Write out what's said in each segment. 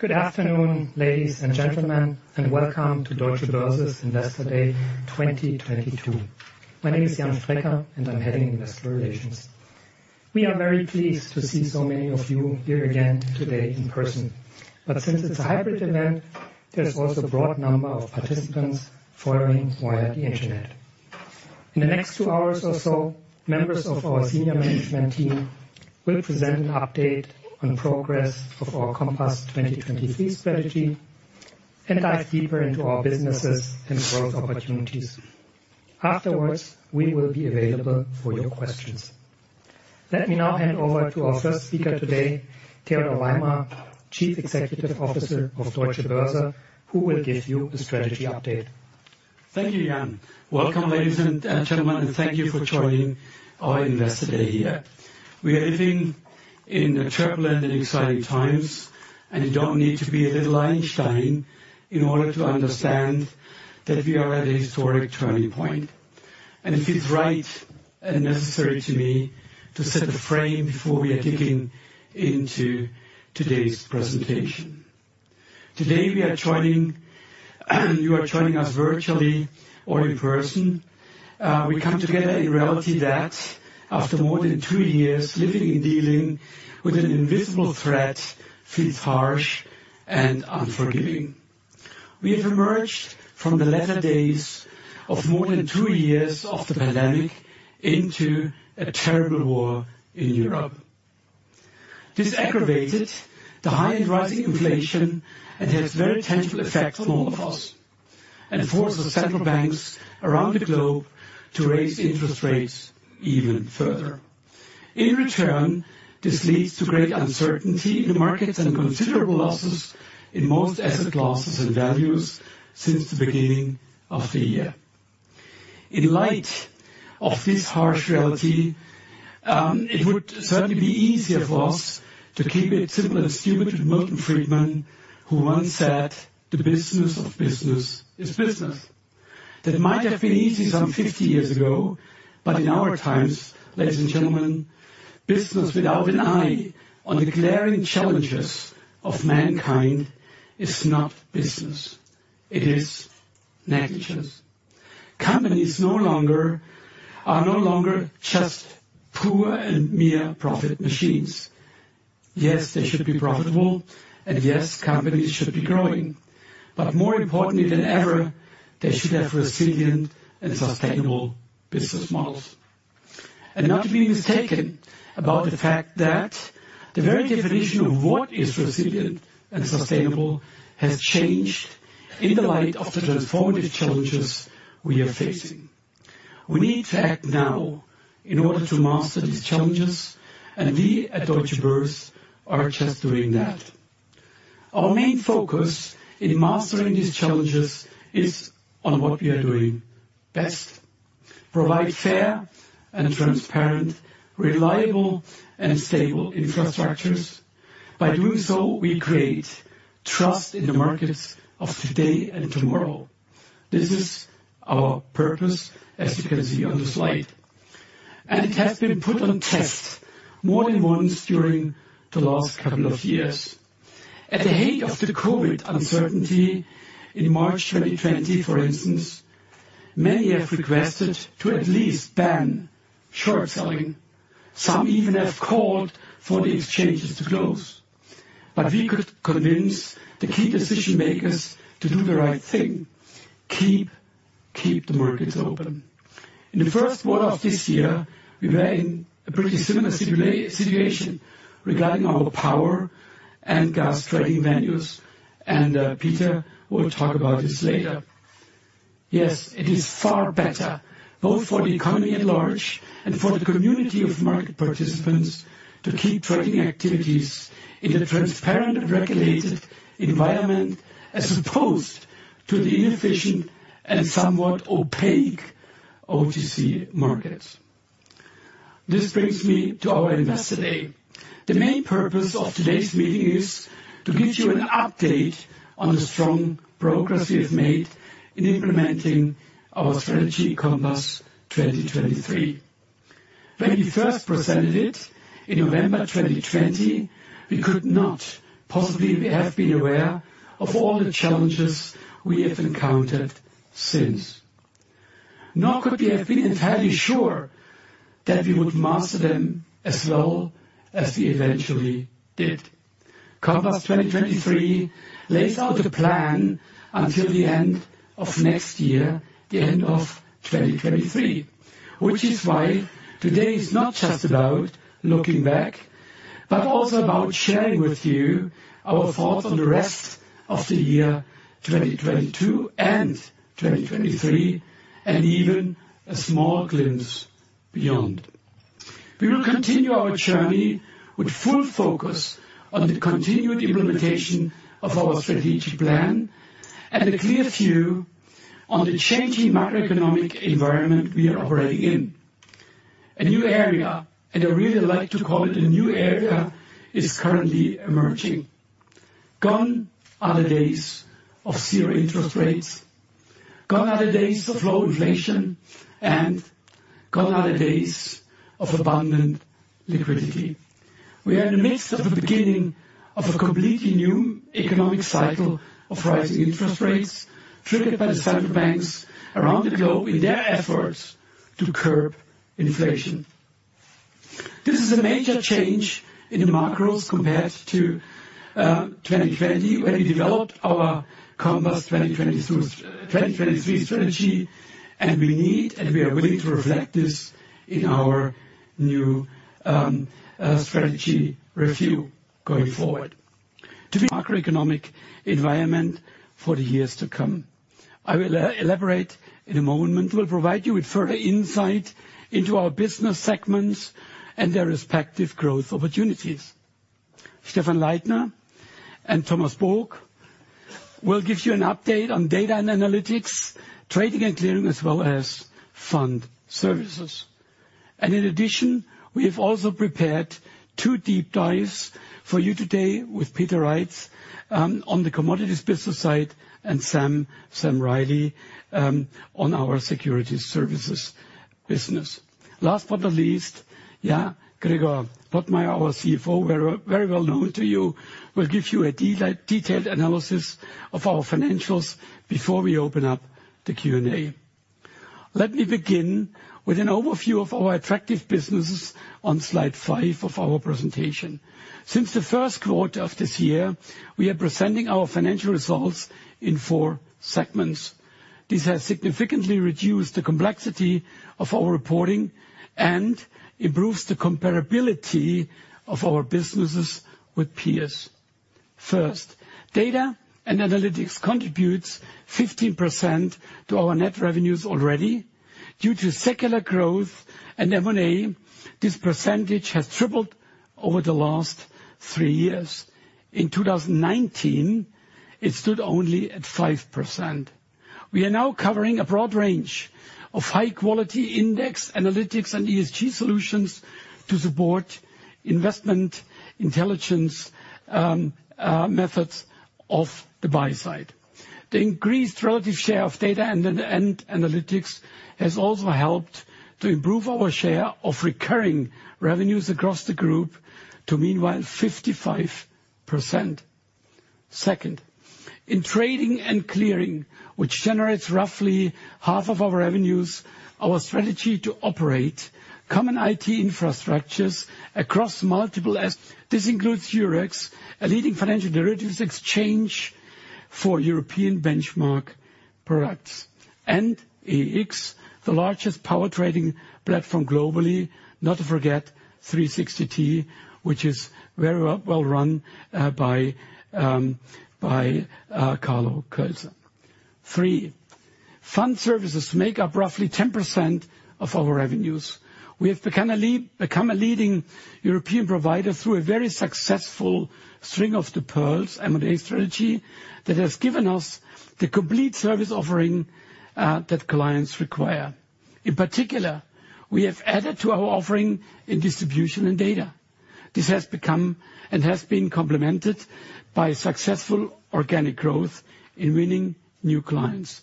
Good afternoon, ladies and gentlemen, and welcome to Deutsche Börse's Investor Day 2022. My name is Jan Strecker, and I'm heading Investor Relations. We are very pleased to see so many of you here again today in person. Since it's a hybrid event, there's also a broad number of participants following via the internet. In the next two hours or so, members of our senior management team will present an update on progress of our Compass 2023 strategy and dive deeper into our businesses and growth opportunities. Afterwards, we will be available for your questions. Let me now hand over to our first speaker today, Theodor Weimer, Chief Executive Officer of Deutsche Börse, who will give you a strategy update. Thank you, Jan. Welcome, ladies and gentlemen, and thank you for joining our Investor Day here. We are living in turbulent and exciting times, and you don't need to be a little Einstein in order to understand that we are at a historic turning point. It feels right and necessary to me to set the frame before we are digging into today's presentation. Today, you are joining us virtually or in person. We come together in reality that after more than two years living and dealing with an invisible threat feels harsh and unforgiving. We have emerged from the latter days of more than two years of the pandemic into a terrible war in Europe. This aggravated the high and rising inflation and has very tangible effects on all of us, and forces central banks around the globe to raise interest rates even further. In return, this leads to great uncertainty in the markets and considerable losses in most asset classes and values since the beginning of the year. In light of this harsh reality, it would certainly be easier for us to keep it simple and stupid. Milton Friedman, who once said, "The business of business is business." That might have been easy some 50 years ago, but in our times, ladies and gentlemen, business without an eye on the glaring challenges of mankind is not business. It is negligence. Companies are no longer just poor and mere profit machines. Yes, they should be profitable, and yes, companies should be growing. But more importantly than ever, they should have resilient and sustainable business models. Not to be mistaken about the fact that the very definition of what is resilient and sustainable has changed in the light of the transformative challenges we are facing. We need to act now in order to master these challenges, and we at Deutsche Börse are just doing that. Our main focus in mastering these challenges is on what we are doing best: provide fair and transparent, reliable and stable infrastructures. By doing so, we create trust in the markets of today and tomorrow. This is our purpose, as you can see on the slide. It has been put to the test more than once during the last couple of years. At the height of the COVID uncertainty in March 2020, for instance, many have requested to at least ban short selling. Some even have called for the exchanges to close. We could convince the key decision-makers to do the right thing. Keep the markets open. In the first quarter of this year, we were in a pretty similar situation regarding our power and gas trading venues, and Peter will talk about this later. Yes, it is far better, both for the economy at large and for the community of market participants, to keep trading activities in a transparent and regulated environment, as opposed to the inefficient and somewhat opaque OTC markets. This brings me to our Investor Day. The main purpose of today's meeting is to give you an update on the strong progress we have made in implementing our strategy Compass 2023. When we first presented it in November 2020, we could not possibly have been aware of all the challenges we have encountered since. Nor could we have been entirely sure that we would master them as well as we eventually did. Compass 2023 lays out a plan until the end of next year, the end of 2023, which is why today is not just about looking back, but also about sharing with you our thoughts on the rest of the year, 2022 and 2023, and even a small glimpse beyond. We will continue our journey with full focus on the continued implementation of our strategic plan and a clear view on the changing macroeconomic environment we are operating in. A new era, and I really like to call it a new era, is currently emerging. Gone are the days of zero interest rates. Gone are the days of low inflation and gone are the days of abundant liquidity. We are in the midst of a beginning of a completely new economic cycle of rising interest rates, triggered by the central banks around the globe in their efforts to curb inflation. This is a major change in the macros compared to 2020 when we developed our Compass 2022, 2023 strategy, and we need, and we are willing to reflect this in our new strategy review going forward to the macroeconomic environment for the years to come. I will elaborate in a moment. We'll provide you with further insight into our business segments and their respective growth opportunities. Stephan Leithner and Thomas Book will give you an update on data and analytics, trading and clearing, as well as fund services. In addition, we have also prepared two deep dives for you today with Peter Reitz on the commodities business side, and Samuel Riley on our securities services business. Last but not least, yeah, Gregor Pottmeyer, our CFO, very well known to you, will give you a detailed analysis of our financials before we open up the Q&A. Let me begin with an overview of our attractive businesses on slide five of our presentation. Since the first quarter of this year, we are presenting our financial results in four segments. This has significantly reduced the complexity of our reporting and improves the comparability of our businesses with peers. First, data and analytics contributes 15% to our net revenues already. Due to secular growth and M&A, this percentage has tripled over the last three years. In 2019, it stood only at 5%. We are now covering a broad range of high-quality index analytics and ESG solutions to support investment intelligence methods of the buy side. The increased relative share of data and analytics has also helped to improve our share of recurring revenues across the group to meanwhile 55%. Second, in trading and clearing, which generates roughly half of our revenues, our strategy to operate common IT infrastructure across multiple as, this includes Eurex, a leading financial derivatives exchange for European benchmark products. EEX, the largest power trading platform globally. Not to forget 360T, which is very well run by Carlo Kölzer. Three, fund services make up roughly 10% of our revenues. We have become a leading European provider through a very successful string of the pearls M&A strategy that has given us the complete service offering that clients require. In particular, we have added to our offering in distribution and data. This has become, and has been complemented by successful organic growth in winning new clients.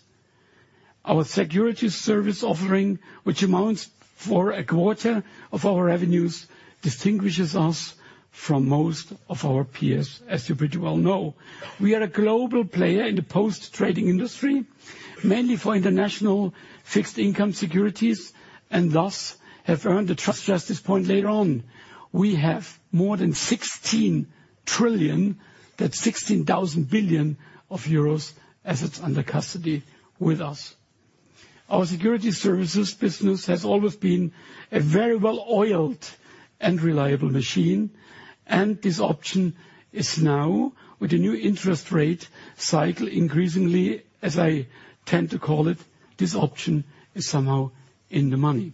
Our securities services offering, which amounts to a quarter of our revenues, distinguishes us from most of our peers, as you pretty well know. We are a global player in the post-trade industry, mainly for international fixed income securities, and thus have earned the trust. Just this point later on. We have more than 16 trillion, that's 16,000 billion euros, assets under custody with us. Our security services business has always been a very well-oiled and reliable machine, and this option is now, with the new interest rate cycle, increasingly, as I tend to call it, this option is somehow in the money.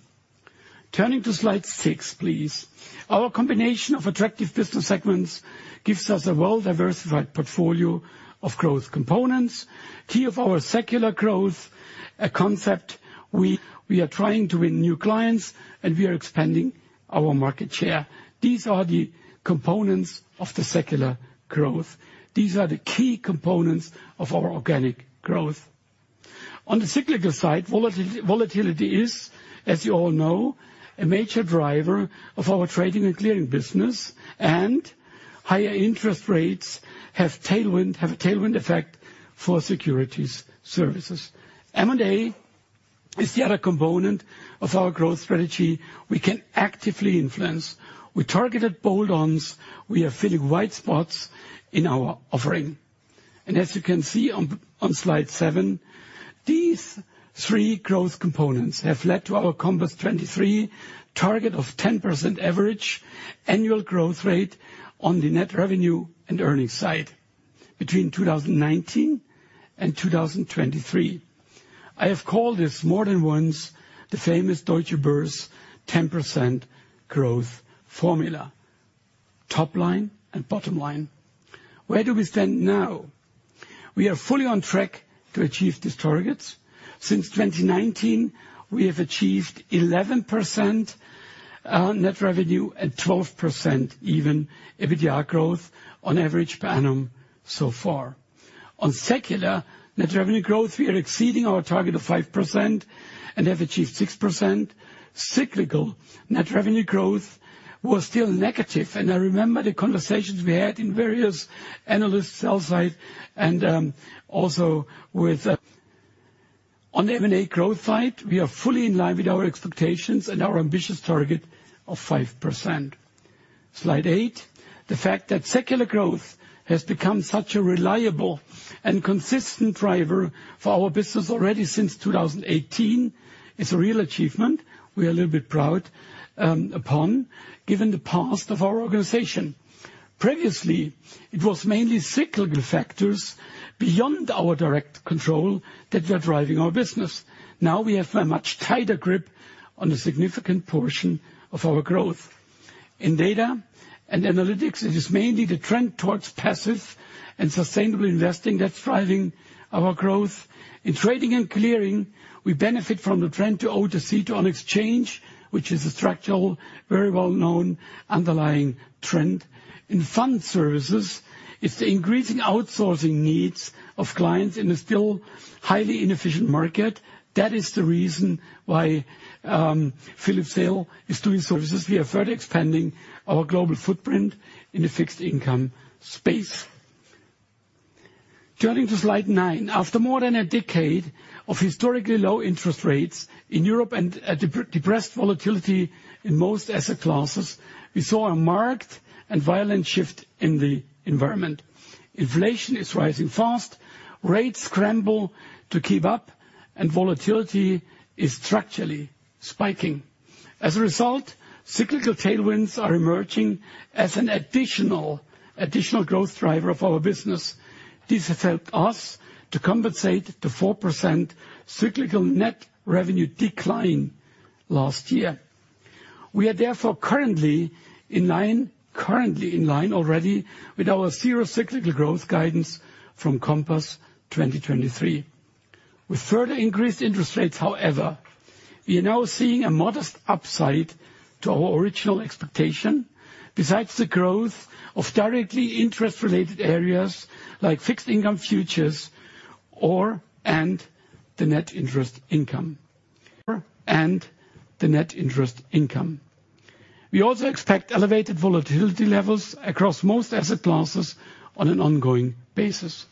Turning to slide six, please. Our combination of attractive business segments gives us a well-diversified portfolio of growth components. Key of our secular growth, a concept we are trying to win new clients, and we are expanding our market share. These are the components of the secular growth. These are the key components of our organic growth. On the cyclical side, volatility is, as you all know, a major driver of our trading and clearing business, and higher interest rates have a tailwind effect for securities services. M&A is the other component of our growth strategy we can actively influence. With targeted bolt-ons, we are filling wide spots in our offering. As you can see on slide seven, these three growth components have led to our Compass 2023 target of 10% average annual growth rate on the net revenue and earnings side between 2019 and 2023. I have called this more than once the famous Deutsche Börse 10% growth formula. Top line and bottom line. Where do we stand now? We are fully on track to achieve these targets. Since 2019, we have achieved 11% net revenue and 12% even EBITDA growth on average per annum so far. On secular net revenue growth, we are exceeding our target of 5% and have achieved 6%. Cyclical net revenue growth was still negative, and I remember the conversations we had in various sell-side analysts. On the M&A growth side, we are fully in line with our expectations and our ambitious target of 5%. Slide eight. The fact that secular growth has become such a reliable and consistent driver for our business already since 2018 is a real achievement we are a little bit proud of given the past of our organization. Previously, it was mainly cyclical factors beyond our direct control that were driving our business. Now we have a much tighter grip on the significant portion of our growth. In data and analytics, it is mainly the trend towards passive and sustainable investing that's driving our growth. In trading and clearing, we benefit from the trend to OTC to on exchange, which is a structural, very well-known underlying trend. In fund services, it's the increasing outsourcing needs of clients in a still highly inefficient market. That is the reason why Philippe Seyll is doing services. We are further expanding our global footprint in the fixed income space. Turning to slide nine. After more than a decade of historically low interest rates in Europe and a depressed volatility in most asset classes, we saw a marked and violent shift in the environment. Inflation is rising fast, rates scramble to keep up, and volatility is structurally spiking. As a result, cyclical tailwinds are emerging as an additional growth driver of our business. This has helped us to compensate the 4% cyclical net revenue decline last year. We are therefore currently in line already with our zero cyclical growth guidance from Compass 2023. With further increased interest rates however, we are now seeing a modest upside to our original expectation, besides the growth of directly interest-related areas like fixed income futures or and the net interest income. We also expect elevated volatility levels across most asset classes on an ongoing basis.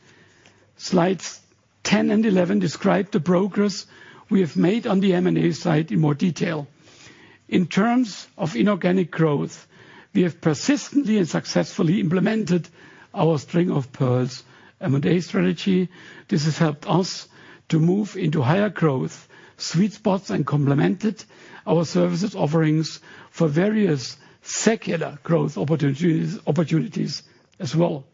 Slides 10 and 11 describe the progress we have made on the M&A side in more detail. In terms of inorganic growth, we have persistently and successfully implemented our string of pearls M&A strategy. This has helped us to move into higher growth sweet spots and complemented our services offerings for various secular growth opportunities as well.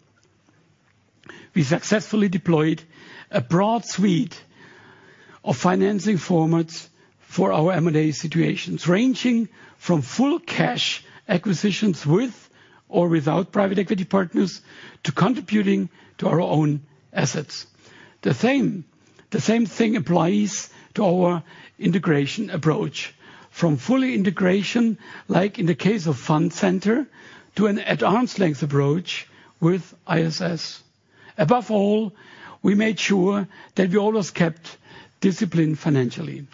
We successfully deployed a broad suite of financing formats for our M&A situations, ranging from full cash acquisitions with or without private equity partners to contributing to our own assets. The same thing applies to our integration approach. From full integration, like in the case of Fund Centre, to an arm's length approach with ISS. Above all, we made sure that we always kept discipline financially.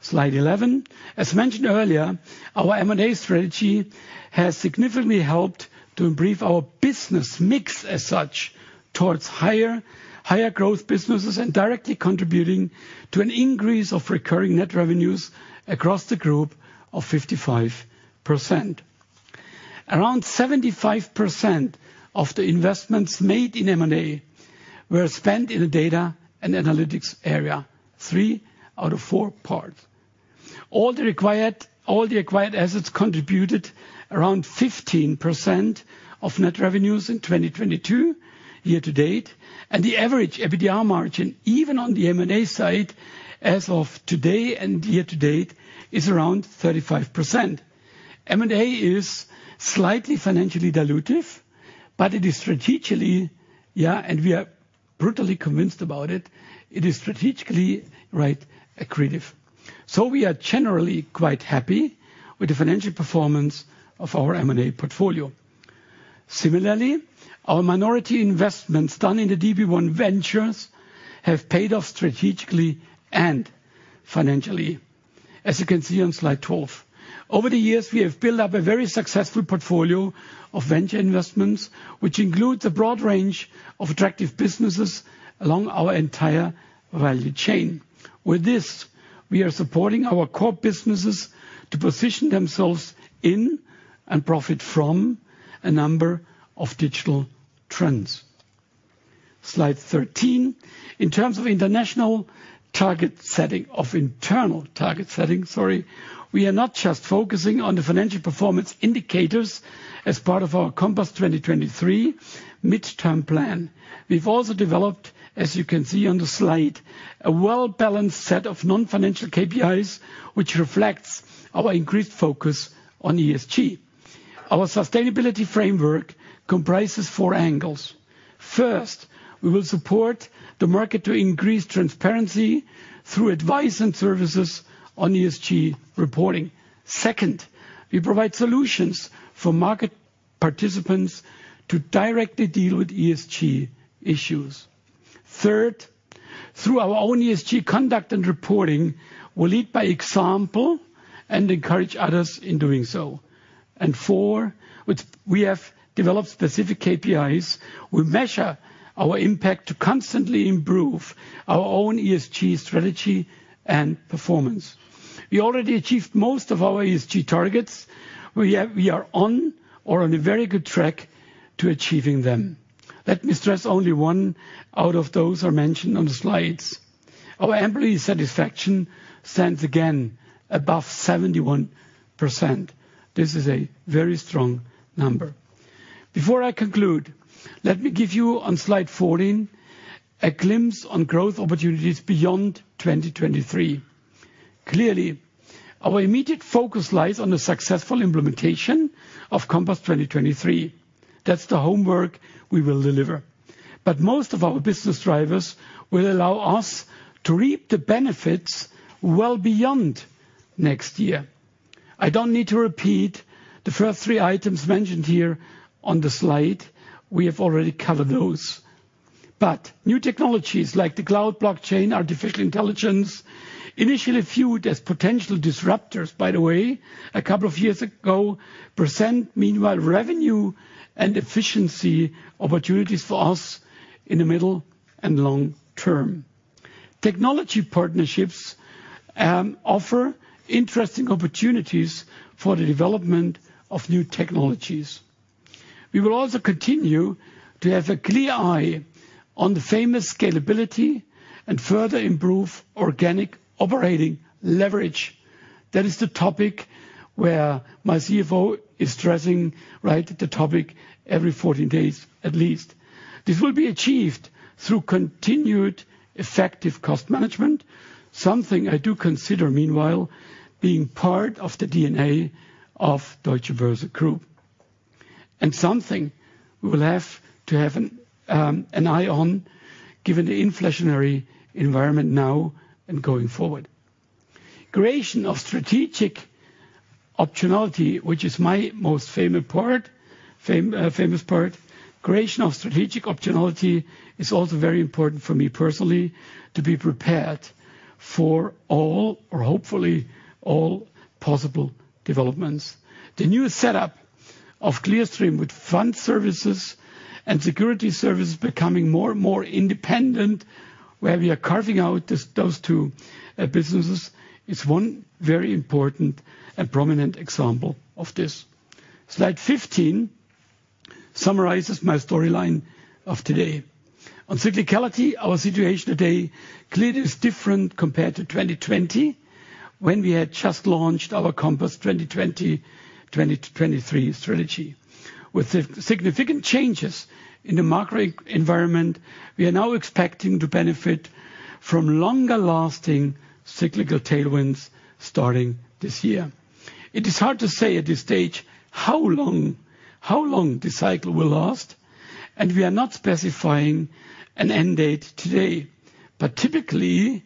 Slide 11. As mentioned earlier, our M&A strategy has significantly helped to improve our business mix as such towards higher growth businesses and directly contributing to an increase of recurring net revenues across the group of 55%. Around 75% of the investments made in M&A were spent in the data and analytics area, three out of four parts. All the acquired assets contributed around 15% of net revenues in 2022 year to date, and the average EBITDA margin, even on the M&A side as of today and year to date, is around 35%. M&A is slightly financially dilutive, but it is strategically, yeah, and we are brutally convinced about it. It is strategically accretive. We are generally quite happy with the financial performance of our M&A portfolio. Similarly our minority investments done in the DB1 Ventures have paid off strategically and financially, as you can see on slide 12. Over the years, we have built up a very successful portfolio of venture investments, which includes a broad range of attractive businesses along our entire value chain. With this, we are supporting our core businesses to position themselves in and profit from a number of digital trends. Slide 13. In terms of internal target setting, sorry, we are not just focusing on the financial performance indicators as part of our Compass 2023 midterm plan. We've also developed, as you can see on the slide, a well-balanced set of non-financial KPIs which reflects our increased focus on ESG. Our sustainability framework comprises four angles. First, we will support the market to increase transparency through advice and services on ESG reporting. Second, we provide solutions for market participants to directly deal with ESG issues. Third, through our own ESG conduct and reporting, we lead by example and encourage others in doing so. Four, which we have developed specific KPIs. We measure our impact to constantly improve our own ESG strategy and performance. We already achieved most of our ESG targets. We are on a very good track to achieving them. Let me stress only one out of those are mentioned on the slides. Our employee satisfaction stands again above 71%. This is a very strong number. Before I conclude, let me give you on slide 14 a glimpse on growth opportunities beyond 2023. Clearly, our immediate focus lies on the successful implementation of Compass 2023. That's the homework we will deliver. Most of our business drivers will allow us to reap the benefits well beyond next year. I don't need to repeat the first three items mentioned here on the slide. We have already covered those. New technologies like the cloud, blockchain, artificial intelligence, initially viewed as potential disruptors, by the way, a couple of years ago, present meanwhile revenue and efficiency opportunities for us in the middle and long term. Technology partnerships offer interesting opportunities for the development of new technologies. We will also continue to have a clear eye on the famous scalability and further improve organic operating leverage. That is the topic where my CFO is stressing, right, the topic every 14 days at least. This will be achieved through continued effective cost management, something I do consider meanwhile being part of the DNA of Deutsche Börse Group. Something we will have to have an eye on given the inflationary environment now and going forward. Creation of strategic optionality, which is my most favorite part, famous part. Creation of strategic optionality is also very important for me personally to be prepared for all or hopefully all possible developments. The new setup of Clearstream with fund services and security services becoming more and more independent, where we are carving out this, those two, businesses, is one very important and prominent example of this. Slide 15 summarizes my storyline of today. On cyclicality, our situation today clearly is different compared to 2020, when we had just launched our Compass 2020, 2023 strategy. With the significant changes in the market environment, we are now expecting to benefit from longer-lasting cyclical tailwinds starting this year. It is hard to say at this stage how long this cycle will last, and we are not specifying an end date today. Typically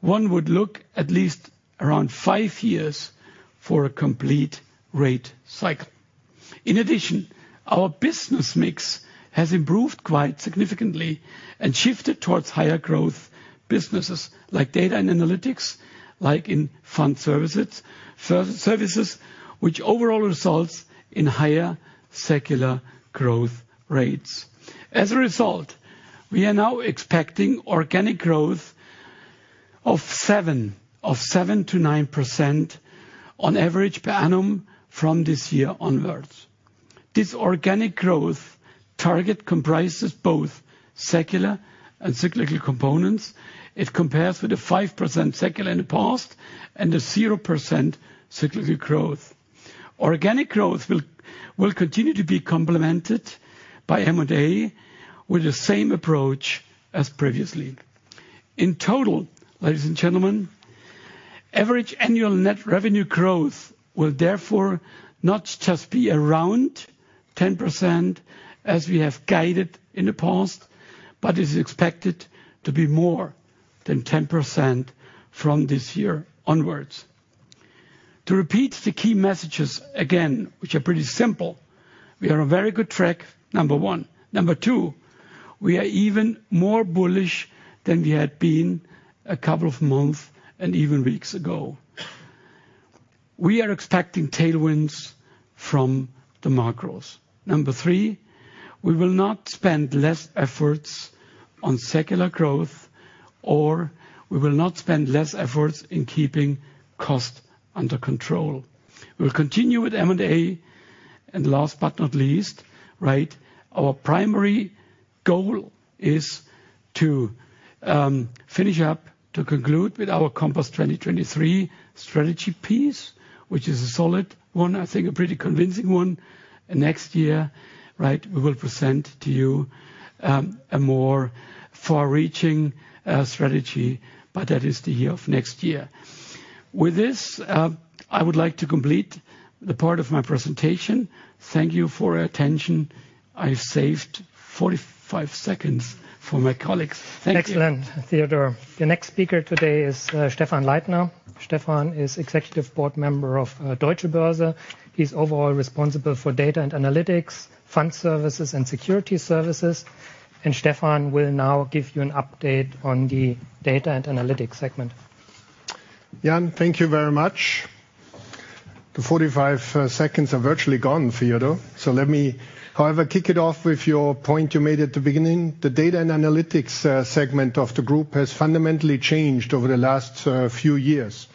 one would look at least around five years for a complete rate cycle. In addition, our business mix has improved quite significantly and shifted towards higher growth businesses like data and analytics, like in fund services, [inaudible] which overall results in higher secular growth rates. As a result, we are now expecting organic growth of 7%-9% on average per annum from this year onwards. This organic growth target comprises both secular and cyclical components. It compares with the 5% secular in the past and the 0% cyclical growth. Organic growth will continue to be complemented by M&A with the same approach as previously. In total, ladies and gentlemen, average annual net revenue growth will therefore not just be around 10% as we have guided in the past, but is expected to be more than 10% from this year onwards. To repeat the key messages again, which are pretty simple, we are on a very good track, number one. Number two, we are even more bullish than we had been a couple of months and even weeks ago. We are expecting tailwinds from the macros. Number three, we will not spend less efforts on secular growth, or we will not spend less efforts in keeping cost under control. We'll continue with M&A. Last but not least, right? Our primary goal is to finish up to conclude with our Compass 2023 strategy piece, which is a solid one, I think a pretty convincing one. Next year, right, we will present to you a more far-reaching strategy, but that is for next year. With this, I would like to complete the part of my presentation. Thank you for your attention. I've saved 45 seconds for my colleagues. Thank you. Excellent, Theodor. The next speaker today is Stephan Leithner. Stephan is Executive Board member of Deutsche Börse. He's overall responsible for data and analytics, fund services and security services, and Stephan will now give you an update on the data and analytics segment. Jan, thank you very much. The 45 seconds are virtually gone, Theodor, so let me, however, kick it off with your point you made at the beginning. The data and analytics segment of the group has fundamentally changed over the last few years.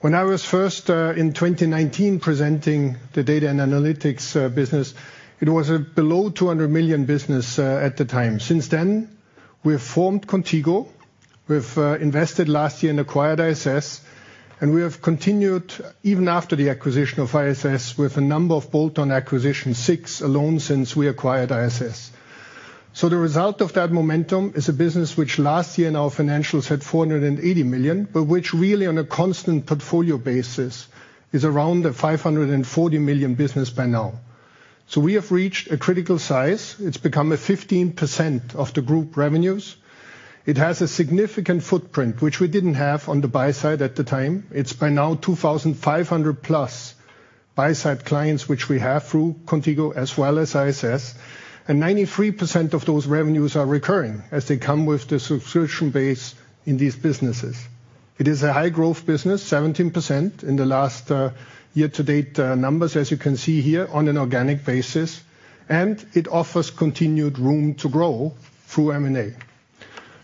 When I was first in 2019 presenting the data and analytics business, it was a below 200 million business at the time. Since then, we have formed Qontigo. We've invested last year and acquired ISS, and we have continued even after the acquisition of ISS with a number of bolt-on acquisitions, SIX alone since we acquired ISS. The result of that momentum is a business which last year in our financials had 480 million, but which really on a constant portfolio basis is around a 540 million business by now. We have reached a critical size. It's become 15% of the group revenues. It has a significant footprint, which we didn't have on the buy-side at the time. It's by now 2,500+ buy-side clients, which we have through Qontigo as well as ISS, and 93% of those revenues are recurring as they come with the subscription base in these businesses. It is a high-growth business, 17% in the last year-to-date numbers, as you can see here, on an organic basis, and it offers continued room to grow through M&A.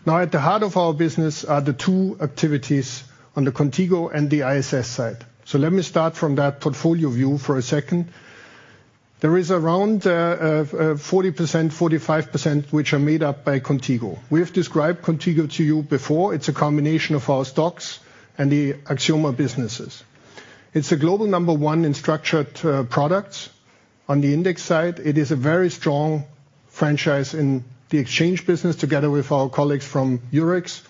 Now at the heart of our business are the two activities on the Qontigo and the ISS side. Let me start from that portfolio view for a second. There is around 40%-45%, which are made up by Qontigo. We have described Qontigo to you before. It's a combination of our STOXX and the Axioma businesses. It's a global number one in structured products. On the index side, it is a very strong franchise in the exchange business together with our colleagues from Eurex.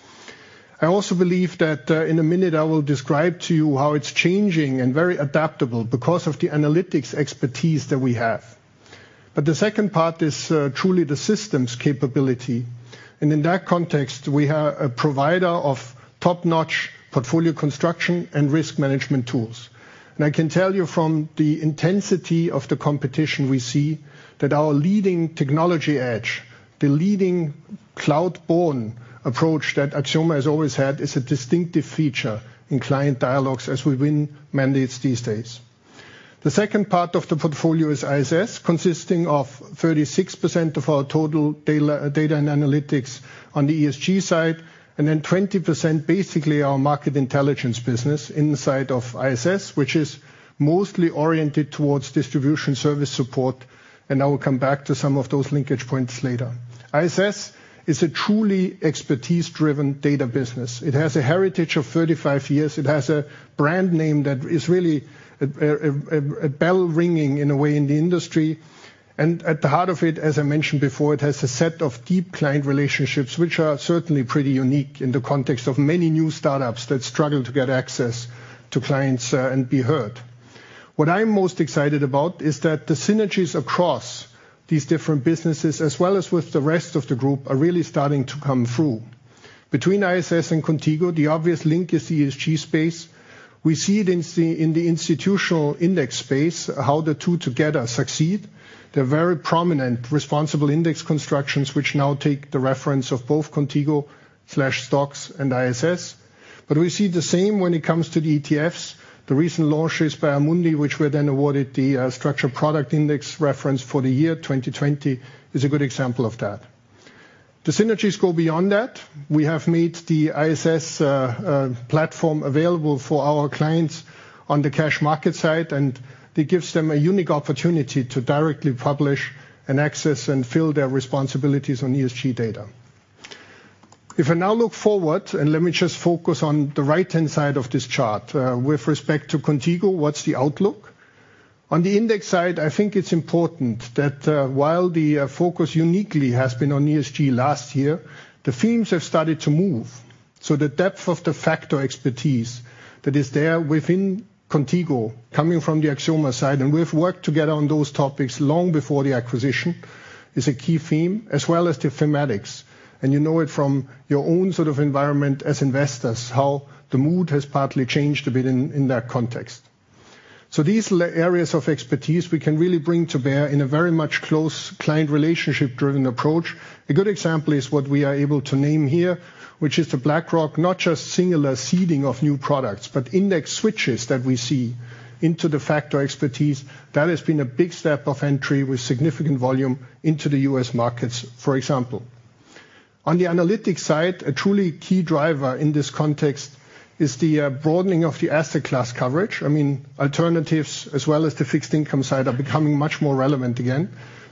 I also believe that in a minute I will describe to you how it's changing and very adaptable because of the analytics expertise that we have. But the second part is truly the systems capability, and in that context, we are a provider of top-notch portfolio construction and risk management tools. I can tell you from the intensity of the competition we see that our leading technology edge, the leading cloud-borne approach that Axioma has always had is a distinctive feature in client dialogues as we win mandates these days. The second part of the portfolio is ISS, consisting of 36% of our total data and analytics on the ESG side, and then 20% basically our market intelligence business inside of ISS, which is mostly oriented towards distribution service support, and I will come back to some of those linkage points later. ISS is a truly expertise-driven data business. It has a heritage of 35 years. It has a brand name that is really a bell ringing in a way in the industry. At the heart of it, as I mentioned before, it has a set of deep client relationships, which are certainly pretty unique in the context of many new startups that struggle to get access to clients and be heard. What I'm most excited about is that the synergies across these different businesses, as well as with the rest of the group, are really starting to come through. Between ISS and Qontigo, the obvious link is the ESG space. We see it in the institutional index space, how the two together succeed. They're very prominent, responsible index constructions which now take the reference of both Qontigo/STOXX and ISS. We see the same when it comes to the ETFs. The recent launches by Amundi, which were then awarded the structured product index reference for the year 2020, is a good example of that. The synergies go beyond that. We have made the ISS platform available for our clients on the cash market side, and that gives them a unique opportunity to directly publish and access and fill their responsibilities on ESG data. If I now look forward, and let me just focus on the right-hand side of this chart, with respect to Qontigo, what's the outlook? On the index side, I think it's important that, while the focus uniquely has been on ESG last year, the themes have started to move. The depth of the factor expertise that is there within Qontigo, coming from the Axioma side, and we've worked together on those topics long before the acquisition, is a key theme, as well as the Thematics. You know it from your own sort of environment as investors, how the mood has partly changed a bit in that context. These areas of expertise we can really bring to bear in a very much close client relationship-driven approach. A good example is what we are able to name here, which is the BlackRock, not just singular seeding of new products, but index switches that we see into the factor expertise. That has been a big step of entry with significant volume into the U.S. markets, for example. On the analytics side, a truly key driver in this context is the broadening of the asset class coverage. I mean, alternatives as well as the fixed income side are becoming much more relevant again.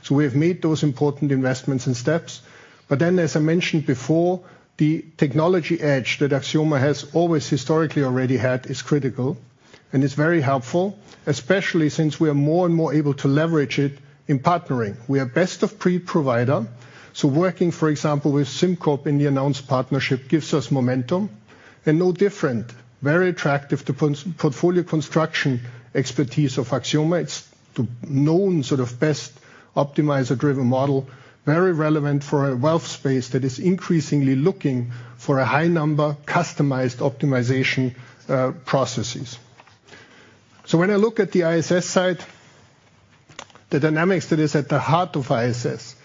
We have made those important investments and steps. As I mentioned before, the technology edge that Axioma has always historically already had is critical and is very helpful, especially since we are more and more able to leverage it in partnering. We are best-of-breed provider. Working, for example, with SimCorp in the announced partnership gives us momentum and it's no different, very attractive to portfolio construction expertise of [Axioma]. To known sort of best optimizer-driven model, very relevant for a wealth space that is increasingly looking for a high number of customized optimization processes. When I look at the ISS side, the dynamics that is at the heart of ISS,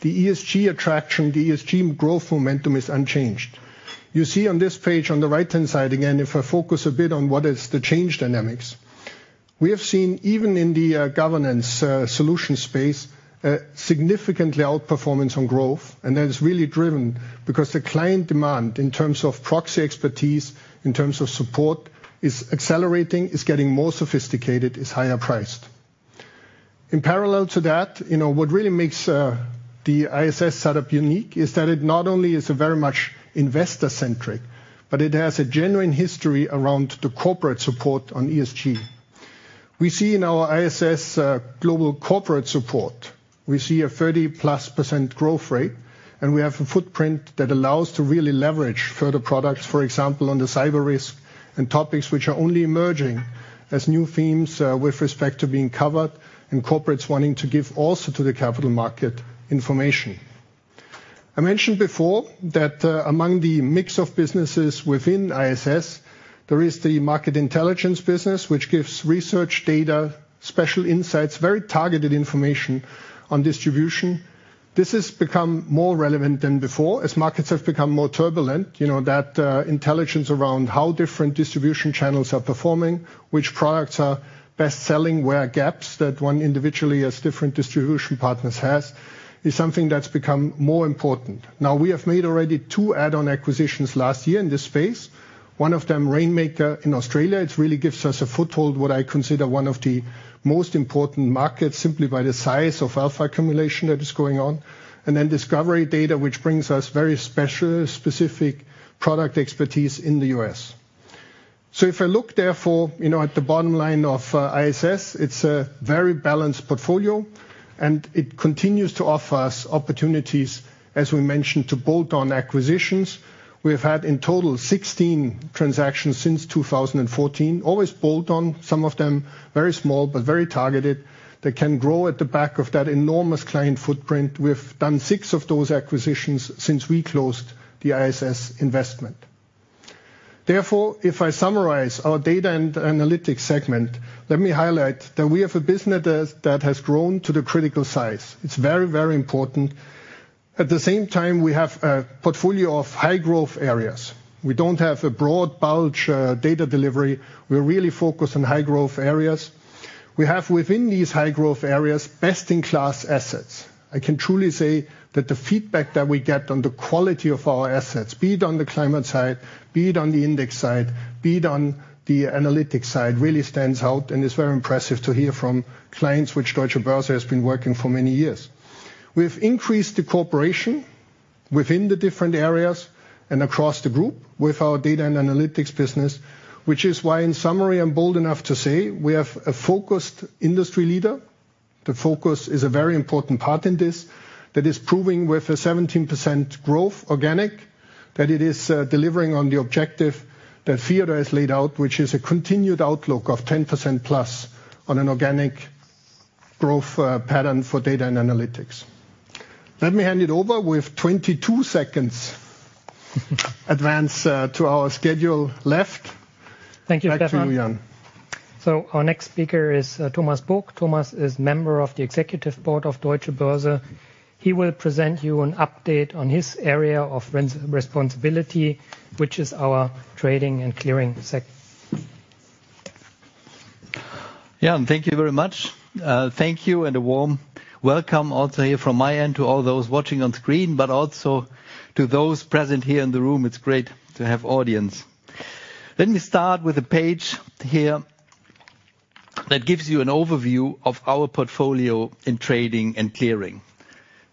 the ESG attraction, the ESG growth momentum is unchanged. You see on this page on the right-hand side, again, if I focus a bit on what is the changing dynamics. We have seen even in the governance solution space, a significant outperformance on growth, and that is really driven because the client demand in terms of proxy expertise, in terms of support, is accelerating, is getting more sophisticated, is higher priced. In parallel to that, you know, what really makes the ISS setup unique is that it not only is a very much investor-centric, but it has a genuine history around the corporate support on ESG. We see in our ISS global corporate support a 30%+ growth rate, and we have a footprint that allows to really leverage further products, for example, on the cyber risk and topics which are only emerging as new themes with respect to being covered and corporates wanting to give also to the capital market information. I mentioned before that among the mix of businesses within ISS, there is the market intelligence business, which gives research data, special insights, very targeted information on distribution. This has become more relevant than before as markets have become more turbulent. You know, that intelligence around how different distribution channels are performing, which products are best selling, where are gaps that one individually as different distribution partners has, is something that's become more important. Now, we have made already two add-on acquisitions last year in this space. One of them, Rainmaker in Australia. It really gives us a foothold, what I consider one of the most important markets, simply by the size of alpha accumulation that is going on. Then Discovery Data, which brings us very special specific product expertise in the U.S. If I look therefore, you know, at the bottom line of ISS, it's a very balanced portfolio, and it continues to offer us opportunities, as we mentioned, to bolt on acquisitions. We've had in total 16 transactions since 2014, always bolt on. Some of them very small but very targeted that can grow at the back of that enormous client footprint. We've done six of those acquisitions since we closed the ISS investment. Therefore, if I summarize our data and analytics segment, let me highlight that we have a business that has grown to the critical size. It's very, very important. At the same time, we have a portfolio of high-growth areas. We don't have a broad bulge, data delivery. We're really focused on high-growth areas. We have within these high-growth areas, best-in-class assets. I can truly say that the feedback that we get on the quality of our assets, be it on the climate side, be it on the index side, be it on the analytics side, really stands out and is very impressive to hear from clients which Deutsche Börse has been working for many years. We've increased the cooperation within the different areas and across the group with our data and analytics business, which is why, in summary, I'm bold enough to say we have a focused industry leader. The focus is a very important part in this, that is proving with a 17% organic growth, that it is delivering on the objective that Theodor has laid out, which is a continued outlook of 10%+ on an organic growth pattern for data and analytics. Let me hand it over with 22 seconds advance to our schedule left. Thank you, Stephan. Back to you, Jan. Our next speaker is Thomas Book. Thomas is member of the executive board of Deutsche Börse. He will present you an update on his area of responsibility, which is our trading and clearing sec. Jan, thank you very much. Thank you and a warm welcome also here from my end to all those watching on screen, but also to those present here in the room. It's great to have audience. Let me start with a page here that gives you an overview of our portfolio in trading and clearing.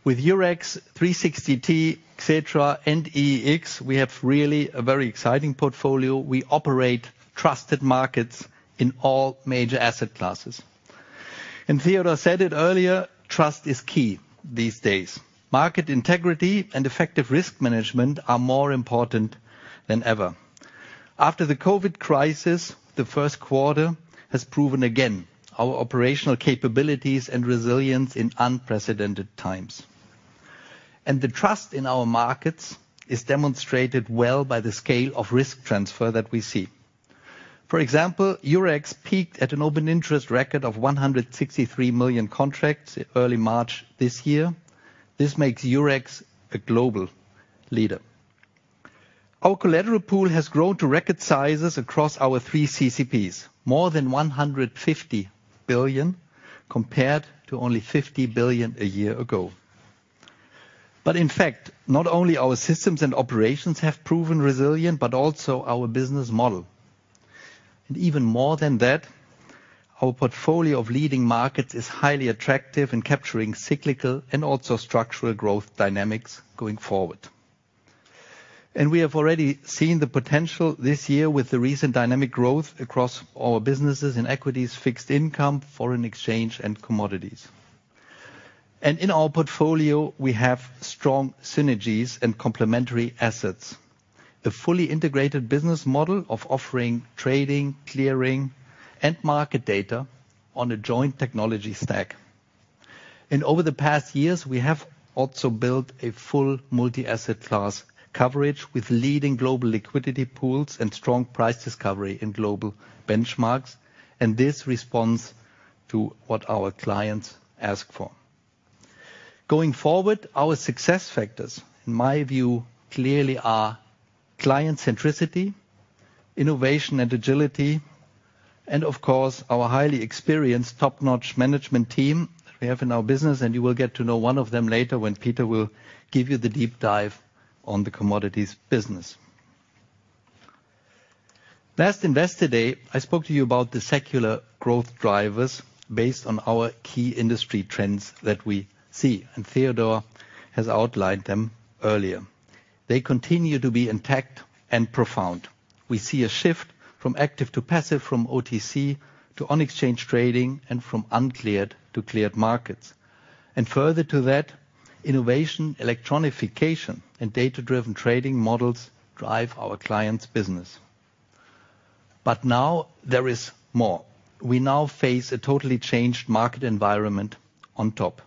With Eurex, 360T, Xetra and EEX, we have really a very exciting portfolio. We operate trusted markets in all major asset classes. Theodor said it earlier, trust is key these days. Market integrity and effective risk management are more important than ever. After the COVID crisis, the first quarter has proven again our operational capabilities and resilience in unprecedented times. The trust in our markets is demonstrated well by the scale of risk transfer that we see. For example, Eurex peaked at an open interest record of 163 million contracts in early March this year. This makes Eurex a global leader. Our collateral pool has grown to record sizes across our three CCPs, more than 150 billion, compared to only 50 billion a year ago. In fact, not only our systems and operations have proven resilient, but also our business model. Even more than that, our portfolio of leading markets is highly attractive in capturing cyclical and also structural growth dynamics going forward. We have already seen the potential this year with the recent dynamic growth across our businesses in equities, fixed income, foreign exchange, and commodities. In our portfolio, we have strong synergies and complementary assets. The fully integrated business model of offering trading, clearing, and market data on a joint technology stack. Over the past years, we have also built a full multi-asset class coverage with leading global liquidity pools and strong price discovery in global benchmarks. This responds to what our clients ask for. Going forward, our success factors, in my view, clearly are client centricity, innovation and agility, and of course, our highly experienced top-notch management team we have in our business, and you will get to know one of them later when Peter will give you the deep dive on the commodities business. Last Investor Day, I spoke to you about the secular growth drivers based on our key industry trends that we see, and Theodor has outlined them earlier. They continue to be intact and profound. We see a shift from active to passive, from OTC to on-exchange trading, and from uncleared to cleared markets. Further to that, innovation, electronification, and data-driven trading models drive our clients' business. Now there is more. We now face a totally changed market environment on top.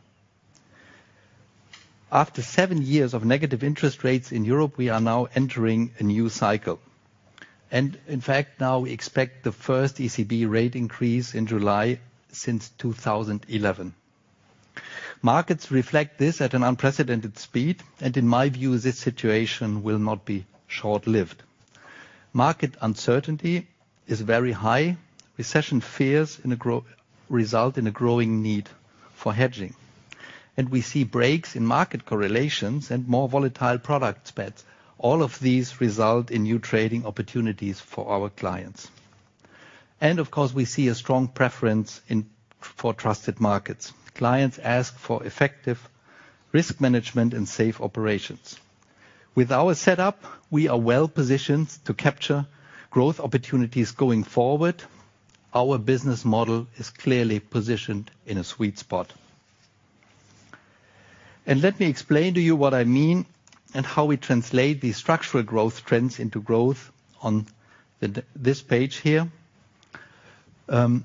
After seven years of negative interest rates in Europe, we are now entering a new cycle. In fact, now we expect the first ECB rate increase in July since 2011. Markets reflect this at an unprecedented speed, and in my view, this situation will not be short-lived. Market uncertainty is very high. Recession fears result in a growing need for hedging. We see breaks in market correlations and more volatile product spreads. All of these result in new trading opportunities for our clients. Of course, we see a strong preference for trusted markets. Clients ask for effective risk management and safe operations. With our setup, we are well-positioned to capture growth opportunities going forward. Our business model is clearly positioned in a sweet spot. Let me explain to you what I mean and how we translate these structural growth trends into growth on this page here, which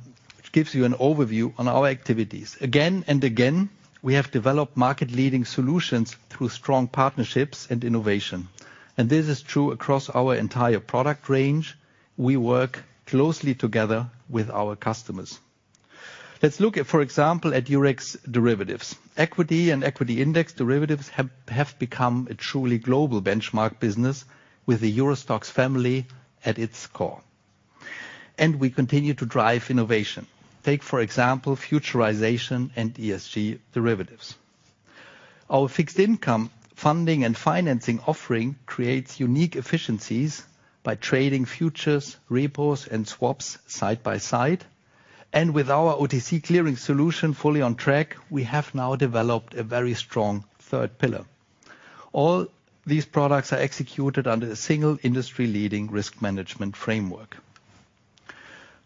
gives you an overview on our activities. Again and again, we have developed market-leading solutions through strong partnerships and innovation, and this is true across our entire product range. We work closely together with our customers. Let's look at, for example, Eurex derivatives. Equity and equity index derivatives have become a truly global benchmark business with the EURO STOXX family at its core. We continue to drive innovation. Take, for example, futurization and ESG derivatives. Our fixed income funding and financing offering creates unique efficiencies by trading futures, repos, and swaps side by side. With our OTC clearing solution fully on track, we have now developed a very strong third pillar. All these products are executed under a single industry-leading risk management framework.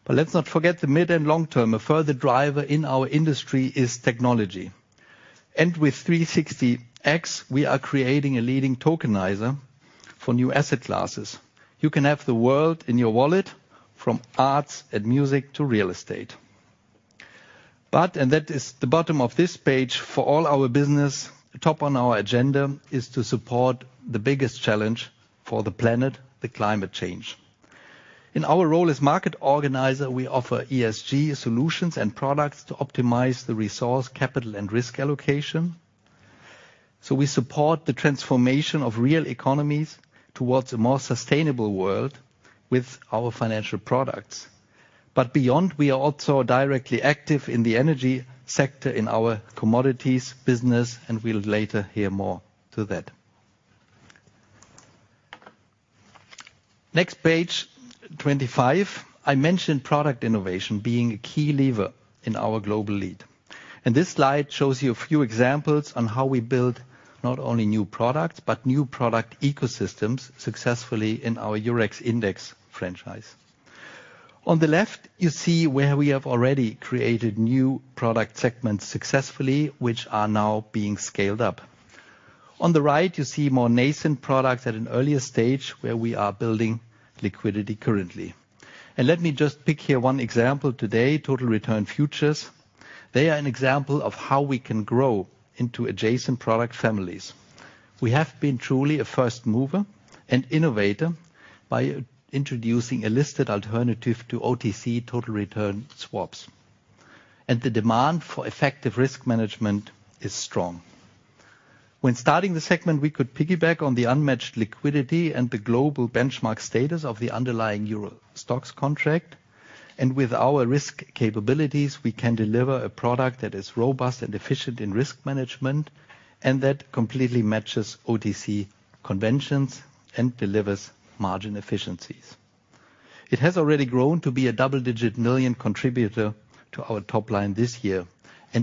Let's not forget the mid and long-term, a further driver in our industry is technology. With 360X, we are creating a leading tokenizer for new asset classes. You can have the world in your wallet from arts and music to real estate. That is the bottom of this page, for all our business, top on our agenda is to support the biggest challenge for the planet, the climate change. In our role as market organizer, we offer ESG solutions and products to optimize the resource, capital, and risk allocation. We support the transformation of real economies towards a more sustainable world with our financial products. Beyond, we are also directly active in the energy sector in our commodities business, and we'll later hear more to that. Next page, 25. I mentioned product innovation being a key lever in our global lead, and this slide shows you a few examples on how we build not only new products, but new product ecosystems successfully in our Eurex index franchise. On the left, you see where we have already created new product segments successfully, which are now being scaled up. On the right, you see more nascent products at an earlier stage where we are building liquidity currently. Let me just pick here one example today, total return futures. They are an example of how we can grow into adjacent product families. We have been truly a first mover and innovator by introducing a listed alternative to OTC total return swaps, and the demand for effective risk management is strong. When starting the segment, we could piggyback on the unmatched liquidity and the global benchmark status of the underlying EURO STOXX contract. With our risk capabilities, we can deliver a product that is robust and efficient in risk management, and that completely matches OTC conventions and delivers margin efficiencies. It has already grown to be a double-digit million contributor to our top line this year.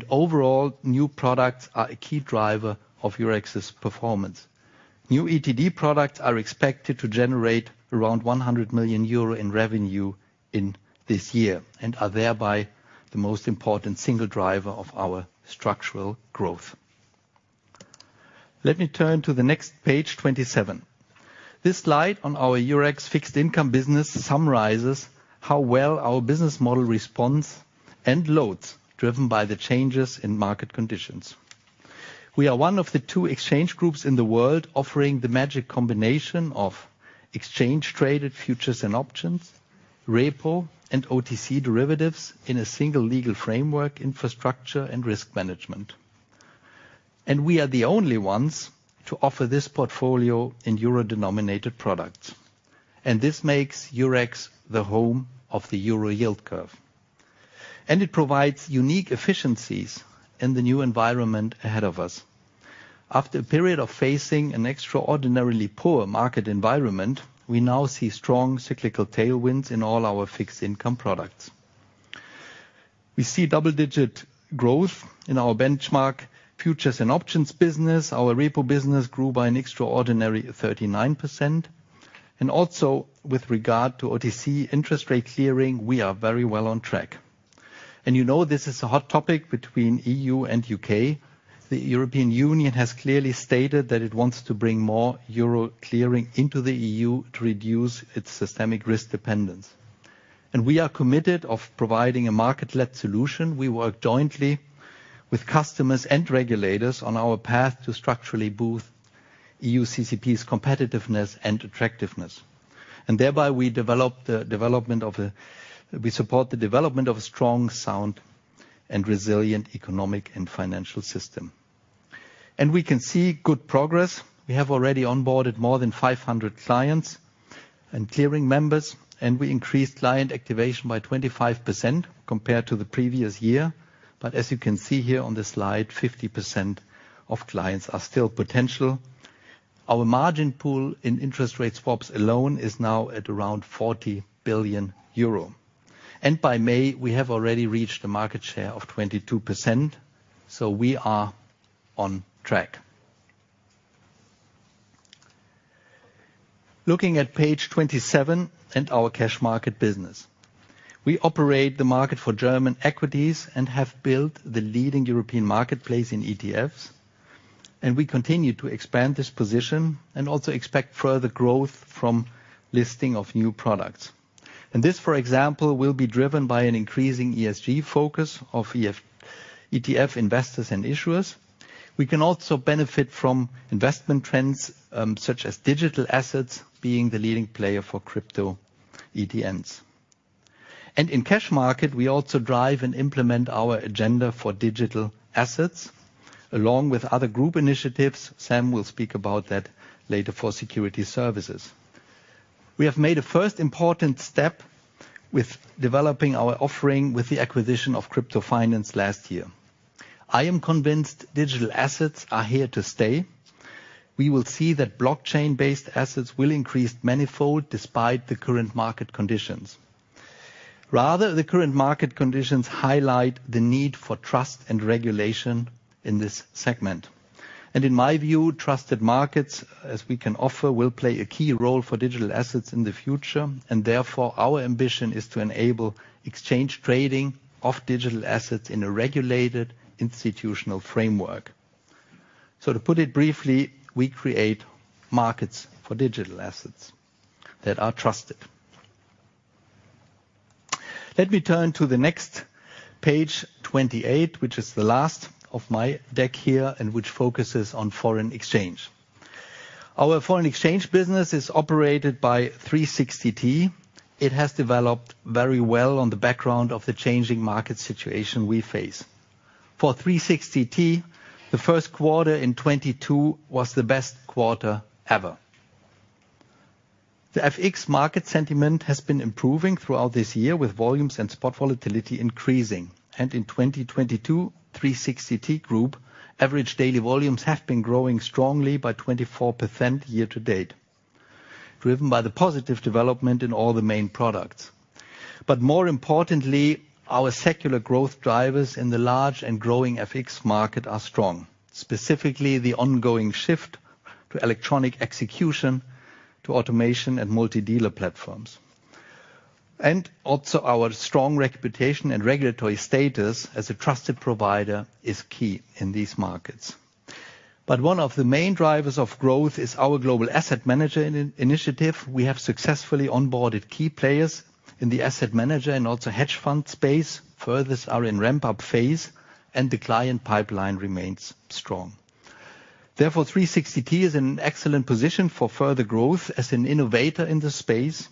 Overall, new products are a key driver of Eurex's performance. New ETD products are expected to generate around 100 million euro in revenue this year and are thereby the most important single driver of our structural growth. Let me turn to the next page, 27. This slide on our Eurex fixed income business summarizes how well our business model responds and loads driven by the changes in market conditions. We are one of the two exchange groups in the world offering the magic combination of exchange-traded futures and options, repo and OTC derivatives in a single legal framework, infrastructure and risk management. We are the only ones to offer this portfolio in euro-denominated products. This makes Eurex the home of the Euro yield curve, and it provides unique efficiencies in the new environment ahead of us. After a period of facing an extraordinarily poor market environment, we now see strong cyclical tailwinds in all our fixed income products. We see double-digit growth in our benchmark futures and options business. Our repo business grew by an extraordinary 39% and also with regard to OTC interest rate clearing, we are very well on track. You know, this is a hot topic between E.U. and U.K.. The European Union has clearly stated that it wants to bring more euro clearing into the E.U. to reduce its systemic risk dependence. We are committed to providing a market-led solution. We work jointly with customers and regulators on our path to structurally boost E.U. CCP's competitiveness and attractiveness, and thereby we support the development of a strong, sound and resilient economic and financial system, and we can see good progress. We have already onboarded more than 500 clients and clearing members, and we increased client activation by 25% compared to the previous year. As you can see here on the slide, 50% of clients are still potential. Our margin pool in interest rate swaps alone is now at around 40 billion euro, and by May we have already reached a market share of 22%. We are on track. Looking at page 27 and our cash market business, we operate the market for German equities and have built the leading European marketplace in ETFs. We continue to expand this position and also expect further growth from listing of new products. This, for example, will be driven by an increasing ESG focus of ETF investors and issuers. We can also benefit from investment trends, such as digital assets being the leading player for crypto ETNs. In cash market, we also drive and implement our agenda for digital assets along with other group initiatives. Sam will speak about that later for security services. We have made a first important step with developing our offering with the acquisition of crypto finance last year. I am convinced digital assets are here to stay. We will see that blockchain-based assets will increase manifold despite the current market conditions. Rather, the current market conditions highlight the need for trust and regulation in this segment. And in my view, trusted markets, as we can offer, will play a key role for digital assets in the future and therefore our ambition is to enable exchange trading of digital assets in a regulated institutional framework. To put it briefly, we create markets for digital assets that are trusted. Let me turn to the next page, 28, which is the last of my deck here and which focuses on foreign exchange. Our foreign exchange business is operated by 360T. It has developed very well on the background of the changing market situation we face. For 360T, the first quarter in 2022 was the best quarter ever. The FX market sentiment has been improving throughout this year, with volumes and spot volatility increasing. In 2022, 360T Group average daily volumes have been growing strongly by 24% year-to-date, driven by the positive development in all the main products. More importantly, our secular growth drivers in the large and growing FX market are strong. Specifically, the ongoing shift to electronic execution, to automation and multi-dealer platforms. Also our strong reputation and regulatory status as a trusted provider is key in these markets. One of the main drivers of growth is our global asset manager initiative. We have successfully onboarded key players in the asset manager and also hedge fund space. Futures are in ramp-up phase and the client pipeline remains strong. Therefore, 360T is in an excellent position for further growth as an innovator in this space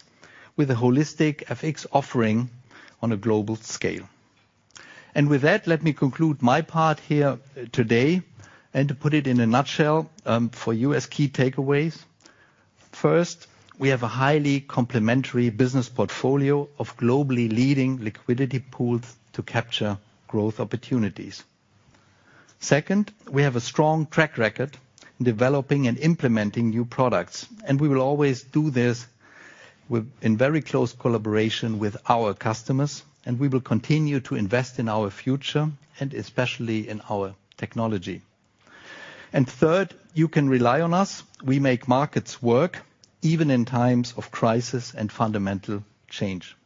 with a holistic FX offering on a global scale. With that, let me conclude my part here today and to put it in a nutshell, for you as key takeaways. First, we have a highly complementary business portfolio of globally leading liquidity pools to capture growth opportunities. Second, we have a strong track record in developing and implementing new products, and we will always do this with in very close collaboration with our customers, and we will continue to invest in our future and especially in our technology. Third, you can rely on us. We make markets work even in times of crisis and fundamental change.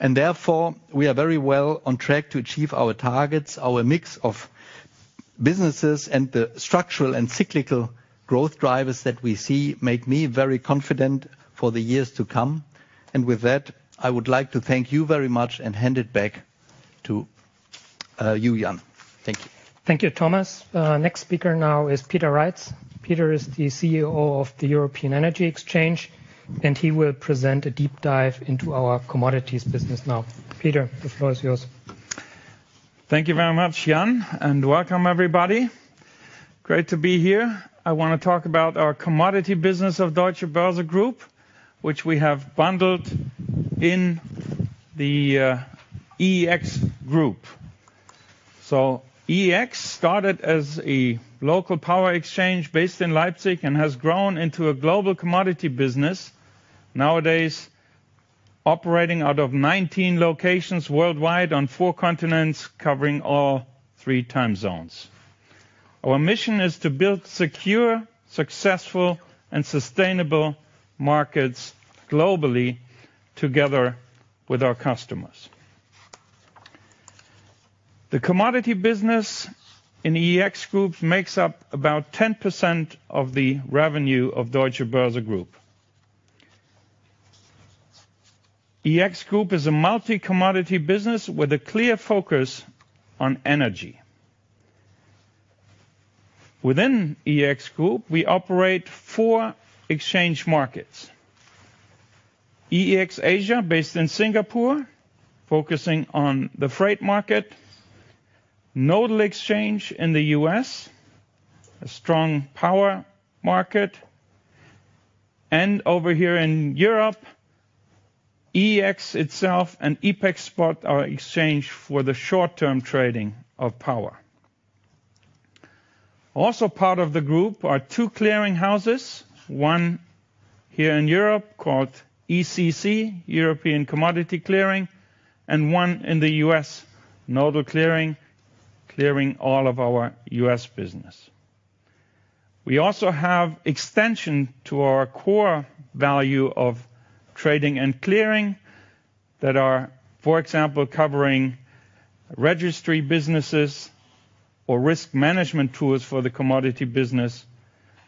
Therefore, we are very well on track to achieve our targets. Our mix of businesses and the structural and cyclical growth drivers that we see make me very confident for the years to come. With that, I would like to thank you very much and hand it back to you, Jan. Thank you. Thank you, Thomas. Next speaker now is Peter Reitz. Peter is the CEO of the European Energy Exchange, and he will present a deep dive into our commodities business now. Peter, the floor is yours. Thank you very much, Jan, and welcome everybody. Great to be here. I wanna talk about our commodity business of Deutsche Börse Group, which we have bundled in the EEX Group. EEX started as a local power exchange based in Leipzig and has grown into a global commodity business, nowadays operating out of 19 locations worldwide on four continents, covering all three time zones. Our mission is to build secure, successful, and sustainable markets globally together with our customers. The commodity business in EEX Group makes up about 10% of the revenue of Deutsche Börse Group. EEX Group is a multi-commodity business with a clear focus on energy. Within EEX Group, we operate four exchange markets. EEX Asia, based in Singapore, focusing on the freight market. Nodal Exchange in the U.S., a strong power market. Over here in Europe, EEX itself and EPEX SPOT are exchanges for the short-term trading of power. Also part of the group are two clearing houses. One here in Europe called ECC, European Commodity Clearing, and one in the U.S., Nodal Clearing, clearing all of our U.S. business. We also have extensions to our core value of trading and clearing that are, for example, covering registry businesses or risk management tools for the commodity business,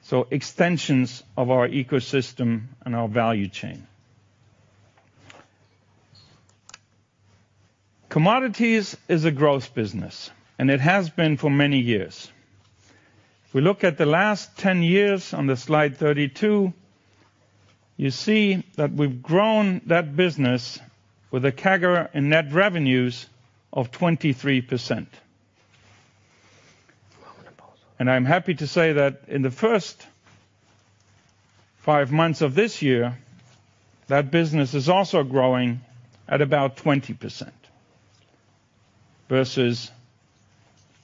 so extensions of our ecosystem and our value chain. Commodities is a growth business, and it has been for many years. If we look at the last 10 years on the slide 32, you see that we've grown that business with a CAGR in net revenues of 23%. I'm happy to say that in the first five months of this year, that business is also growing at about 20% versus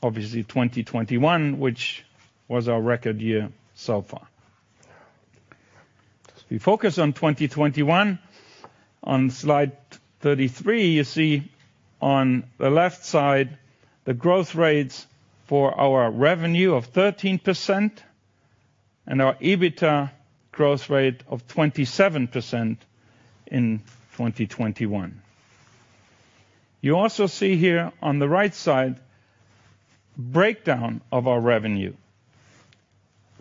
obviously 2021, which was our record year so far. As we focus on 2021, on slide 33, you see on the left side the growth rates for our revenue of 13% and our EBITDA growth rate of 27% in 2021. You also see here on the right side, breakdown of our revenue,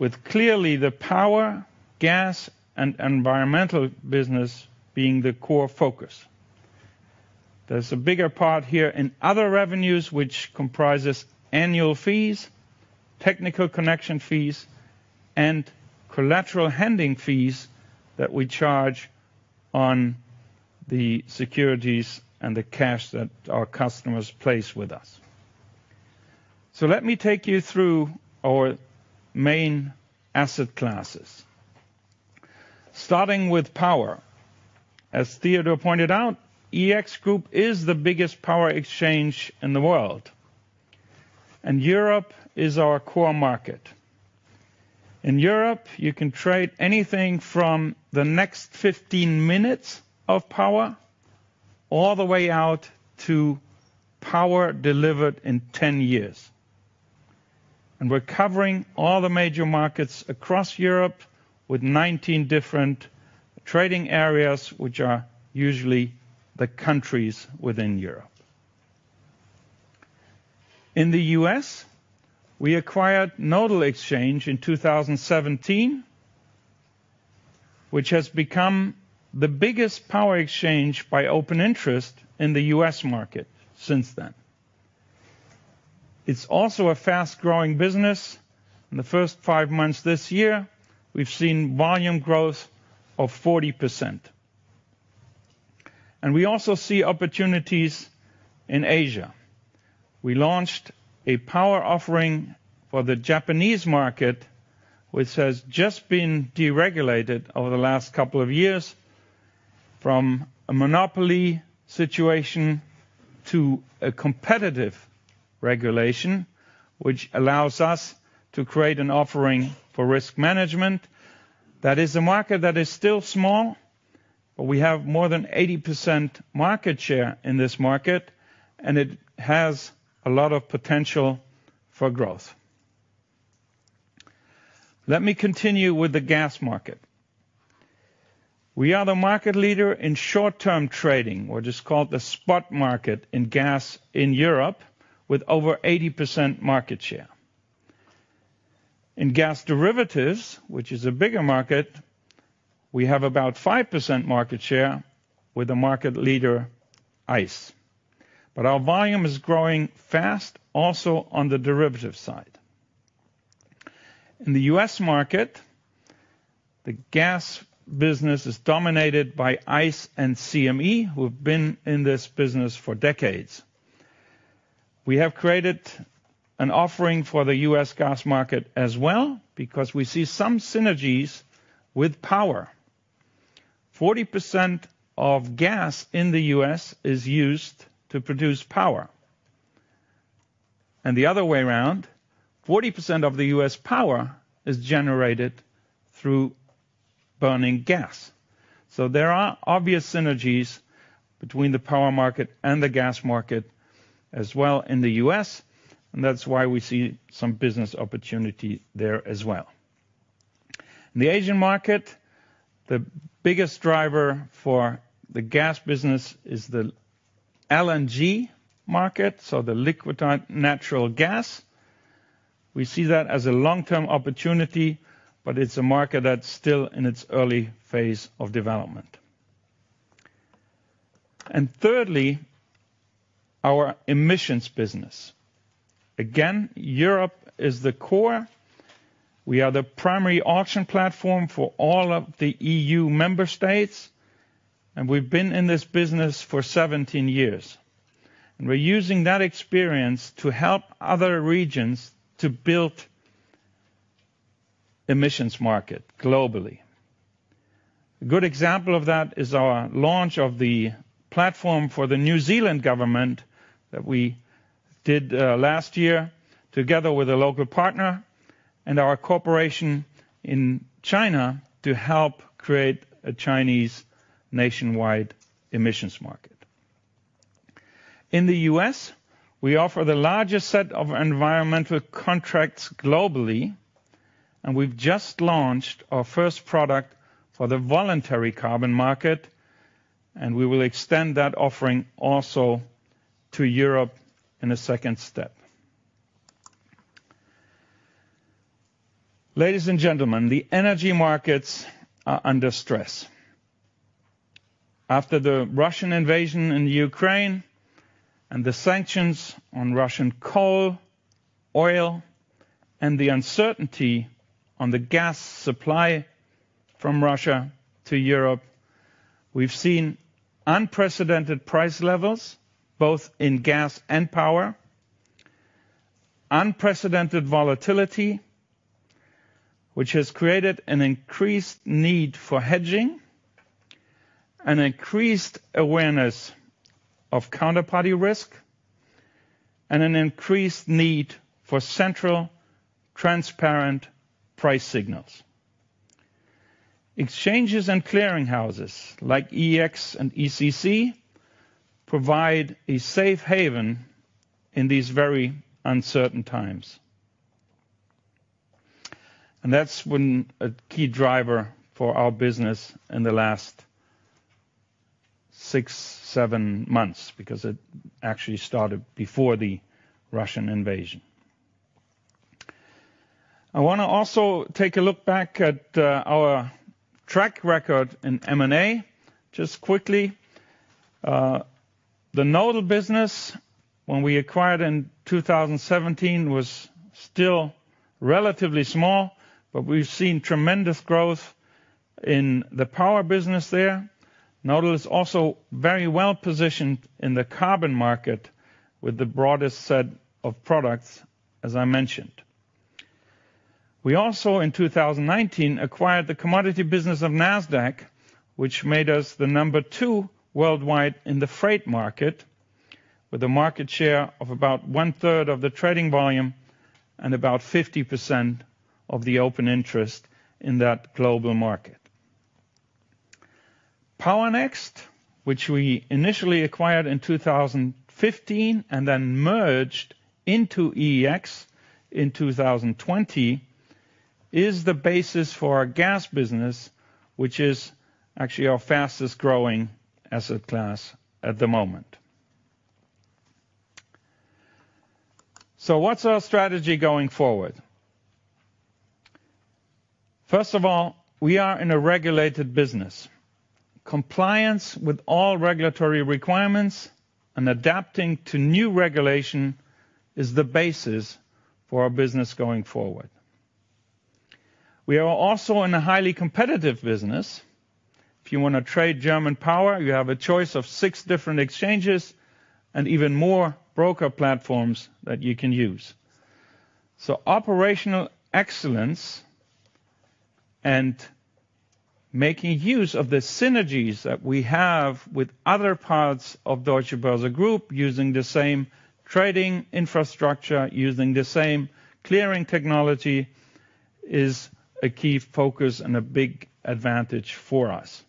with clearly the power, gas, and environmental business being the core focus. There's a bigger part here in other revenues, which comprises annual fees, technical connection fees, and collateral handling fees that we charge on the securities and the cash that our customers place with us. Let me take you through our main asset classes. Starting with power. As Theodor pointed out, EEX Group is the biggest power exchange in the world, and Europe is our core market. In Europe, you can trade anything from the next 15 minutes of power all the way out to power delivered in 10 years. We're covering all the major markets across Europe with 19 different trading areas, which are usually the countries within Europe. In the U.S., we acquired Nodal Exchange in 2017, which has become the biggest power exchange by open interest in the U.S. market since then. It's also a fast-growing business. In the first five months this year, we've seen volume growth of 40%. We also see opportunities in Asia. We launched a power offering for the Japanese market, which has just been deregulated over the last couple of years. From a monopoly situation to a competitive regulation, which allows us to create an offering for risk management. That is a market that is still small, but we have more than 80% market share in this market, and it has a lot of potential for growth. Let me continue with the gas market. We are the market leader in short-term trading, or just called the spot market in gas in Europe, with over 80% market share. In gas derivatives, which is a bigger market, we have about 5% market share with the market leader ICE. But our volume is growing fast also on the derivative side. In the U.S. market, the gas business is dominated by ICE and CME, who have been in this business for decades. We have created an offering for the U.S. gas market as well because we see some synergies with power. 40% of gas in the U.S. is used to produce power. The other way around, 40% of the U.S. power is generated through burning gas. There are obvious synergies between the power market and the gas market as well in the U.S., and that's why we see some business opportunity there as well. In the Asian market, the biggest driver for the gas business is the LNG market, so the liquid natural gas. We see that as a long-term opportunity, but it's a market that's still in its early phase of development. Thirdly, our emissions business. Again, Europe is the core. We are the primary auction platform for all of the E.U. member states, and we've been in this business for 17 years. We're using that experience to help other regions to build emissions market globally. A good example of that is our launch of the platform for the New Zealand government that we did, last year together with a local partner, and our cooperation in China to help create a Chinese nationwide emissions market. In the U.S., we offer the largest set of environmental contracts globally, and we've just launched our first product for the voluntary carbon market, and we will extend that offering also to Europe in a second step. Ladies and gentlemen, the energy markets are under stress. After the Russian invasion in Ukraine and the sanctions on Russian coal, oil, and the uncertainty on the gas supply from Russia to Europe, we've seen unprecedented price levels, both in gas and power. Unprecedented volatility, which has created an increased need for hedging, an increased awareness of counterparty risk, and an increased need for central, transparent price signals. Exchanges and clearing houses like EEX and ECC provide a safe haven in these very uncertain times. That's been a key driver for our business in the last six, seven months because it actually started before the Russian invasion. I wanna also take a look back at our track record in M&A just quickly. The Nodal business, when we acquired in 2017, was still relatively small, but we've seen tremendous growth in the power business there. Nodal is also very well-positioned in the carbon market with the broadest set of products, as I mentioned. We also, in 2019, acquired the commodity business of NASDAQ, which made us the number two worldwide in the freight market, with a market share of about 1/3 of the trading volume and about 50% of the open interest in that global market. Powernext, which we initially acquired in 2015 and then merged into EEX in 2020, is the basis for our gas business, which is actually our fastest-growing asset class at the moment. What's our strategy going forward? First of all, we are in a regulated business. Compliance with all regulatory requirements and adapting to new regulation is the basis for our business going forward. We are also in a highly competitive business. If you wanna trade German power, you have a choice of six different exchanges and even more broker platforms that you can use. Operational excellence and making use of the synergies that we have with other parts of Deutsche Börse Group, using the same trading infrastructure, using the same clearing technology, is a key focus and a big advantage for us.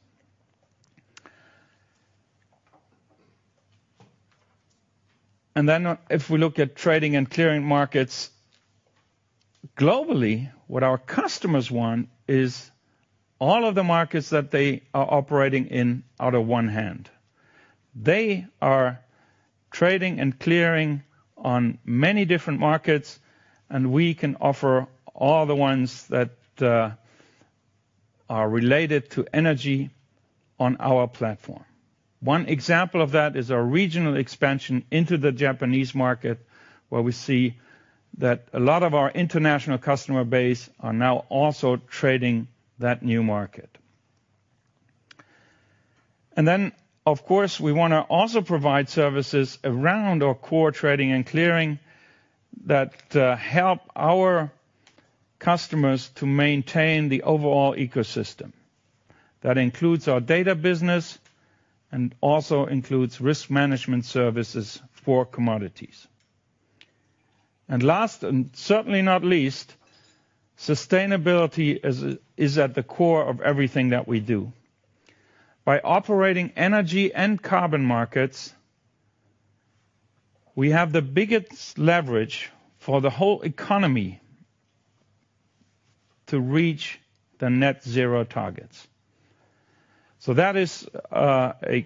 If we look at trading and clearing markets globally, what our customers want is all of the markets that they are operating in out of one hand. They are trading and clearing on many different markets, and we can offer all the ones that are related to energy on our platform. One example of that is our regional expansion into the Japanese market, where we see that a lot of our international customer base are now also trading that new market. Of course, we wanna also provide services around our core trading and clearing that help our customers to maintain the overall ecosystem. That includes our data business and also includes risk management services for commodities. Last, and certainly not least, sustainability is at the core of everything that we do. By operating energy and carbon markets, we have the biggest leverage for the whole economy to reach the net zero targets. That is a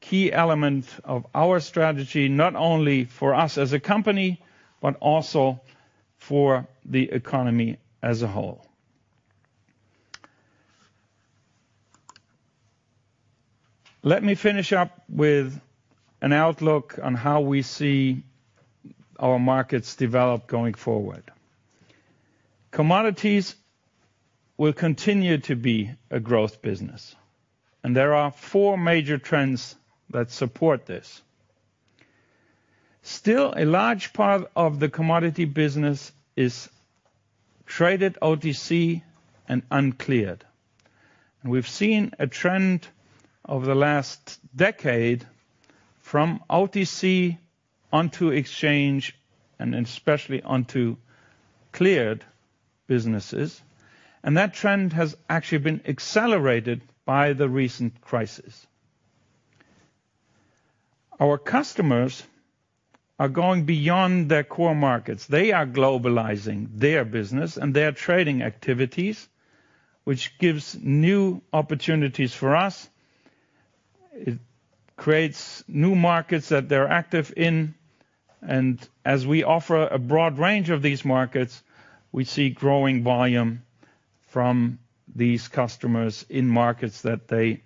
key element of our strategy, not only for us as a company, but also for the economy as a whole. Let me finish up with an outlook on how we see our markets develop going forward. Commodities will continue to be a growth business, and there are four major trends that support this. Still, a large part of the commodity business is traded OTC and uncleared. We've seen a trend over the last decade from OTC onto exchange and especially onto cleared businesses, and that trend has actually been accelerated by the recent crisis. Our customers are going beyond their core markets. They are globalizing their business and their trading activities, which gives new opportunities for us. It creates new markets that they're active in, and as we offer a broad range of these markets, we see growing volume from these customers in markets that they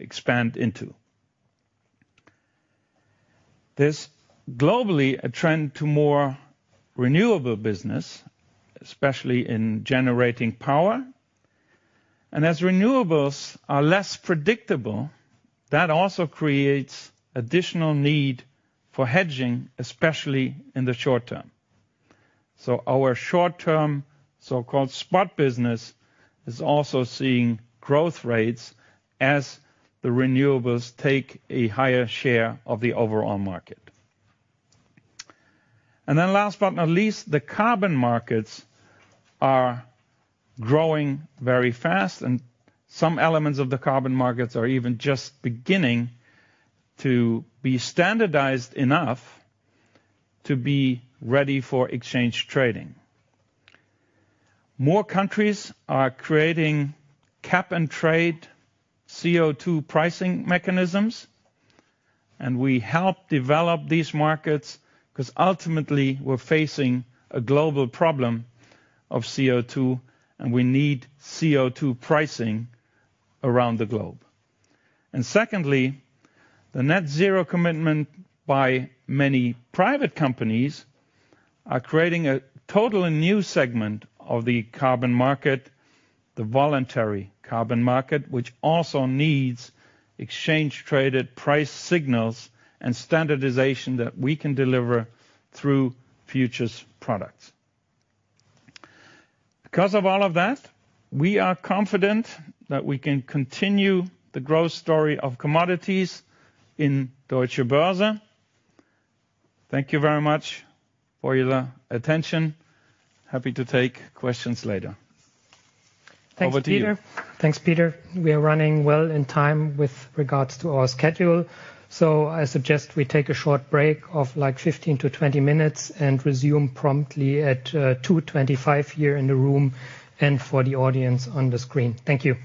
expand into. There's globally a trend to more renewable business, especially in generating power, and as renewables are less predictable, that also creates additional need for hedging, especially in the short term. Our short-term, so-called spot business is also seeing growth rates as the renewables take a higher share of the overall market. Last but not least, the carbon markets are growing very fast, and some elements of the carbon markets are even just beginning to be standardized enough to be ready for exchange trading. More countries are creating cap and trade CO2 pricing mechanisms, and we help develop these markets cause ultimately we're facing a global problem of CO2, and we need CO2 pricing around the globe. Secondly, the net zero commitment by many private companies are creating a totally new segment of the carbon market, the voluntary carbon market, which also needs exchange-traded price signals and standardization that we can deliver through futures products. Because of all of that, we are confident that we can continue the growth story of commodities in Deutsche Börse. Thank you very much for your attention. Happy to take questions later. Over to you. Thanks, Peter. We are running well in time with regards to our schedule. I suggest we take a short break of like 15-20 minutes and resume promptly at 2:25 here in the room and for the audience on the screen. Thank you.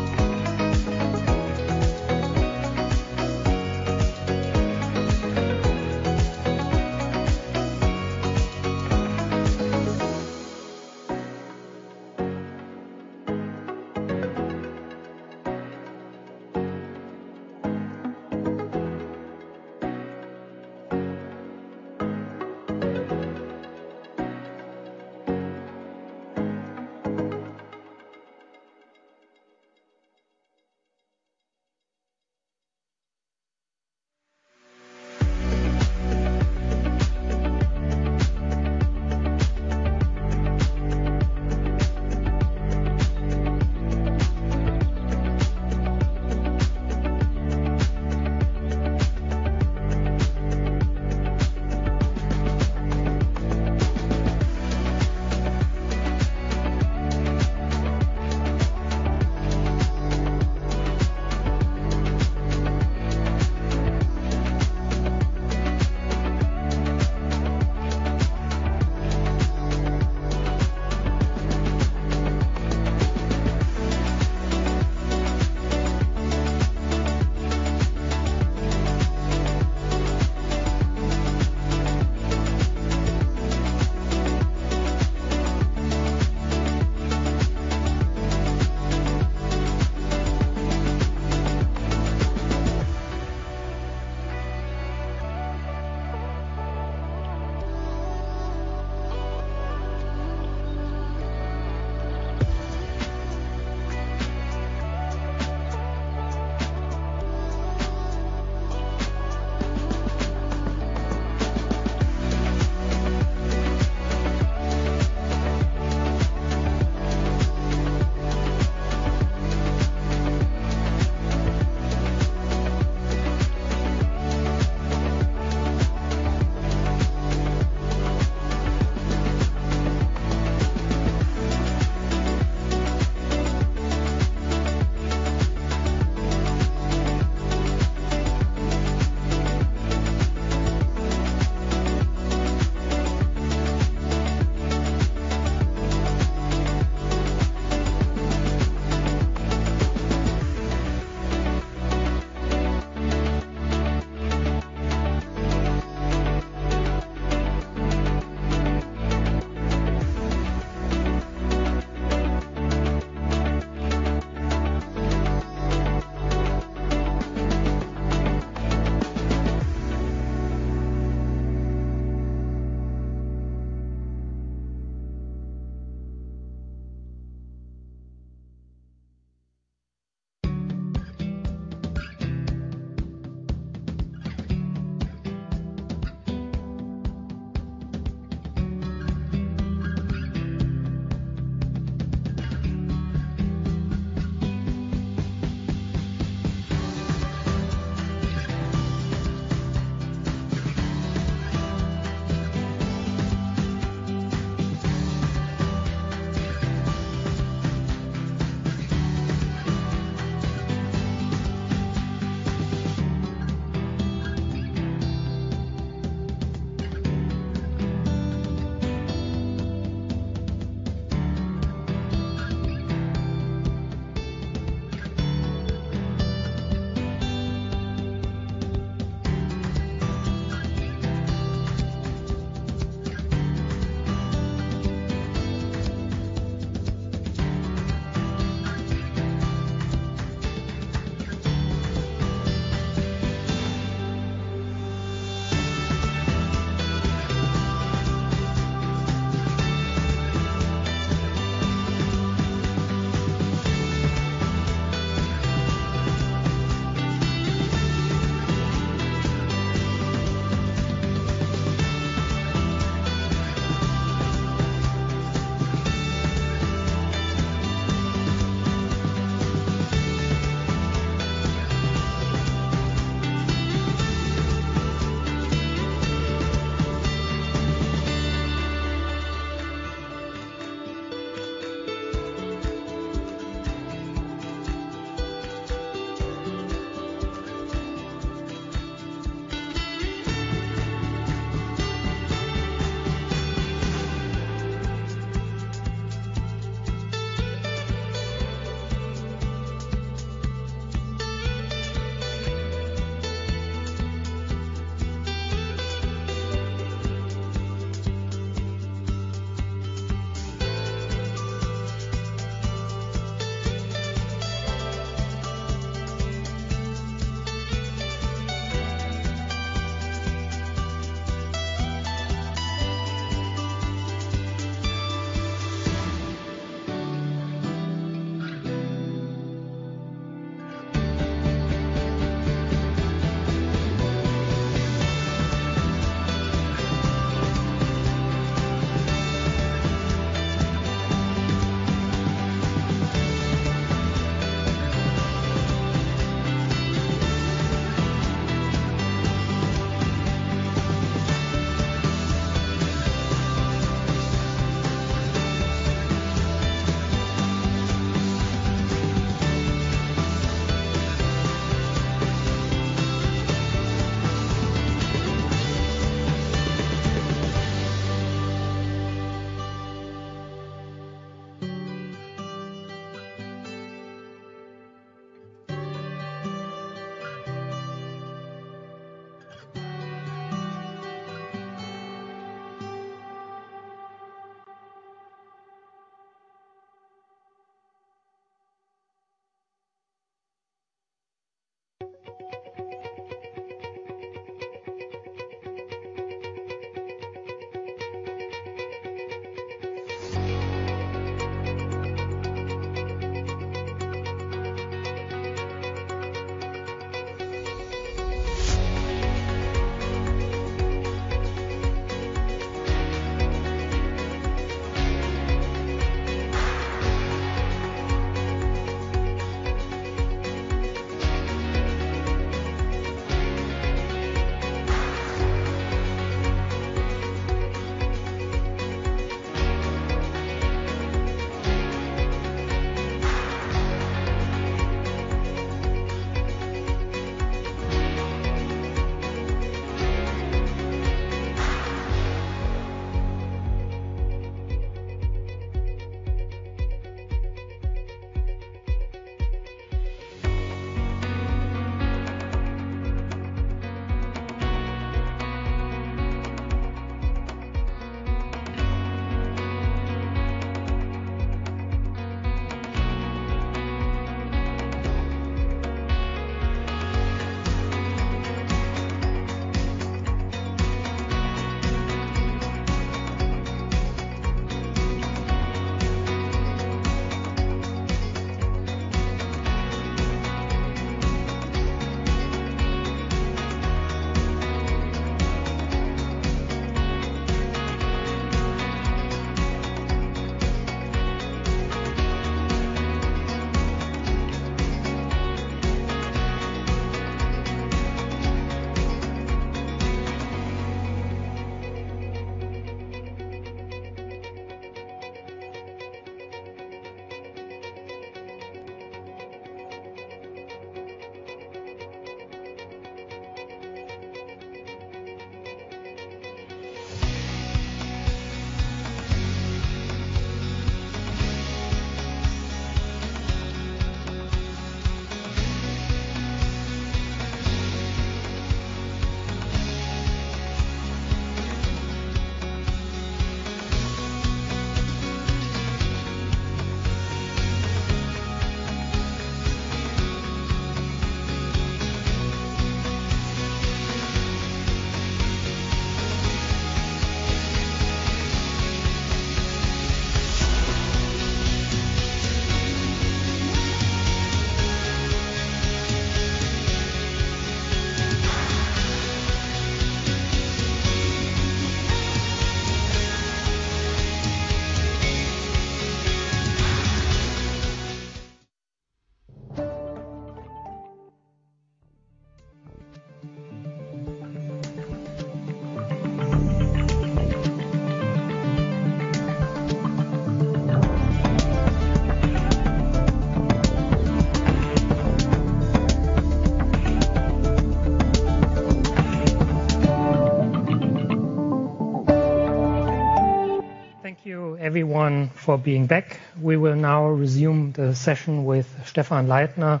Thank you everyone for being back. We will now resume the session with Stephan Leithner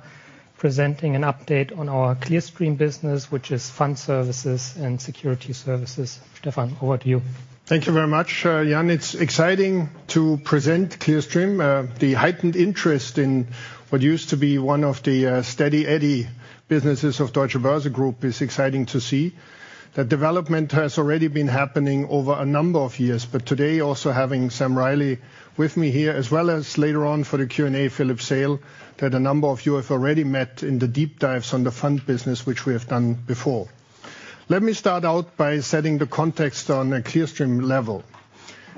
presenting an update on our Clearstream business, which is fund services and securities services. Stephan, over to you. Thank you very much, Jan. It's exciting to present Clearstream. The heightened interest in what used to be one of the steady eddy businesses of Deutsche Börse Group is exciting to see. The development has already been happening over a number of years. Today also having Sam Riley with me here, as well as later on for the Q&A, Philippe Seyll, that a number of you have already met in the deep dives on the fund business, which we have done before. Let me start out by setting the context on a Clearstream level.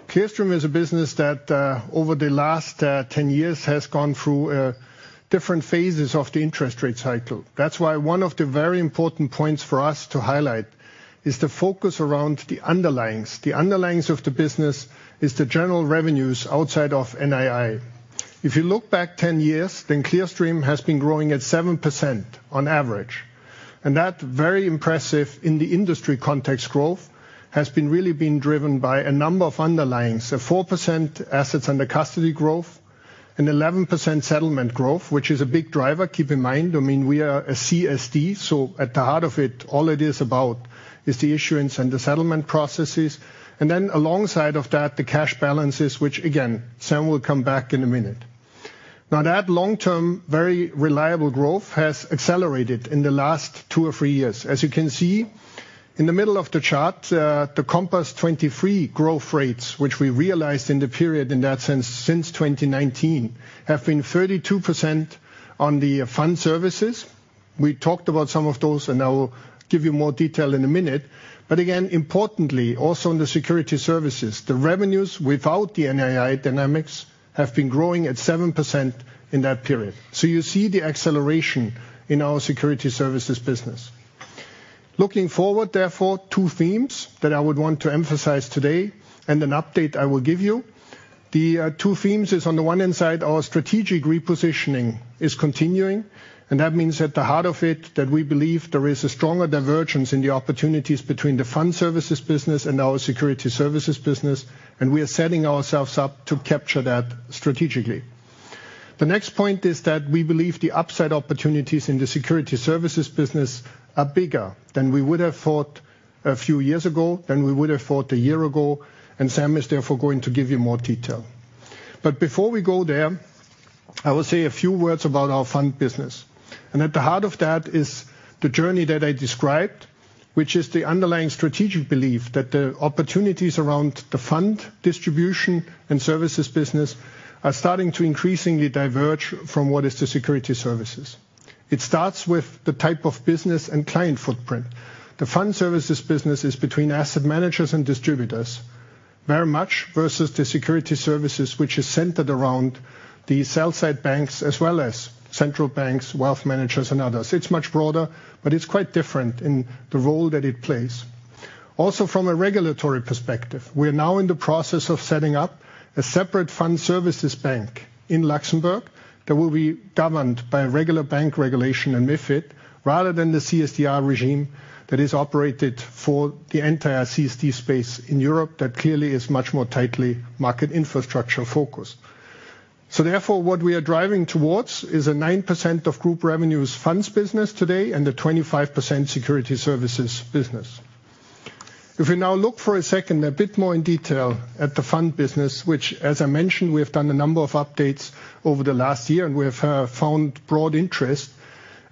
Clearstream is a business that over the last 10 years has gone through different phases of the interest rate cycle. That's why one of the very important points for us to highlight is the focus around the underlyings. The underlyings of the business is the general revenues outside of NII. If you look back 10 years, then Clearstream has been growing at 7% on average. That's very impressive in the industry context growth has really been driven by a number of underlyings. A 4% assets under custody growth, an 11% settlement growth, which is a big driver. Keep in mind, I mean, we are a CSD, so at the heart of it, all it is about is the issuance and the settlement processes. Alongside of that, the cash balances, which again, Sam will come back in a minute. Now that long-term, very reliable growth has accelerated in the last two or three years. As you can see in the middle of the chart, the Compass 2023 growth rates, which we realized in the period in that sense since 2019, have been 32% on the fund services. We talked about some of those, and I will give you more detail in a minute. Again, importantly also on the securities services, the revenues without the NII dynamics have been growing at 7% in that period. You see the acceleration in our Securities Services business. Looking forward, therefore, two themes that I would want to emphasize today and an update I will give you. Two themes is on the one hand side, our strategic repositioning is continuing, and that means at the heart of it that we believe there is a stronger divergence in the opportunities between the fund services business and our securities services business, and we are setting ourselves up to capture that strategically. The next point is that we believe the upside opportunities in the securities services business are bigger than we would have thought a few years ago, than we would have thought a year ago, and Sam is therefore going to give you more detail. Before we go there, I will say a few words about our fund business. At the heart of that is the journey that I described, which is the underlying strategic belief that the opportunities around the fund distribution and services business are starting to increasingly diverge from what is the securities services. It starts with the type of business and client footprint. The fund services business is between asset managers and distributors, very much versus the securities services, which is centered around the sell side banks as well as central banks, wealth managers and others. It's much broader, but it's quite different in the role that it plays. Also from a regulatory perspective, we are now in the process of setting up a separate fund services bank in Luxembourg that will be governed by regular bank regulation and MiFID rather than the CSDR regime that is operated for the entire CSD space in Europe that clearly is much more tightly market infrastructure-focused. Therefore, what we are driving towards is a 9% of group revenues funds business today and a 25% security services business. If we now look for a second a bit more in detail at the fund business, which as I mentioned, we have done a number of updates over the last year, and we have found broad interest.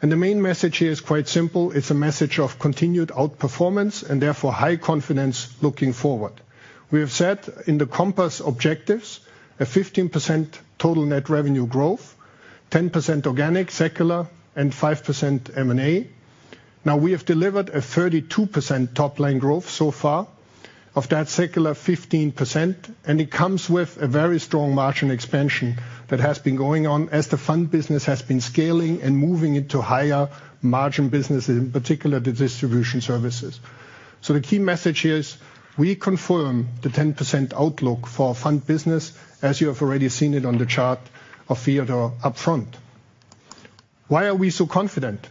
The main message here is quite simple. It's a message of continued outperformance and therefore high confidence looking forward. We have set in the Compass objectives a 15% total net revenue growth, 10% organic secular, and 5% M&A. We have delivered a 32% top line growth so far, of that secular 15%, and it comes with a very strong margin expansion that has been going on as the fund business has been scaling and moving into higher margin businesses, in particular the distribution services. The key message here is we confirm the 10% outlook for fund business as you have already seen it on the chart of Theodor up front. Why are we so confident?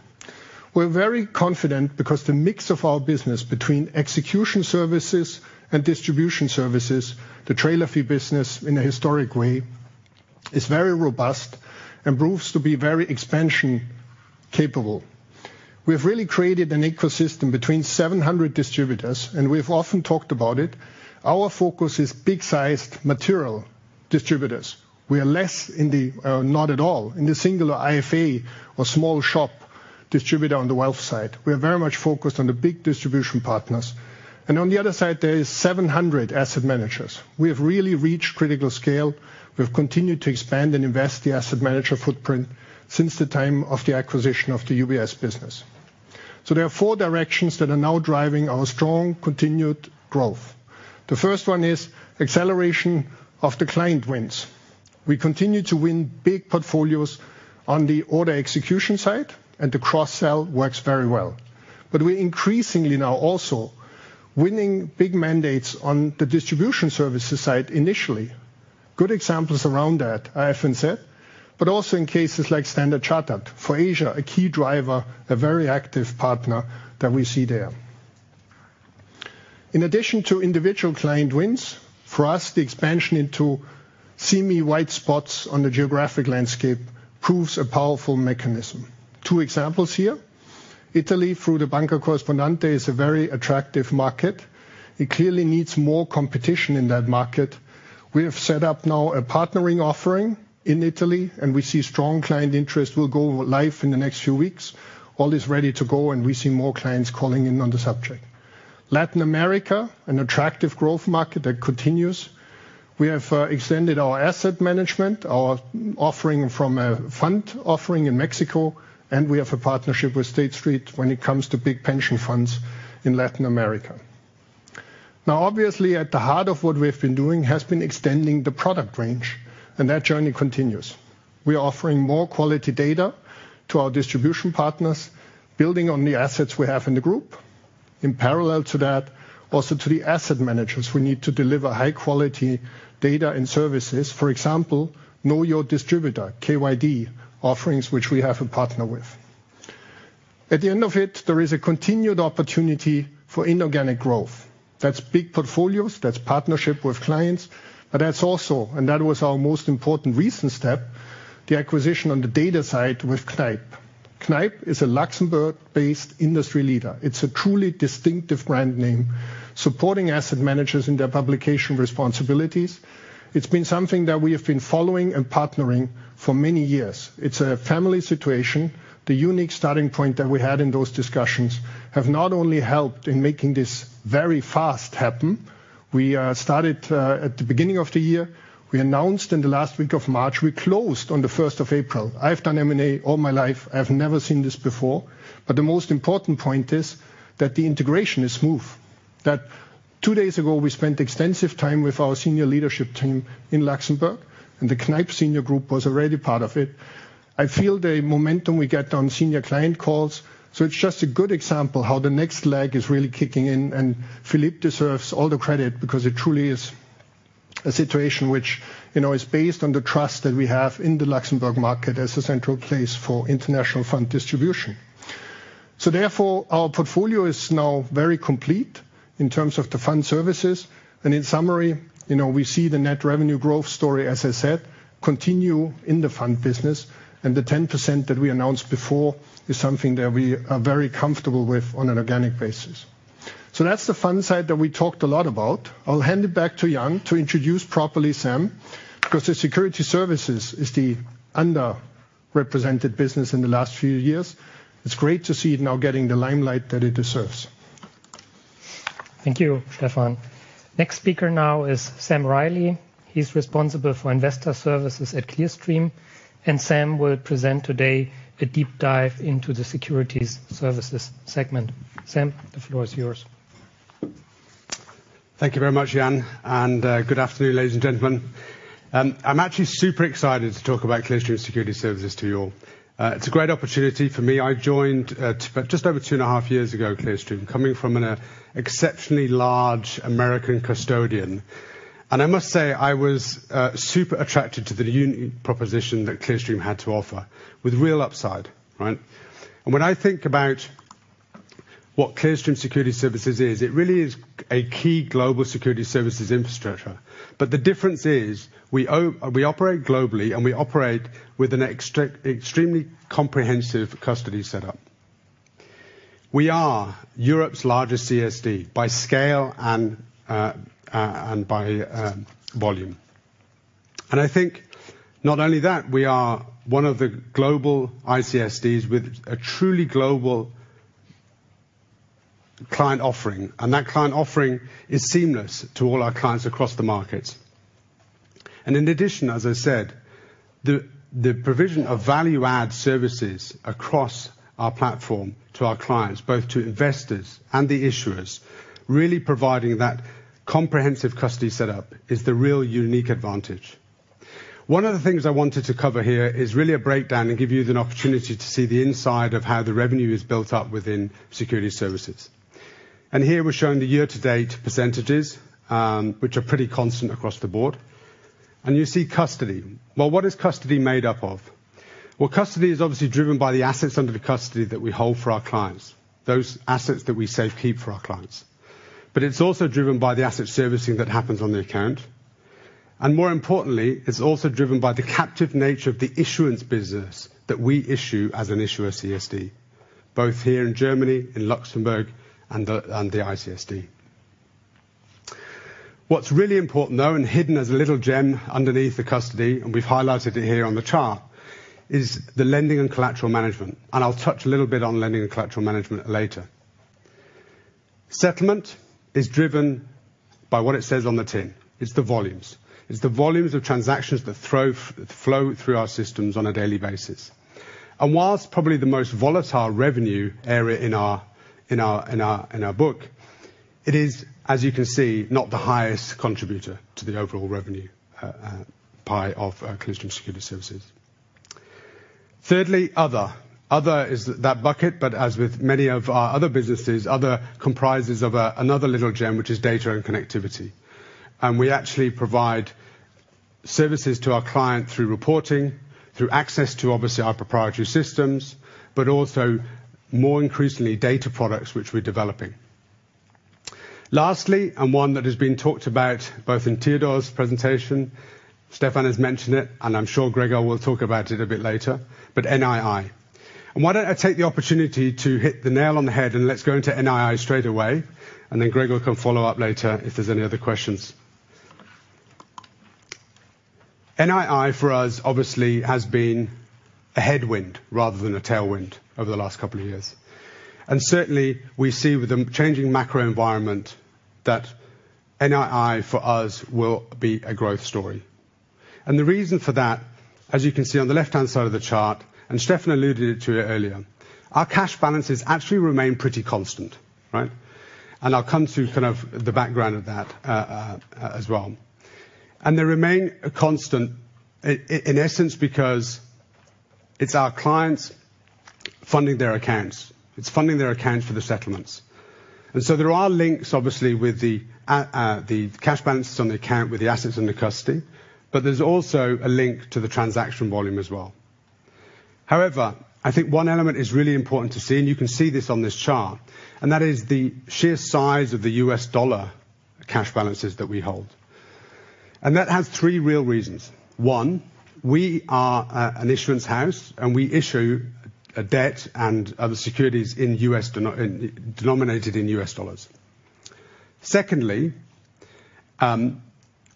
We're very confident because the mix of our business between execution services and distribution services, the trailer fee business in a historic way, is very robust and proves to be very expansion capable. We have really created an ecosystem between 700 distributors, and we've often talked about it. Our focus is big-sized material distributors. We are less in the not at all in the singular IFA or small shop distributor on the wealth side. We are very much focused on the big distribution partners. On the other side, there is 700 asset managers. We have really reached critical scale. We've continued to expand and invest the asset manager footprint since the time of the acquisition of the UBS business. There are four directions that are now driving our strong continued growth. The first one is acceleration of the client wins. We continue to win big portfolios on the order execution side, and the cross-sell works very well. We're increasingly now also winning big mandates on the distribution services side initially. Good examples around that are FNZ, but also in cases like Standard Chartered. For Asia, a key driver, a very active partner that we see there. In addition to individual client wins, for us, the expansion into semi-white spots on the geographic landscape proves a powerful mechanism. Two examples here. Italy, through the banca corrispondente, is a very attractive market. It clearly needs more competition in that market. We have set up now a partnering offering in Italy, and we see strong client interest will go live in the next few weeks. All is ready to go, and we see more clients calling in on the subject. Latin America, an attractive growth market that continues. We have extended our asset management, our offering from a fund offering in Mexico, and we have a partnership with State Street when it comes to big pension funds in Latin America. Now obviously, at the heart of what we've been doing has been extending the product range, and that journey continues. We are offering more quality data to our distribution partners, building on the assets we have in the group. In parallel to that, also to the asset managers, we need to deliver high-quality data and services. For example, know your distributor, KYD, offerings which we have a partner with. At the end of it, there is a continued opportunity for inorganic growth. That's big portfolios, that's partnership with clients, but that's also, and that was our most important recent step, the acquisition on the data side with Kneip. Kneip is a Luxembourg-based industry leader. It's a truly distinctive brand name, supporting asset managers in their publication responsibilities. It's been something that we have been following and partnering for many years. It's a family situation. The unique starting point that we had in those discussions have not only helped in making this very fast happen. We started at the beginning of the year. We announced in the last week of March. We closed on the first of April. I've done M&A all my life. I've never seen this before. The most important point is that the integration is smooth. That two days ago, we spent extensive time with our senior leadership team in Luxembourg, and the Kneip senior group was already part of it. I feel the momentum we get on senior client calls, so it's just a good example how the next leg is really kicking in, and Philippe deserves all the credit because it truly is a situation which, you know, is based on the trust that we have in the Luxembourg market as a central place for international fund distribution. Therefore, our portfolio is now very complete in terms of the fund services, and in summary, you know, we see the net revenue growth story, as I said, continue in the fund business, and the 10% that we announced before is something that we are very comfortable with on an organic basis. That's the fund side that we talked a lot about. I'll hand it back to Jan to introduce properly Sam, because the securities services is the underrepresented business in the last few years. It's great to see it now getting the limelight that it deserves. Thank you, Stephan. Next speaker now is Samuel Riley. He's responsible for investor services at Clearstream, and Samuel will present today a deep dive into the securities services segment. Samuel, the floor is yours. Thank you very much, Jan, and good afternoon, ladies and gentlemen. I'm actually super excited to talk about Clearstream Securities Services to you all. It's a great opportunity for me. I joined just over two and a half years ago, Clearstream, coming from an exceptionally large American custodian. I must say, I was super attracted to the proposition that Clearstream had to offer with real upside, right? When I think about what Clearstream Securities Services is, it really is a key global security services infrastructure. The difference is we operate globally, and we operate with an extremely comprehensive custody setup. We are Europe's largest CSD by scale and by volume. I think not only that, we are one of the global ICSDs with a truly global client offering, and that client offering is seamless to all our clients across the markets. In addition, as I said, the provision of value-add services across our platform to our clients, both to investors and the issuers, really providing that comprehensive custody setup is the real unique advantage. One of the things I wanted to cover here is really a breakdown and give you an opportunity to see the inside of how the revenue is built up within security services. Here we're showing the year-to-date percentages, which are pretty constant across the board. You see custody. Well, what is custody made up of? Well, custody is obviously driven by the assets under the custody that we hold for our clients, those assets that we safe keep for our clients. It's also driven by the asset servicing that happens on the account. More importantly, it's also driven by the captive nature of the issuance business that we issue as an issuer CSD, both here in Germany, in Luxembourg, and the ICSD. What's really important, though, and hidden as a little gem underneath the custody, and we've highlighted it here on the chart, is the lending and collateral management, and I'll touch a little bit on lending and collateral management later. Settlement is driven by what it says on the tin. It's the volumes. It's the volumes of transactions that flow through our systems on a daily basis. While probably the most volatile revenue area in our book, it is, as you can see, not the highest contributor to the overall revenue pie of Clearstream Securities Services. Thirdly, other. Other is that bucket, but as with many of our other businesses, other comprises of another little gem, which is data and connectivity. We actually provide services to our client through reporting, through access to obviously our proprietary systems, but also more increasingly data products which we're developing. Lastly, one that has been talked about both in Theodor's presentation, Stephan has mentioned it, and I'm sure Gregor will talk about it a bit later, but NII. Why don't I take the opportunity to hit the nail on the head, and let's go into NII straight away, and then Gregor can follow up later if there's any other questions. NII for us obviously has been a headwind rather than a tailwind over the last couple of years. Certainly we see with the changing macro environment that NII for us will be a growth story. The reason for that, as you can see on the left-hand side of the chart, and Stephan alluded to it earlier, our cash balances actually remain pretty constant, right? I'll come to kind of the background of that, as well. They remain a constant in essence, because it's our clients funding their accounts. It's funding their accounts for the settlements. There are links, obviously, with the cash balances on the account with the assets under custody, but there's also a link to the transaction volume as well. However, I think one element is really important to see, and you can see this on this chart, and that is the sheer size of the U.S. dollar cash balances that we hold. That has three real reasons. One, we are an issuance house, and we issue debt and other securities denominated in U.S. dollars. Secondly,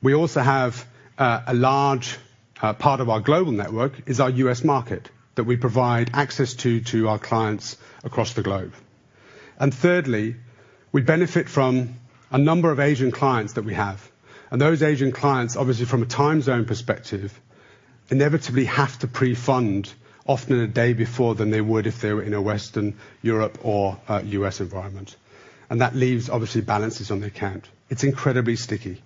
we also have a large part of our global network is our U.S. market that we provide access to our clients across the globe. Thirdly, we benefit from a number of Asian clients that we have. Those Asian clients, obviously from a time zone perspective, inevitably have to pre-fund often a day before than they would if they were in a Western Europe or U.S. environment. That leaves obviously balances on the account. It's incredibly sticky.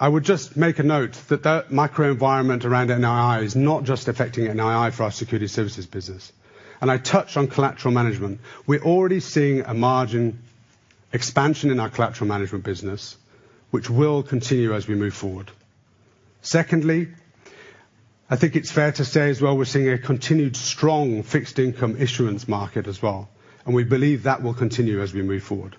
I would just make a note that that microenvironment around NII is not just affecting NII for our security services business. I touched on collateral management. We're already seeing a margin expansion in our collateral management business, which will continue as we move forward. Secondly, I think it's fair to say as well, we're seeing a continued strong fixed income issuance market as well, and we believe that will continue as we move forward.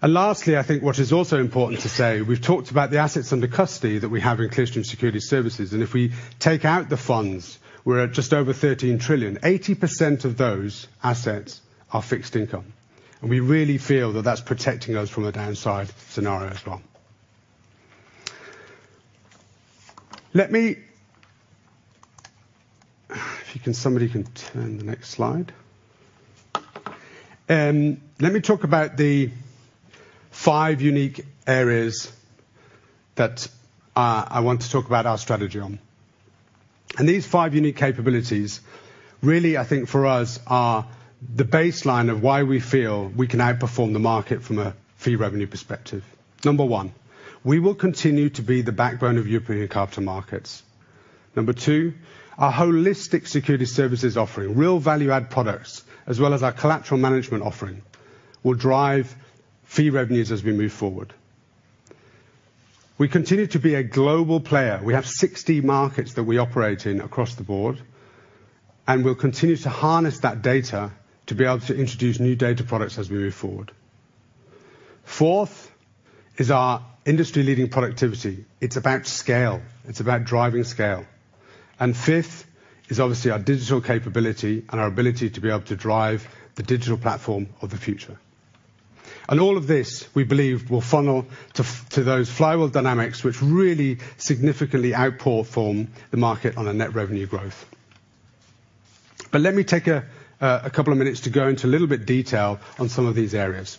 Lastly, I think what is also important to say, we've talked about the assets under custody that we have in Clearstream Securities Services, and if we take out the funds, we're at just over 13 trillion. 80% of those assets are fixed income, and we really feel that that's protecting us from a downside scenario as well. Let me talk about the five unique areas that I want to talk about our strategy on. These five unique capabilities really I think for us are the baseline of why we feel we can outperform the market from a fee revenue perspective. Number one, we will continue to be the backbone of European capital markets. Number two, our holistic security services offering, real value-add products, as well as our collateral management offering, will drive fee revenues as we move forward. We continue to be a global player. We have 60 markets that we operate in across the board, and we'll continue to harness that data to be able to introduce new data products as we move forward. Fourth is our industry-leading productivity. It's about scale. It's about driving scale. Fifth is obviously our digital capability and our ability to be able to drive the digital platform of the future. All of this, we believe, will funnel to those flywheel dynamics, which really significantly outperform the market on a net revenue growth. Let me take a couple of minutes to go into a little bit detail on some of these areas.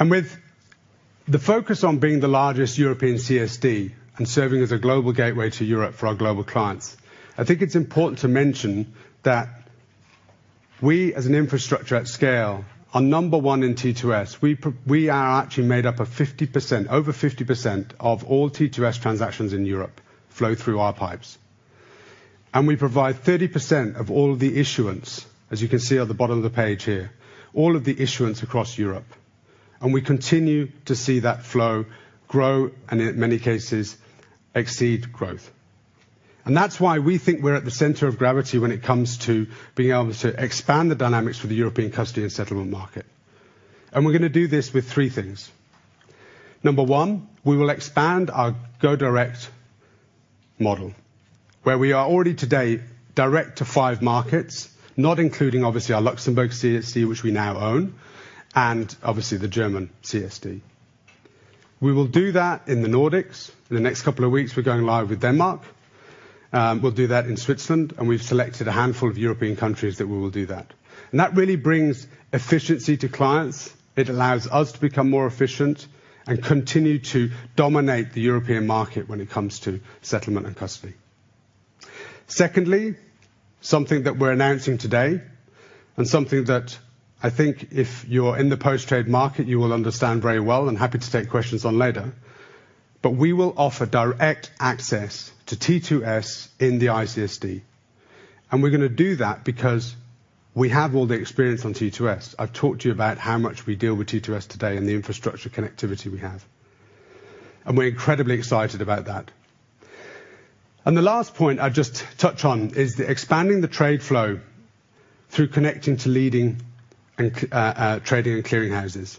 With the focus on being the largest European CSD and serving as a global gateway to Europe for our global clients, I think it's important to mention that we as an infrastructure at scale are number one in T2S. We are actually made up of over 50% of all T2S transactions in Europe flow through our pipes. We provide 30% of all the issuance, as you can see at the bottom of the page here, all of the issuance across Europe, and we continue to see that flow grow and in many cases exceed growth. That's why we think we're at the center of gravity when it comes to being able to expand the dynamics for the European custody and settlement market. We're gonna do this with three things. Number one, we will expand our go direct model, where we are already today direct to five markets, not including obviously our Luxembourg CSC, which we now own, and obviously the German CSD. We will do that in the Nordics. In the next couple of weeks, we're going live with Denmark. We'll do that in Switzerland, and we've selected a handful of European countries that we will do that. That really brings efficiency to clients. It allows us to become more efficient and continue to dominate the European market when it comes to settlement and custody. Secondly, something that we're announcing today and something that I think if you're in the post-trade market, you will understand very well and happy to take questions on later. We will offer direct access to T2S in the ICSD, and we're gonna do that because we have all the experience on T2S. I've talked to you about how much we deal with T2S today and the infrastructure connectivity we have, and we're incredibly excited about that. The last point I'll just touch on is expanding the trade flow through connecting to leading trading and clearing houses.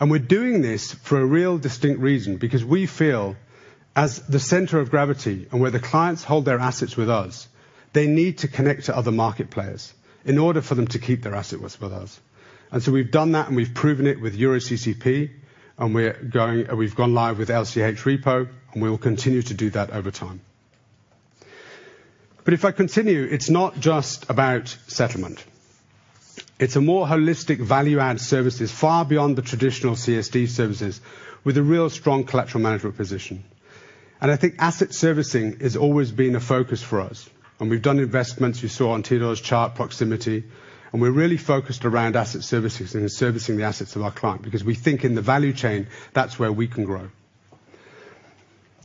We're doing this for a real distinct reason, because we feel as the center of gravity and where the clients hold their assets with us, they need to connect to other market players in order for them to keep their asset with us. We've done that, and we've proven it with EuroCCP. We've gone live with LCH Repo, and we will continue to do that over time. If I continue, it's not just about settlement. It's a more holistic value-add services far beyond the traditional CSD services with a real strong collateral management position. I think asset servicing has always been a focus for us, and we've done investments you saw on Theodor's chart Proxymity, and we're really focused around asset services and servicing the assets of our client because we think in the value chain, that's where we can grow.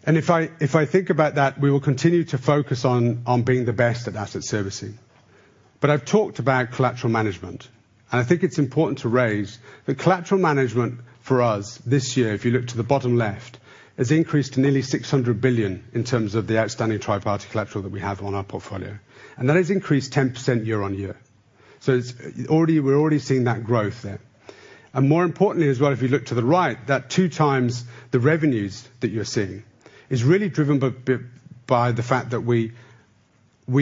If I think about that, we will continue to focus on being the best at asset servicing. I've talked about collateral management, and I think it's important to raise the collateral management for us this year, if you look to the bottom left, has increased to nearly 600 billion in terms of the outstanding triparty collateral that we have on our portfolio, and that has increased 10% year-on-year. It's already. We're already seeing that growth there. More importantly as well, if you look to the right, that two times the revenues that you're seeing is really driven by the fact that we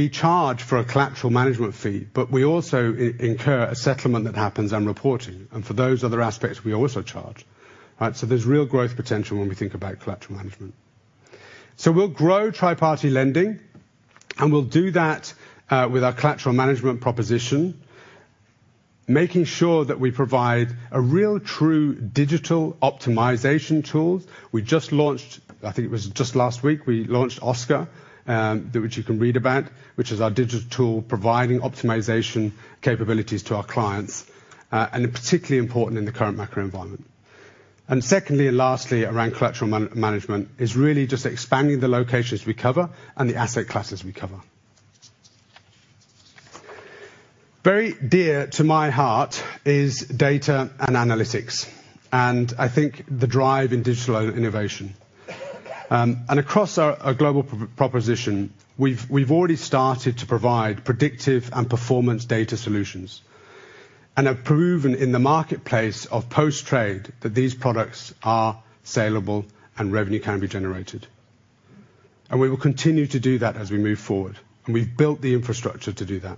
charge for a collateral management fee, but we also incur a settlement that happens on reporting and for those other aspects, we also charge. Right? There's real growth potential when we think about collateral management. We'll grow triparty lending, and we'll do that with our collateral management proposition, making sure that we provide a real true digital optimization tools. We just launched, I think it was just last week, we launched OSCAR, which you can read about, which is our digital tool, providing optimization capabilities to our clients, and particularly important in the current macro environment. Secondly, and lastly, around collateral management is really just expanding the locations we cover and the asset classes we cover. Very dear to my heart is data and analytics, and I think the drive in digital innovation. Across our global proposition, we've already started to provide predictive and performance data solutions and have proven in the marketplace of post-trade that these products are sellable and revenue can be generated. We will continue to do that as we move forward, and we've built the infrastructure to do that.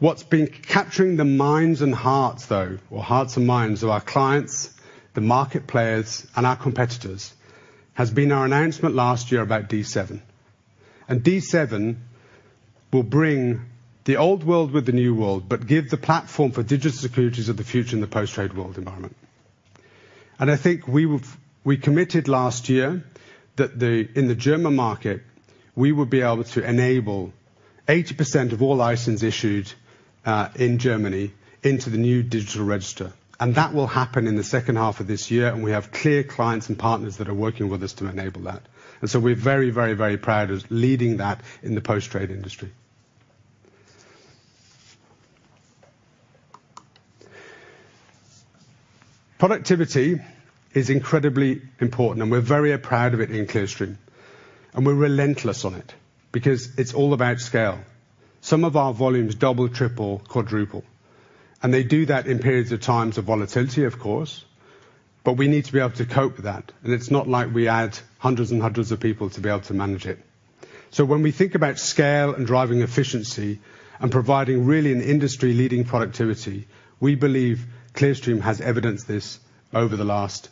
What's been capturing the minds and hearts, though, or hearts and minds of our clients, the market players and our competitors, has been our announcement last year about D7. D7 will bridge the old world with the new world, but give the platform for digital securities of the future in the post-trade world environment. I think we've committed last year that in the German market, we would be able to enable 80% of all licenses issued in Germany into the new digital register. That will happen in the second half of this year, and we have key clients and partners that are working with us to enable that. We're very, very, very proud of leading that in the post-trade industry. Productivity is incredibly important, and we're very proud of it in Clearstream, and we're relentless on it because it's all about scale. Some of our volumes double, triple, quadruple, and they do that in periods of time of volatility, of course, but we need to be able to cope with that. It's not like we add hundreds and hundreds of people to be able to manage it. When we think about scale and driving efficiency and providing really an industry-leading productivity, we believe Clearstream has evidenced this over the last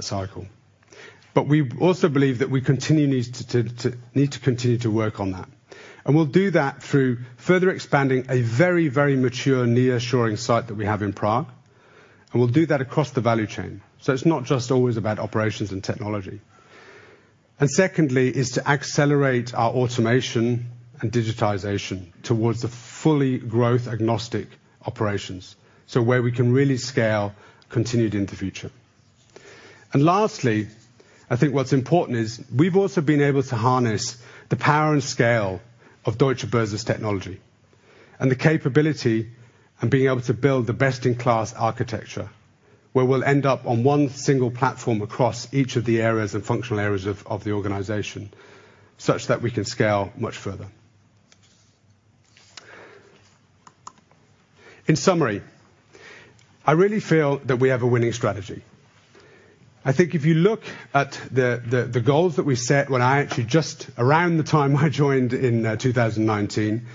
cycle. We also believe that we need to continue to work on that. We'll do that through further expanding a very, very mature nearshoring site that we have in Prague. We'll do that across the value chain, so it's not just always about operations and technology. Secondly is to accelerate our automation and digitization towards the fully growth agnostic operations, so where we can really scale continued into the future. Lastly, I think what's important is we've also been able to harness the power and scale of Deutsche Börse's technology and the capability and being able to build the best-in-class architecture, where we'll end up on one single platform across each of the areas and functional areas of the organization, such that we can scale much further. In summary, I really feel that we have a winning strategy. I think if you look at the goals that we set when I actually just around the time I joined in 2019,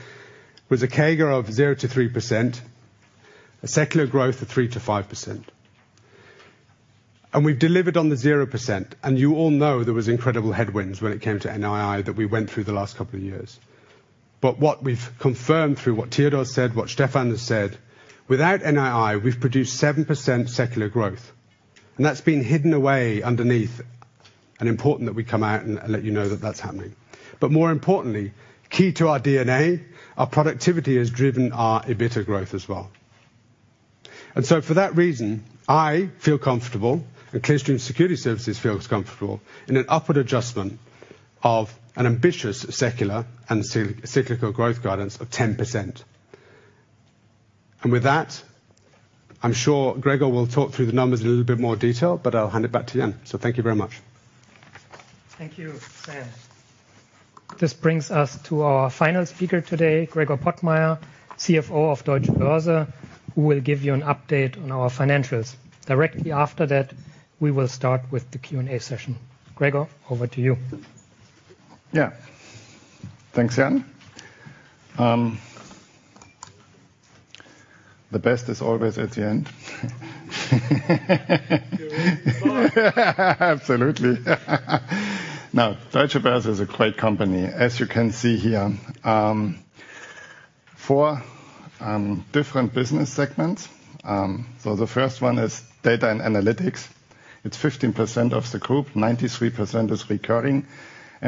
was a CAGR of 0%-3%, a secular growth of 3%-5%. We've delivered on the 0%, and you all know there was incredible headwinds when it came to NII that we went through the last couple of years. What we've confirmed through what Theodor said, what Stephan has said, without NII, we've produced 7% secular growth. That's been hidden away underneath, and important that we come out and let you know that that's happening. More importantly, key to our DNA, our productivity has driven our EBITDA growth as well. For that reason, I feel comfortable, and Clearstream Securities Services feels comfortable in an upward adjustment of an ambitious secular and cyclical growth guidance of 10%. With that, I'm sure Gregor will talk through the numbers in a little bit more detail, but I'll hand it back to Jan. Thank you very much. Thank you, Sam. This brings us to our final speaker today, Gregor Pottmeyer, CFO of Deutsche Börse, who will give you an update on our financials. Directly after that, we will start with the Q&A session. Gregor, over to you. Yeah. Thanks, Jan. The best is always at the end. You're always last. Absolutely. Now, Deutsche Börse is a great company. As you can see here, four different business segments. The first one is data and analytics. It's 15% of the group, 93% is recurring.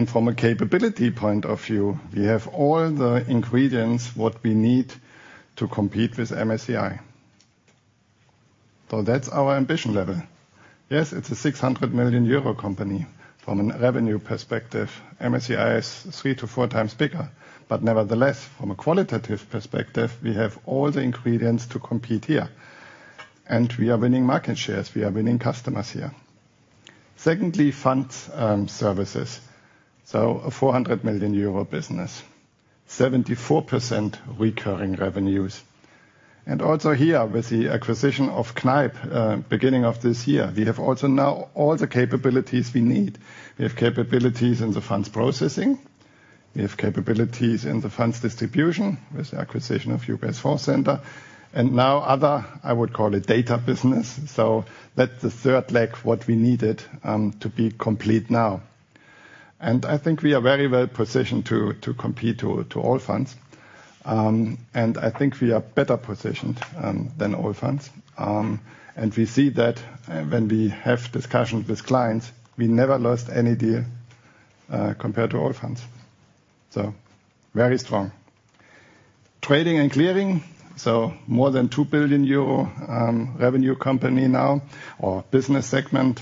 From a capability point of view, we have all the ingredients, what we need to compete with MSCI. That's our ambition level. Yes, it's a 600 million euro company. From a revenue perspective, MSCI is 3x-4x bigger. Nevertheless, from a qualitative perspective, we have all the ingredients to compete here, and we are winning market shares, we are winning customers here. Secondly, funds services. A 400 million euro business. 74% recurring revenues. Here, with the acquisition of Kneip beginning of this year, we have also now all the capabilities we need. We have capabilities in the funds processing. We have capabilities in the funds distribution with the acquisition of UBS Fondcenter. Now other, I would call it data business. That's the third leg what we needed to be complete now. I think we are very well-positioned to compete with Allfunds. I think we are better positioned than Allfunds. We see that when we have discussions with clients, we never lost any deal compared to Allfunds. Very strong. Trading and clearing, more than 2 billion euro revenue company now or business segment.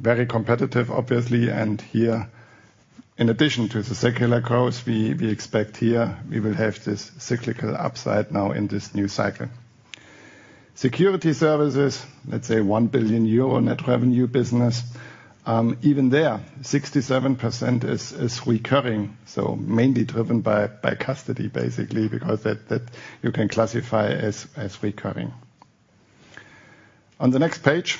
Very competitive, obviously. Here, in addition to the secular growth we expect here, we will have this cyclical upside now in this new cycle. Security services, let's say 1 billion euro net revenue business. Even there, 67% is recurring, so mainly driven by custody, basically, because that you can classify as recurring. On the next page,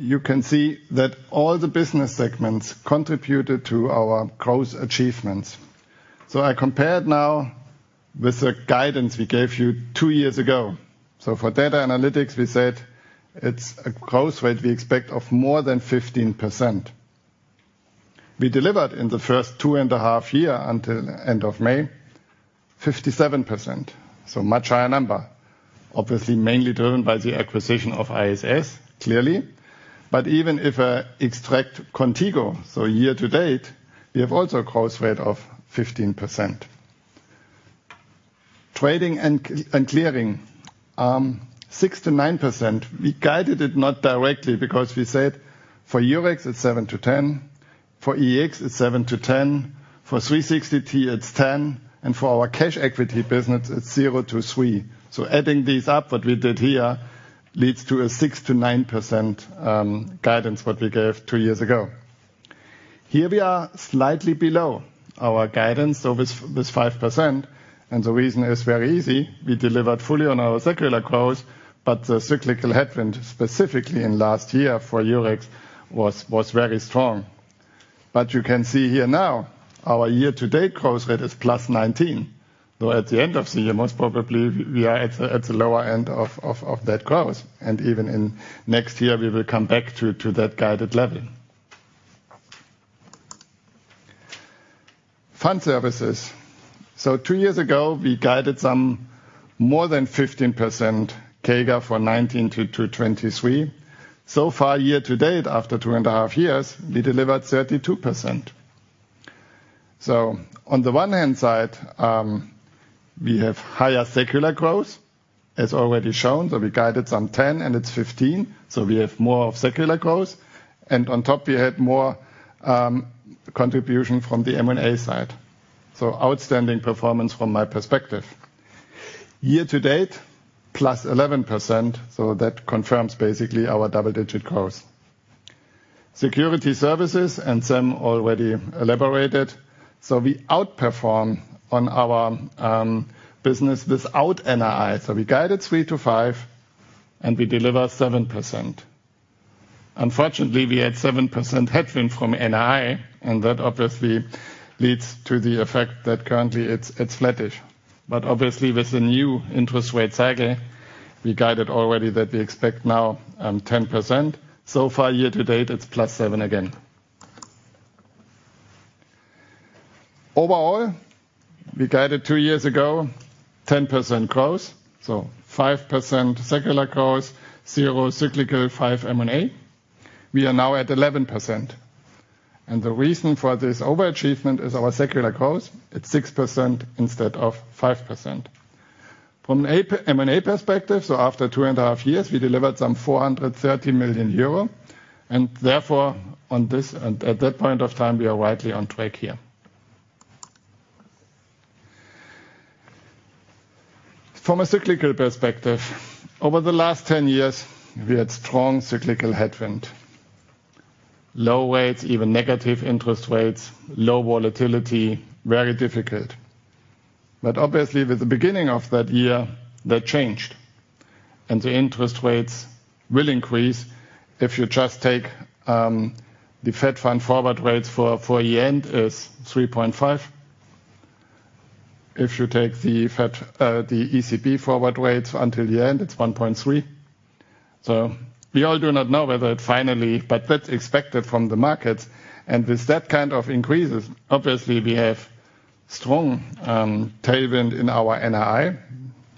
you can see that all the business segments contributed to our growth achievements. I compared now with the guidance we gave you two years ago. For data analytics, we said it's a growth rate we expect of more than 15%. We delivered in the first two and a half year until end of May, 57%. Much higher number, obviously mainly driven by the acquisition of ISS, clearly. Even if I extract Qontigo, so year-to-date, we have also a growth rate of 15%. Trading and clearing, 6%-9%. We guided it not directly because we said for Eurex it's 7%-10%, for EEX it's 7%-10%, for 360T it's 10%, and for our cash equity business it's 0%-3%. Adding these up, what we did here, leads to a 6%-9% guidance what we gave two years ago. Here we are slightly below our guidance, so with this 5%, and the reason is very easy. We delivered fully on our secular growth, but the cyclical headwind, specifically in last year for Eurex, was very strong. You can see here now our year-to-date growth rate is +19%. At the end of the year, most probably we are at the lower end of that growth, and even in next year we will come back to that guided level. Fund services. Two years ago we guided some more than 15% CAGR from 2019-2023. Far, year-to-date, after two and a half years, we delivered 32%. On the one hand side, we have higher secular growth, as already shown. We guided some 10%-15%, so we have more of secular growth. On top we had more contribution from the M&A side. Outstanding performance from my perspective. Year-to-date, +11%, so that confirms basically our double-digit growth. Securities services, and Sam already elaborated. We outperform on our business without NII. We guided 3%-5%, and we deliver 7%. Unfortunately, we had 7% headwind from NII, and that obviously leads to the effect that currently it's flattish. Obviously with the new interest rate cycle, we guided already that we expect now 10%. So far year-to-date, it's +7% again. Overall, we guided two years ago 10% growth. So 5% secular growth, 0% cyclical, 5% M&A. We are now at 11%. The reason for this overachievement is our secular growth. It's 6% instead of 5%. From an M&A perspective, so after two and a half years, we delivered some 430 million euro. Therefore, on this at that point of time, we are rightly on track here. From a cyclical perspective, over the last 10 years, we had strong cyclical headwind. Low rates, even negative interest rates, low volatility, very difficult. Obviously, with the beginning of that year, that changed. The interest rates will increase. If you just take the Fed Fund forward rates for year-end is 3.5. If you take the Fed, the ECB forward rates until year-end, it's 1.3. We all do not know whether it finally but that's expected from the markets. With that kind of increases, obviously we have strong tailwind in our NII.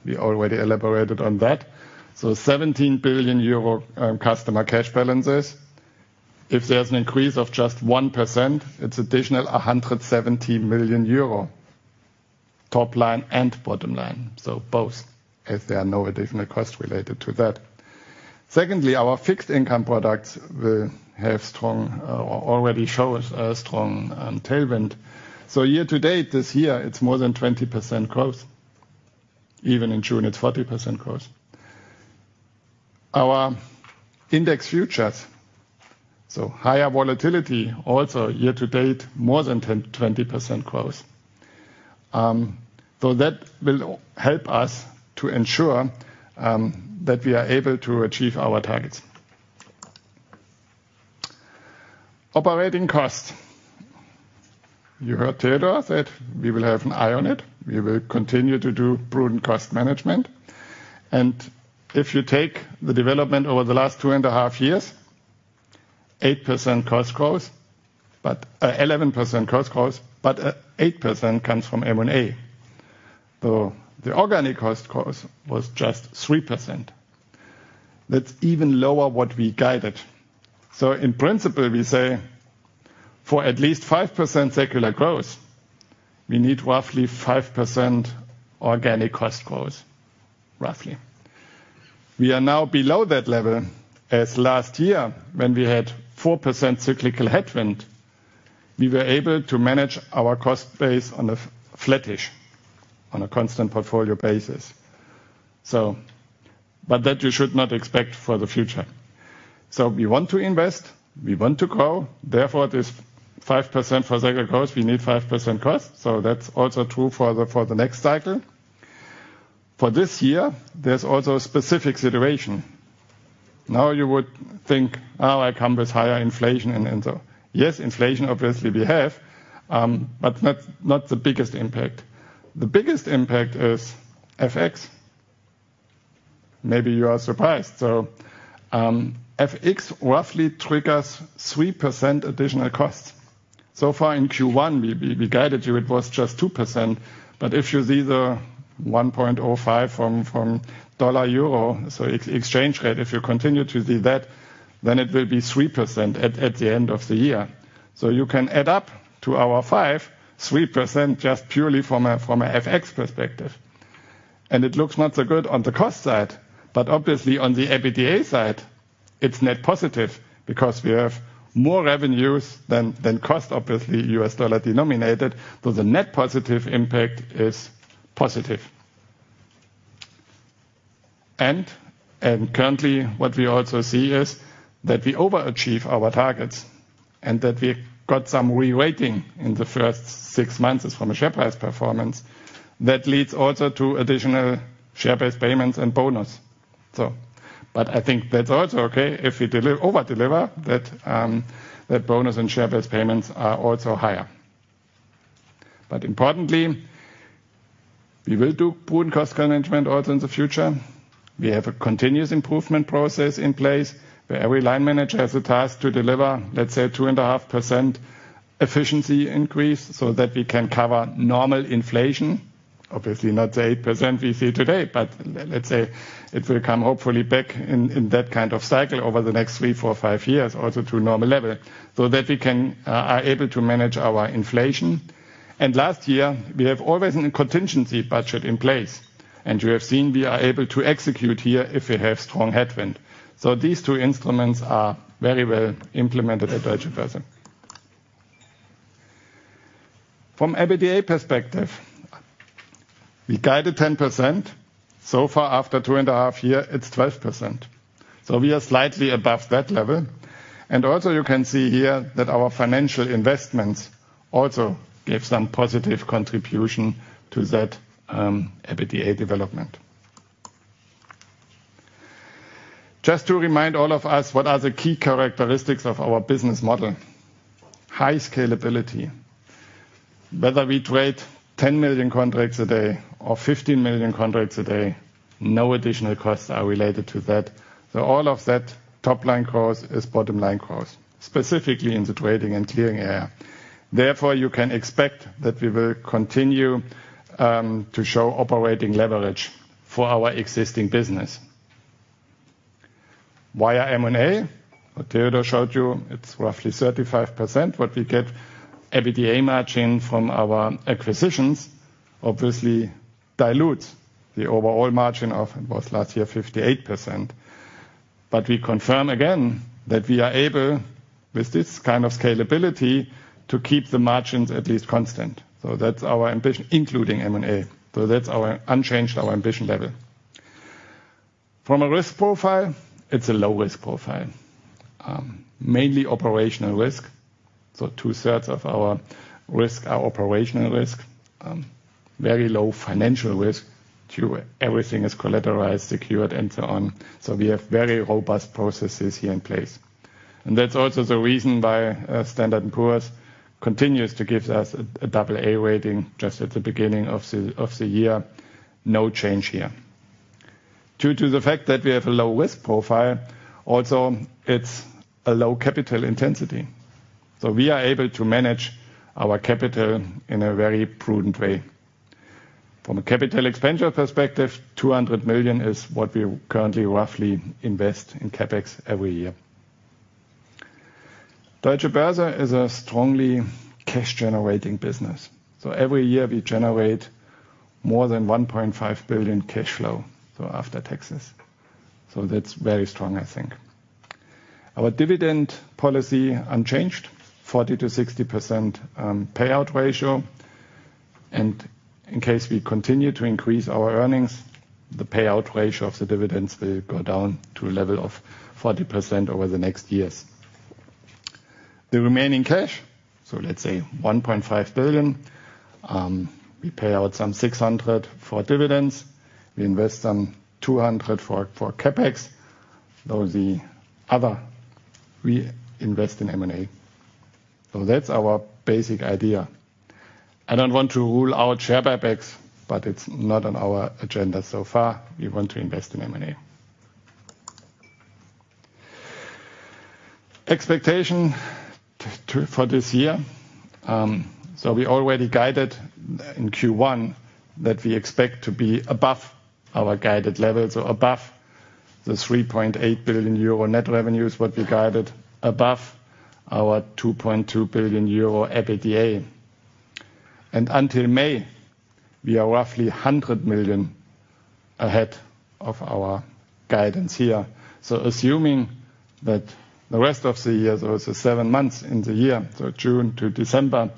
We already elaborated on that. 17 billion euro in customer cash balances. If there's an increase of just 1%, it's additional 170 million euro, top line and bottom line. Both, if there are no additional costs related to that. Secondly, our fixed income products will have strong, or already show a strong tailwind. Year-to-date, this year, it's more than 20% growth. Even in June, it's 40% growth. Our index futures, higher volatility also year-to-date, more than 10%-20% growth. That will help us to ensure that we are able to achieve our targets. Operating costs. You heard Theodor that we will have an eye on it. We will continue to do prudent cost management. If you take the development over the last two and a half years, 8% cost growth, but 11% cost growth, but 8% comes from M&A. The organic cost growth was just 3%. That's even lower what we guided. In principle, we say for at least 5% secular growth, we need roughly 5% organic cost growth. Roughly. We are now below that level as last year when we had 4% cyclical headwind, we were able to manage our cost base on a flattish, on a constant portfolio basis. But that you should not expect for the future. We want to invest, we want to grow, therefore, this 5% for secular growth, we need 5% cost. That's also true for the next cycle. For this year, there's also a specific situation. Now you would think, "Oh, it comes with higher inflation and so." Yes, inflation, obviously we have, but not the biggest impact. The biggest impact is FX. Maybe you are surprised. FX roughly triggers 3% additional cost. So far in Q1, we guided you, it was just 2%. If you see the 1.05 from dollar/euro, so ex exchange rate, if you continue to see that, then it will be 3% at the end of the year. You can add up to 5.3% just purely from a FX perspective. It looks not so good on the cost side, but obviously on the EBITDA side, it's net positive because we have more revenues than cost, obviously, U.S. dollar denominated. The net positive impact is positive. Currently, what we also see is that we overachieve our targets and that we got some reweighting in the first six months from a share price performance. That leads also to additional share-based payments and bonus. I think that's also okay if we over-deliver that bonus and share-based payments are also higher. Importantly, we will do prudent cost management also in the future. We have a continuous improvement process in place, where every line manager has a task to deliver, let's say 2.5% efficiency increase so that we can cover normal inflation. Obviously not the 8% we see today, but let's say it will come hopefully back in that kind of cycle over the next three, four, five years also to a normal level, so that we are able to manage our inflation. Last year, we have always a contingency budget in place. You have seen we are able to execute here if we have strong headwind. These two instruments are very well implemented at Deutsche Börse. From EBITDA perspective, we guided 10%. So far after two and a half years, it's 12%. We are slightly above that level. Also you can see here that our financial investments also gave some positive contribution to that, EBITDA development. Just to remind all of us what are the key characteristics of our business model. High scalability. Whether we trade 10 million contracts a day or 15 million contracts a day, no additional costs are related to that. All of that top line cost is bottom line cost, specifically in the trading and clearing area. Therefore, you can expect that we will continue to show operating leverage for our existing business. Via M&A, what Theodor showed you, it's roughly 35%. What we get EBITDA margin from our acquisitions obviously dilutes the overall margin of, it was last year, 58%. We confirm again that we are able, with this kind of scalability, to keep the margins at least constant. That's our ambition, including M&A. That's our unchanged ambition level. From a risk profile, it's a low risk profile. Mainly operational risk, so two-thirds of our risk are operational risk. Very low financial risk too. Everything is collateralized, secured, and so on. We have very robust processes here in place. That's also the reason why Standard & Poor's continues to give us a AA- rating just at the beginning of the year. No change here. Due to the fact that we have a low risk profile, also, it's a low capital intensity. We are able to manage our capital in a very prudent way. From a capital expenditure perspective, 200 million is what we currently roughly invest in CapEx every year. Deutsche Börse is a strongly cash-generating business. Every year we generate more than 1.5 billion cash flow after taxes. That's very strong, I think. Our dividend policy unchanged, 40%-60% payout ratio. In case we continue to increase our earnings, the payout ratio of the dividends will go down to a level of 40% over the next years. The remaining cash, let's say 1.5 billion, we pay out some 600 million for dividends. We invest some 200 million for CapEx. The other we invest in M&A. That's our basic idea. I don't want to rule out share buybacks, but it's not on our agenda so far. We want to invest in M&A. Expectation for this year. We already guided in Q1 that we expect to be above our guided levels, or above the 3.8 billion euro net revenue that we guided, above our 2.2 billion euro EBITDA. Until May, we are roughly 100 million ahead of our guidance here. Assuming that the rest of the year, it's seven months in the year, June to December,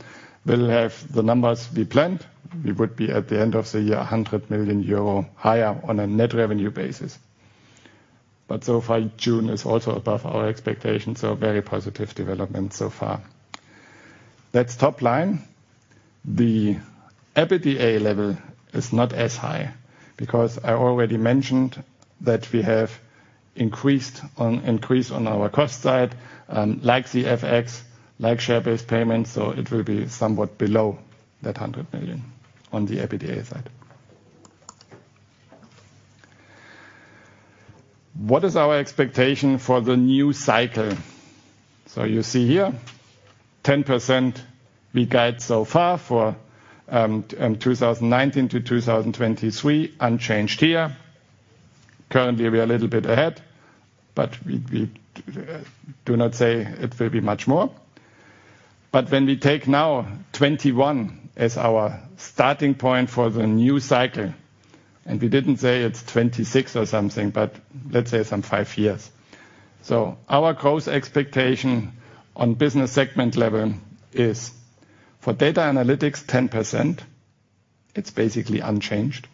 we'll have the numbers we planned, we would be at the end of the year 100 million euro higher on a net revenue basis. So far, June is also above our expectations, very positive development so far. That's top line. The EBITDA level is not as high because I already mentioned that we have increased on our cost side, like the FX, like share-based payments, so it will be somewhat below that 100 million on the EBITDA side. What is our expectation for the new cycle? You see here, 10% we guide so far for 2019-2023, unchanged here. Currently, we are a little bit ahead, but we do not say it will be much more. When we take now 2021 as our starting point for the new cycle, and we didn't say it's 2026 or something, but let's say some five years. Our growth expectation on business segment level is for data analytics, 10%. It's basically unchanged.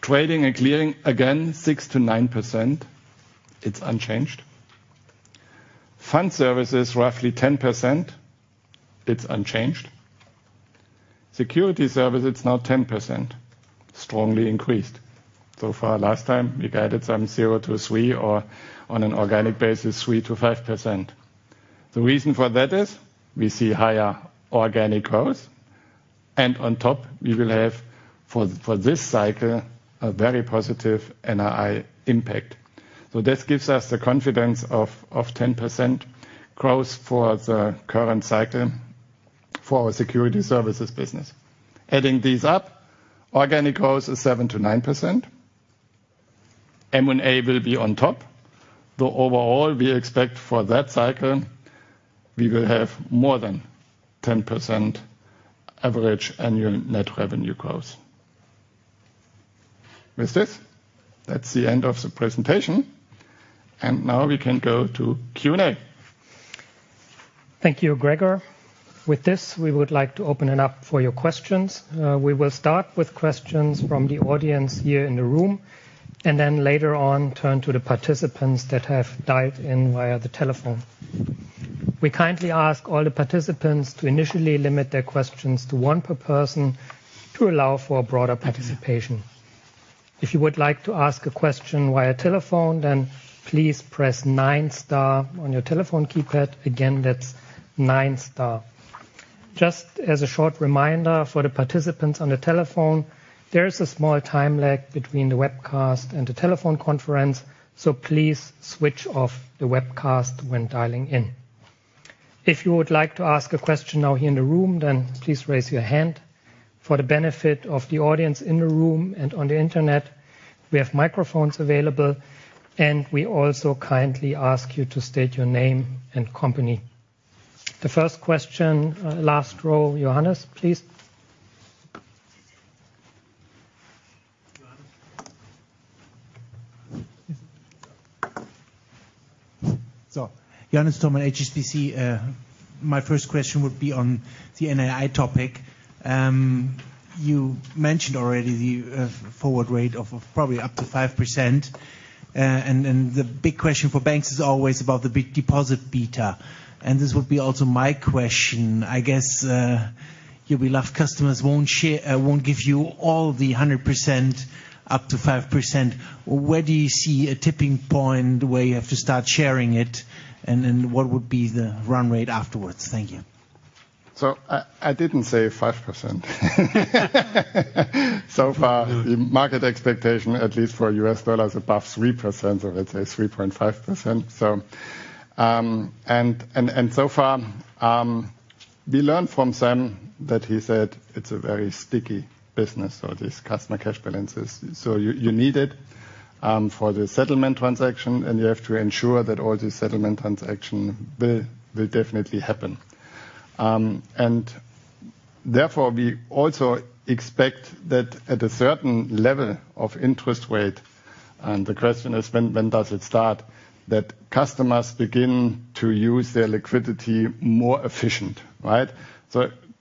Trading and clearing, again, 6%-9%. It's unchanged. Fund services, roughly 10%. It's unchanged. Security services, now 10%. Strongly increased. So far last time, we guided some 0%-3%, or on an organic basis, 3%-5%. The reason for that is we see higher organic growth, and on top, we will have for this cycle, a very positive NII impact. This gives us the confidence of 10% growth for the current cycle for our security services business. Adding these up, organic growth is 7%-9%. M&A will be on top. The overall we expect for that cycle, we will have more than 10% average annual net revenue growth. With this, that's the end of the presentation. Now we can go to Q&A. Thank you, Gregor. With this, we would like to open it up for your questions. We will start with questions from the audience here in the room, and then later on turn to the participants that have dialed in via the telephone. We kindly ask all the participants to initially limit their questions to one per person to allow for broader participation. If you would like to ask a question via telephone, then please press nine star on your telephone keypad. Again, that's nine star. Just as a short reminder for the participants on the telephone, there is a small time lag between the webcast and the telephone conference. Please switch off the webcast when dialing in. If you would like to ask a question now here in the room, then please raise your hand. For the benefit of the audience in the room and on the Internet, we have microphones available, and we also kindly ask you to state your name and company. The first question, last row, Johannes, please. Johannes Thormann, HSBC. My first question would be on the NII topic. You mentioned already the forward rate of probably up to 5%. The big question for banks is always about the big deposit beta, and this would be also my question. I guess, your retail customers won't share, won't give you all the 100% up to 5%. Where do you see a tipping point where you have to start sharing it, and then what would be the run rate afterwards? Thank you. I didn't say 5%. So far the market expectation, at least for the U.S. dollar is above 3% or let's say 3.5%. So far, we learned from Sam that he said it's a very sticky business, so this customer cash balances. You need it for the settlement transaction, and you have to ensure that all these settlement transaction will definitely happen. Therefore we also expect that at a certain level of interest rate, and the question is when does it start that customers begin to use their liquidity more efficient, right?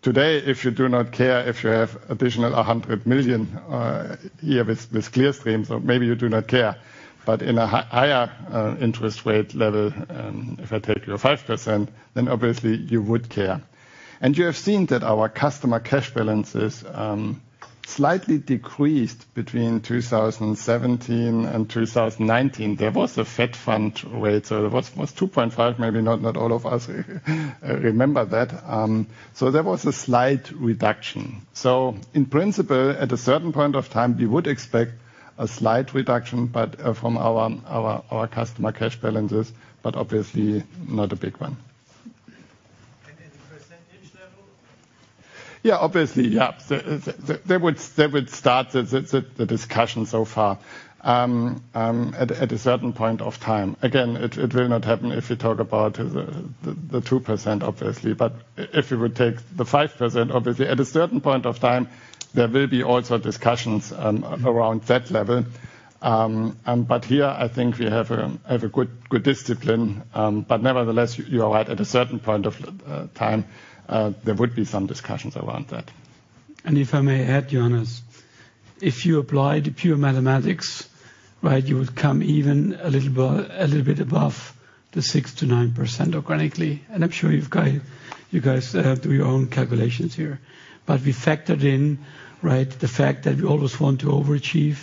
Today, if you do not care if you have additional 100 million here with Clearstream, maybe you do not care. In a higher interest rate level, if I take your 5%, then obviously you would care. You have seen that our customer cash balances slightly decreased between 2017-2019. There was a Fed funds rate, so it was 2.5. Maybe not all of us remember that. There was a slight reduction. In principle, at a certain point of time we would expect a slight reduction, but from our customer cash balances, but obviously not a big one. In the percentage level? Obviously. They would start the discussion so far at a certain point of time. Again, it will not happen if we talk about the 2% obviously. If you would take the 5%, obviously at a certain point of time there will be also discussions around that level. Here I think we have a good discipline. Nevertheless you are right at a certain point of time there would be some discussions around that. If I may add, Johannes, if you apply the pure mathematics, right, you would come even a little bit above the 6%-9% organically. I'm sure you guys have done your own calculations here. We factored in, right, the fact that we always want to overachieve,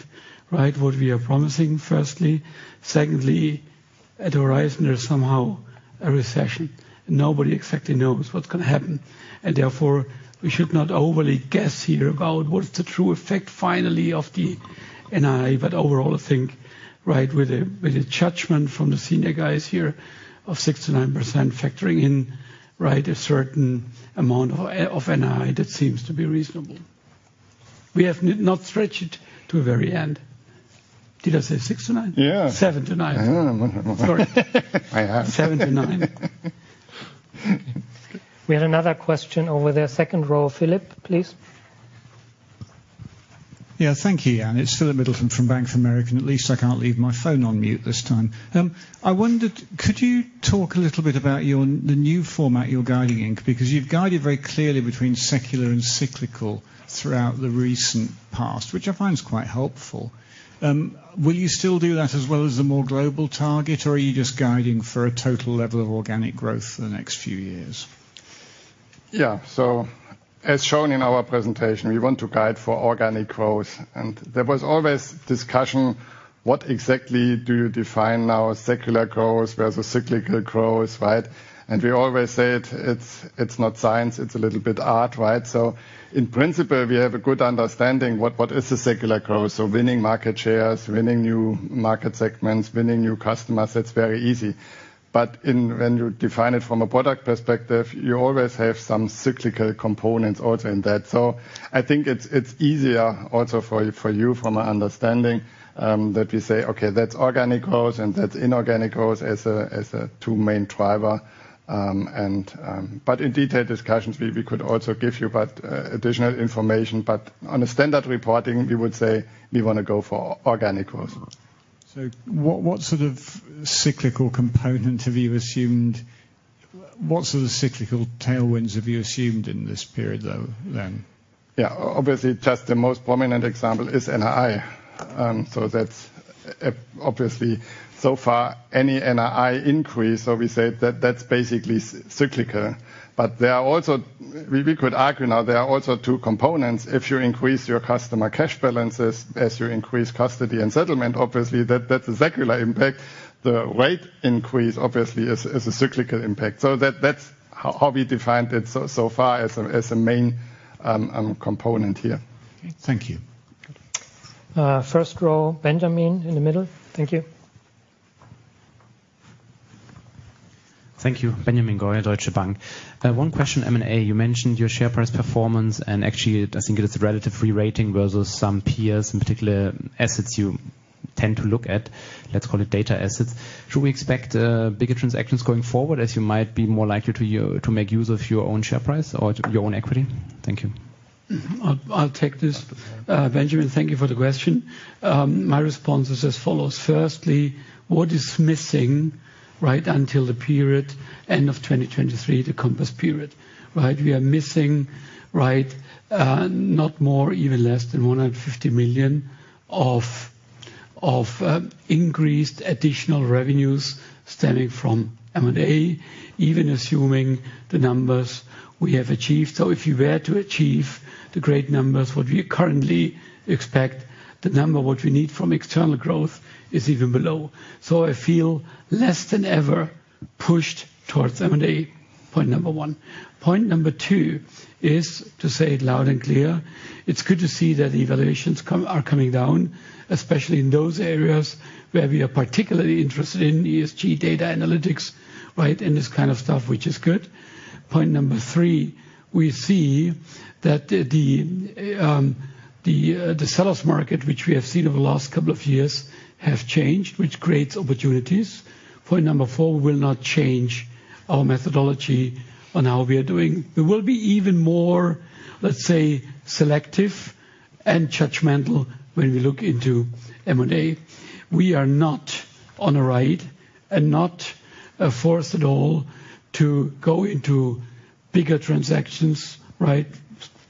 right, what we are promising firstly. Secondly, at horizon there's somehow a recession. Nobody exactly knows what's gonna happen. Therefore we should not overly guess here about what's the true effect finally of the NII. Overall I think, right, with a judgment from the senior guys here of 6%-9% factoring in, right, a certain amount of NII that seems to be reasonable. We have not stretched to a very end. Did I say 6%-9%? Yeah. 7%-9%. Yeah. Sorry. I heard.. 7%-9%. We have another question over there. Second row. Philip, please. Yeah. Thank you, Jan. It's Philip Middleton from Bank of America, and at least I can't leave my phone on mute this time. I wondered, could you talk a little bit about the new format you're guiding in? Because you've guided very clearly between secular and cyclical throughout the recent past, which I find is quite helpful. Will you still do that as well as the more global target, or are you just guiding for a total level of organic growth for the next few years? Yeah. As shown in our presentation, we want to guide for organic growth. There was always discussion, what exactly do you define now secular growth versus cyclical growth, right? We always say it's not science, it's a little bit art, right? In principle we have a good understanding what is a secular growth. Winning market shares, winning new market segments, winning new customers, that's very easy. When you define it from a product perspective, you always have some cyclical components also in that. I think it's easier also for you from an understanding that we say, "Okay, that's organic growth and that's inorganic growth as a two main driver." In detailed discussions we could also give you additional information. On a standard reporting we would say we wanna go for organic growth. What sort of cyclical component have you assumed? What sort of cyclical tailwinds have you assumed in this period though then? Yeah. Obviously just the most prominent example is NII. That's obviously so far any NII increase, so we say that's basically cyclical. We could argue now there are also two components. If you increase your customer cash balances as you increase custody and settlement, obviously that's a secular impact. The rate increase, obviously, is a cyclical impact. That's how we defined it so far as a main component here. Thank you. First row, Benjamin in the middle. Thank you. Thank you. Benjamin Goy, Deutsche Bank. One question, M&A. You mentioned your share price performance, and actually I think it is a relative re-rating versus some peers, in particular assets you tend to look at, let's call it data assets. Should we expect bigger transactions going forward, as you might be more likely to make use of your own share price or your own equity? Thank you. I'll take this. Benjamin, thank you for the question. My response is as follows: firstly, what is missing, right, until the period end of 2023, the Compass period, right? We are missing, right, not more, even less than 150 million of increased additional revenues stemming from M&A, even assuming the numbers we have achieved. If you were to achieve the great numbers what we currently expect, the number what we need from external growth is even below. I feel less than ever pushed towards M&A, point number one. Point number two is, to say it loud and clear, it's good to see that the valuations come, are coming down, especially in those areas where we are particularly interested in ESG data analytics, right? This kind of stuff, which is good. Point number three, we see that the sellers' market, which we have seen over the last couple of years, have changed, which creates opportunities. Point number four, we'll not change our methodology on how we are doing. We will be even more, let's say, selective and judgmental when we look into M&A. We are not on a ride and not forced at all to go into bigger transactions, right?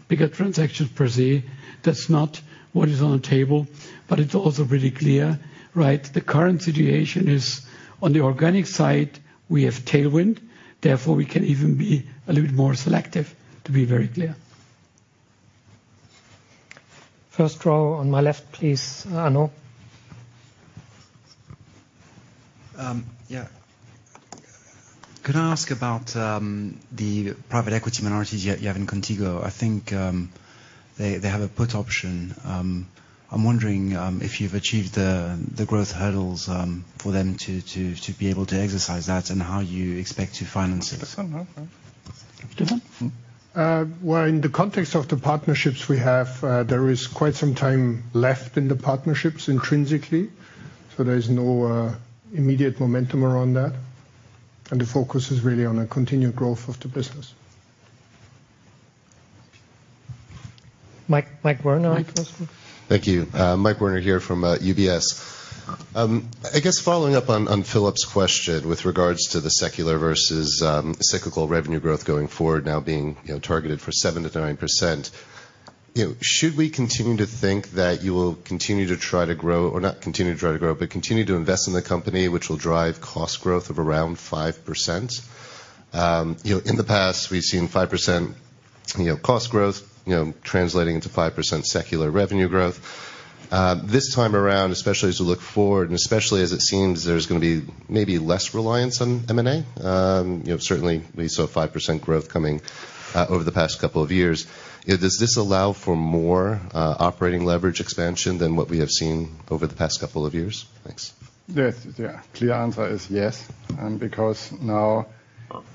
Bigger transactions per se. That's not what is on the table, but it's also really clear, right? The current situation is on the organic side, we have tailwind, therefore we can even be a little more selective, to be very clear. First row on my left, please. Arnaud? Yeah. Could I ask about the private equity minorities you have in Qontigo? I think they have a put option. I'm wondering if you've achieved the growth hurdles for them to be able to exercise that, and how you expect to finance it? Stephan? Well, in the context of the partnerships we have, there is quite some time left in the partnerships intrinsically, so there is no immediate momentum around that. The focus is really on a continued growth of the business. Mike, Michael Werner next. Thank you. Michael Werner here from UBS. I guess following up on Philip's question with regards to the secular versus cyclical revenue growth going forward now being targeted for 7%-9%. Should we continue to think that you will continue to invest in the company, which will drive cost growth of around 5%? In the past, we've seen 5% cost growth translating into 5% secular revenue growth. This time around, especially as we look forward and especially as it seems there's gonna be maybe less reliance on M&A, certainly we saw 5% growth coming over the past couple of years. Does this allow for more operating leverage expansion than what we have seen over the past couple of years? Thanks. The clear answer is yes, because now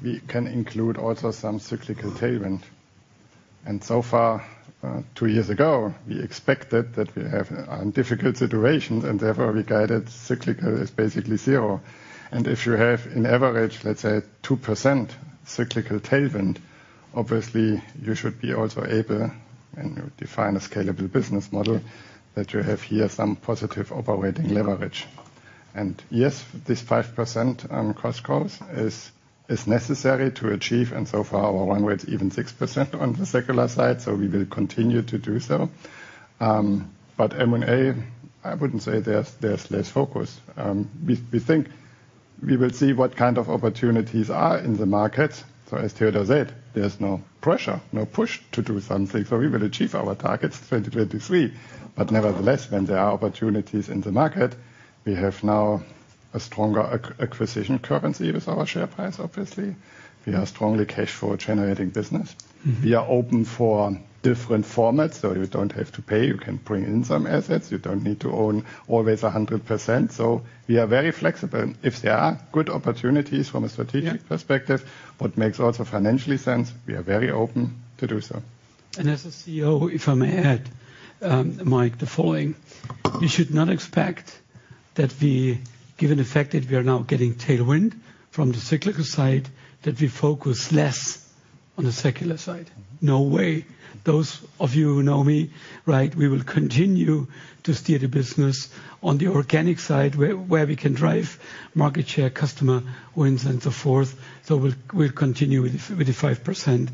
we can include also some cyclical tailwind. So far, two years ago, we expected that we have a difficult situation, and therefore we guided cyclical is basically zero. If you have an average, let's say 2% cyclical tailwind, obviously you should be also able, and you define a scalable business model, that you have here some positive operating leverage. Yes, this 5% cost growth is necessary to achieve, and so far our runway is even 6% on the secular side, so we will continue to do so. But M&A, I wouldn't say there's less focus. We think we will see what kind of opportunities are in the market. As Theodor said, there's no pressure, no push to do something, so we will achieve our targets 2023. Nevertheless, when there are opportunities in the market, we have now a stronger acquisition currency with our share price, obviously. We are strongly cash flow generating business. We are open for different formats, so you don't have to pay, you can bring in some assets. You don't need to own always 100%. We are very flexible. If there are good opportunities from a strategic perspective, what makes also financially sense, we are very open to do so. As a CEO, if I may add, Mike, the following: you should not expect that we, given the fact that we are now getting tailwind from the cyclical side, that we focus less on the secular side. No way. Those of you who know me, right, we will continue to steer the business on the organic side where we can drive market share, customer wins, and so forth. We'll continue with the 5%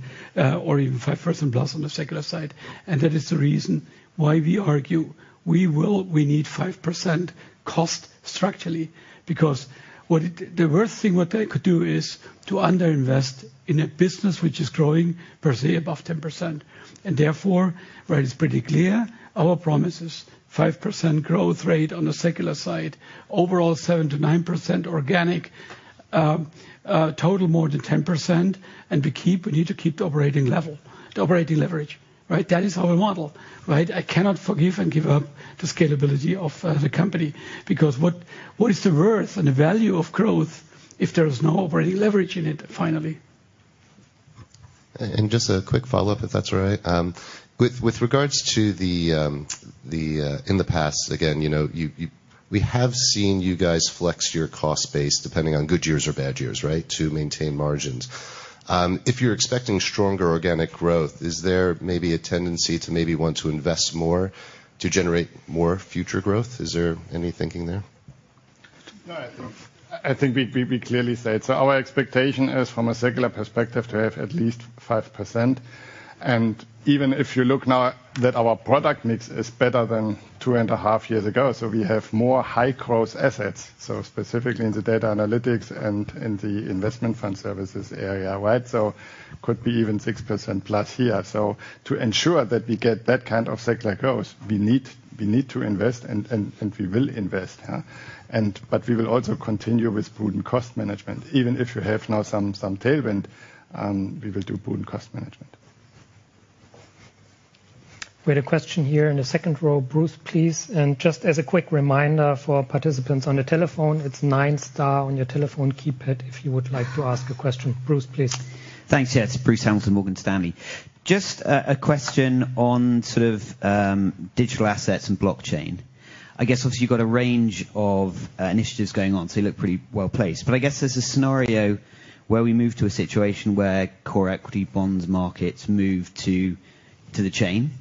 or even 5%+ on the secular side. That is the reason why we argue we will. We need 5% cost structurally because the worst thing what I could do is to under-invest in a business which is growing per se above 10%. Therefore, where it's pretty clear our promise is 5% growth rate on the secular side, overall 7%-9% organic, total more than 10%, and we need to keep the operating level, the operating leverage, right? That is our model, right? I cannot forgive and give up the scalability of the company because what is the worth and the value of growth if there is no operating leverage in it, finally? Just a quick follow-up, if that's all right. With regards to the in the past, again, you know, we have seen you guys flex your cost base depending on good years or bad years, right, to maintain margins. If you're expecting stronger organic growth, is there maybe a tendency to maybe want to invest more to generate more future growth? Is there any thinking there? No, I think we clearly said. Our expectation is from a secular perspective to have at least 5%. Even if you look now that our product mix is better than two and a half years ago, we have more high growth assets, specifically in the data analytics and in the investment fund services area, right? Could be even 6%+ here. To ensure that we get that kind of secular growth, we need to invest and we will invest. We will also continue with prudent cost management. Even if you have now some tailwind, we will do prudent cost management. We have a question here in the second row. Bruce, please. Just as a quick reminder for participants on the telephone, it's nine star on your telephone keypad if you would like to ask a question. Bruce, please. Thanks. Yes, Bruce Hamilton, Morgan Stanley. Just a question on sort of digital assets and blockchain. I guess obviously you've got a range of initiatives going on, so you look pretty well-placed. I guess there's a scenario where we move to a situation where core equity and bond markets move to the chain,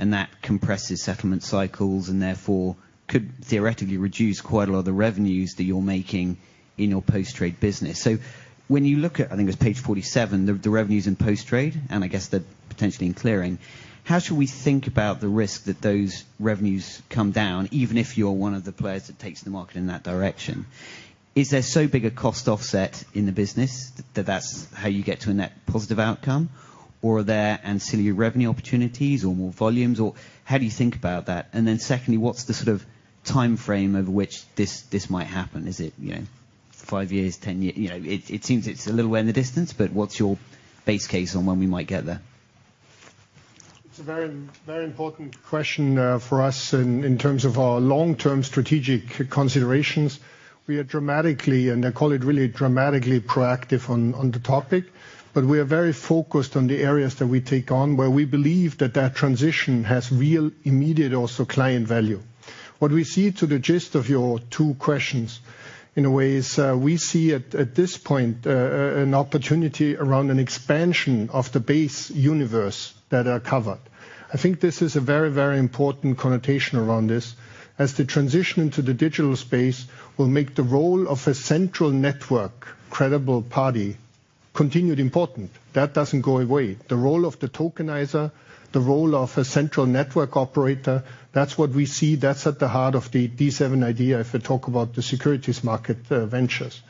and that compresses settlement cycles and therefore could theoretically reduce quite a lot of the revenues that you're making in your post-trade business. When you look at, I think it's page 47, the revenues in post-trade, and I guess the potentially in clearing, how should we think about the risk that those revenues come down, even if you're one of the players that takes the market in that direction? Is there so big a cost offset in the business that that's how you get to a net positive outcome? Are there ancillary revenue opportunities or more volumes, or how do you think about that? Secondly, what's the sort of timeframe over which this might happen? Is it, you know, five years, you know, it seems it's a little way in the distance, but what's your base case on when we might get there? It's a very, very important question for us in terms of our long-term strategic considerations. We are dramatically, and I call it really dramatically proactive on the topic, but we are very focused on the areas that we take on, where we believe that transition has real immediate also client value. What we see to the gist of your two questions in a way is, we see at this point an opportunity around an expansion of the base universe that are covered. I think this is a very, very important connotation around this, as the transition into the digital space will make the role of a central network counterparty continue to be important. That doesn't go away. The role of the tokenizer, the role of a central network operator, that's what we see. That's at the heart of the D7 idea if you talk about the securities market ventures.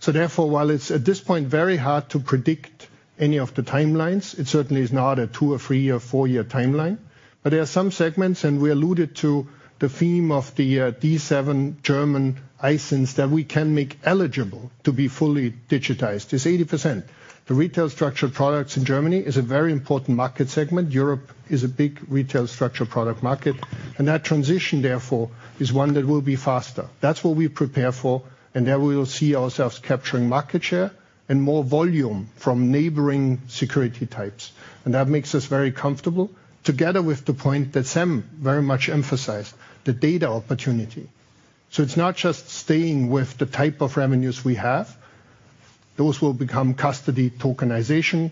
Therefore, while it's at this point very hard to predict any of the timelines, it certainly is not a two or three or four-year timeline. There are some segments, and we alluded to the theme of the D7 German ISINs that we can make eligible to be fully digitized. It's 80%. The retail structured products in Germany is a very important market segment. Europe is a big retail structured product market. That transition, therefore, is one that will be faster. That's what we prepare for, and there we will see ourselves capturing market share and more volume from neighboring security types. That makes us very comfortable together with the point that Sam very much emphasized, the data opportunity. It's not just staying with the type of revenues we have. Those will become custody tokenization,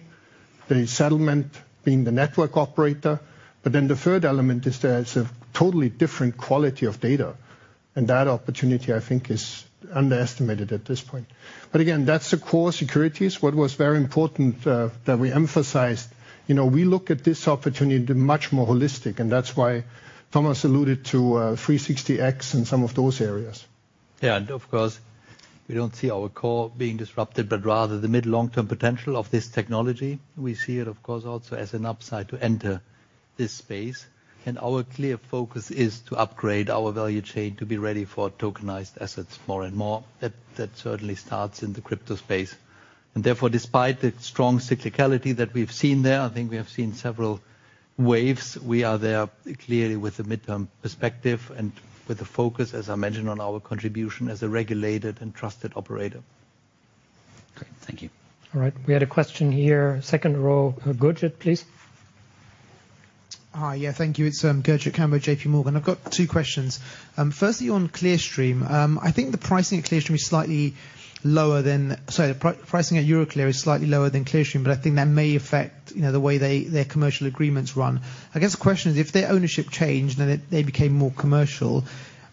the settlement being the network operator. The third element is there's a totally different quality of data, and that opportunity, I think, is underestimated at this point. That's the core securities. What was very important, that we emphasized, you know, we look at this opportunity much more holistic, and that's why Thomas alluded to, 360X and some of those areas. Yeah. Of course, we don't see our core being disrupted, but rather the mid, long-term potential of this technology. We see it, of course, also as an upside to enter this space. Our clear focus is to upgrade our value chain to be ready for tokenized assets more and more. That certainly starts in the crypto space. Therefore, despite the strong cyclicality that we've seen there, I think we have seen several waves. We are there clearly with the mid-term perspective and with the focus, as I mentioned, on our contribution as a regulated and trusted operator. Great. Thank you. All right. We had a question here. Second row. Gurjit, please. Hi. Yeah, thank you. It's Gurjit Kambo, JPMorgan. I've got two questions. Firstly on Clearstream, I think the pricing at Euroclear is slightly lower than Clearstream, but I think that may affect, you know, the way they, their commercial agreements run. I guess the question is if their ownership changed and they became more commercial,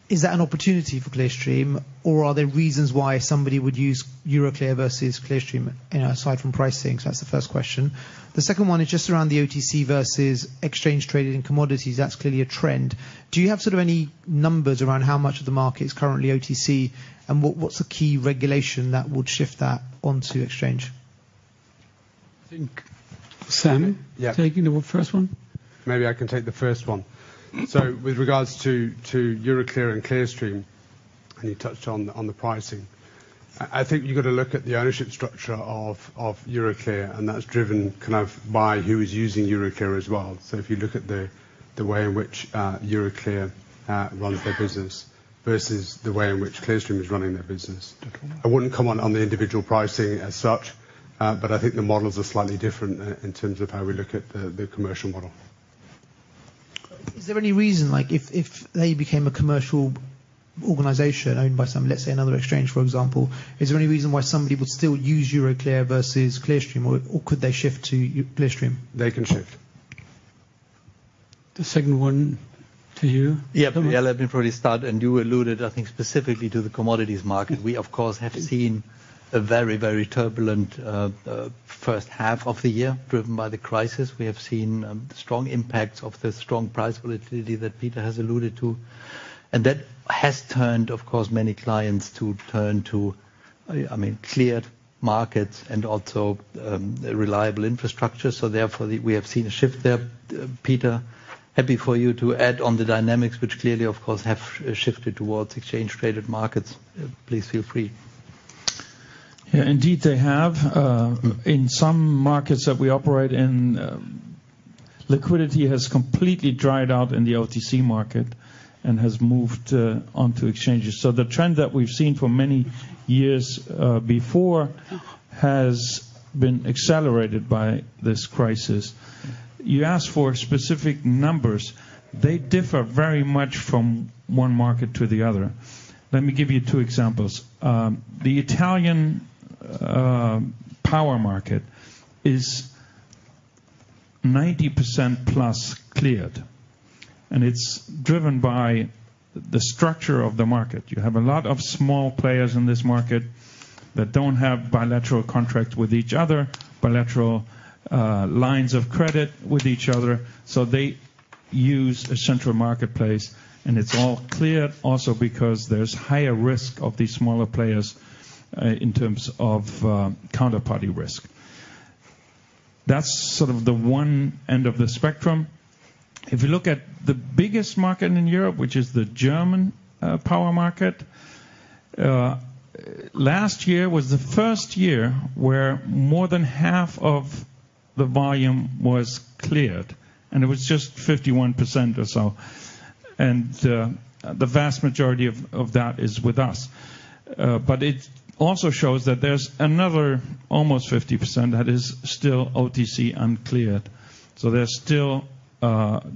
is that an opportunity for Clearstream, or are there reasons why somebody would use Euroclear versus Clearstream, you know, aside from pricing? That's the first question. The second one is just around the OTC versus exchange-traded and commodities. That's clearly a trend. Do you have sort of any numbers around how much of the market is currently OTC? And what's the key regulation that would shift that onto exchange? I think, Sam. Yeah. Taking the first one. Maybe I can take the first one. With regards to Euroclear and Clearstream, and you touched on the pricing. I think you got to look at the ownership structure of Euroclear, and that's driven kind of by who is using Euroclear as well. If you look at the way in which Euroclear runs their business versus the way in which Clearstream is running their business. Okay. I wouldn't comment on the individual pricing as such, but I think the models are slightly different in terms of how we look at the commercial model. Is there any reason, like if they became a commercial organization owned by some, let's say another exchange, for example, is there any reason why somebody would still use Euroclear versus Clearstream, or could they shift to Clearstream? They can shift. The second one to you. Yeah. Well, let me probably start. You alluded, I think, specifically to the commodities market. We of course have seen a very, very turbulent first half of the year driven by the crisis. We have seen strong impacts of the strong price volatility that Peter has alluded to, and that has turned, of course, many clients to turn to, I mean, cleared markets and also reliable infrastructure. Therefore, we have seen a shift there. Peter, happy for you to add on the dynamics which clearly, of course, have shifted towards exchange-traded markets. Please feel free. Yeah, indeed they have. In some markets that we operate in, liquidity has completely dried out in the OTC market and has moved onto exchanges. The trend that we've seen for many years before has been accelerated by this crisis. You asked for specific numbers. They differ very much from one market to the other. Let me give you two examples. The Italian power market is 90%+ cleared, and it's driven by the structure of the market. You have a lot of small players in this market that don't have bilateral contract with each other bilateral lines of credit with each other, so they use a central marketplace, and it's all cleared also because there's higher risk of these smaller players in terms of counterparty risk. That's sort of the one end of the spectrum. If you look at the biggest market in Europe, which is the German power market, last year was the first year where more than half of the volume was cleared, and it was just 51% or so. The vast majority of that is with us. But it also shows that there's another almost 50% that is still OTC uncleared. There's still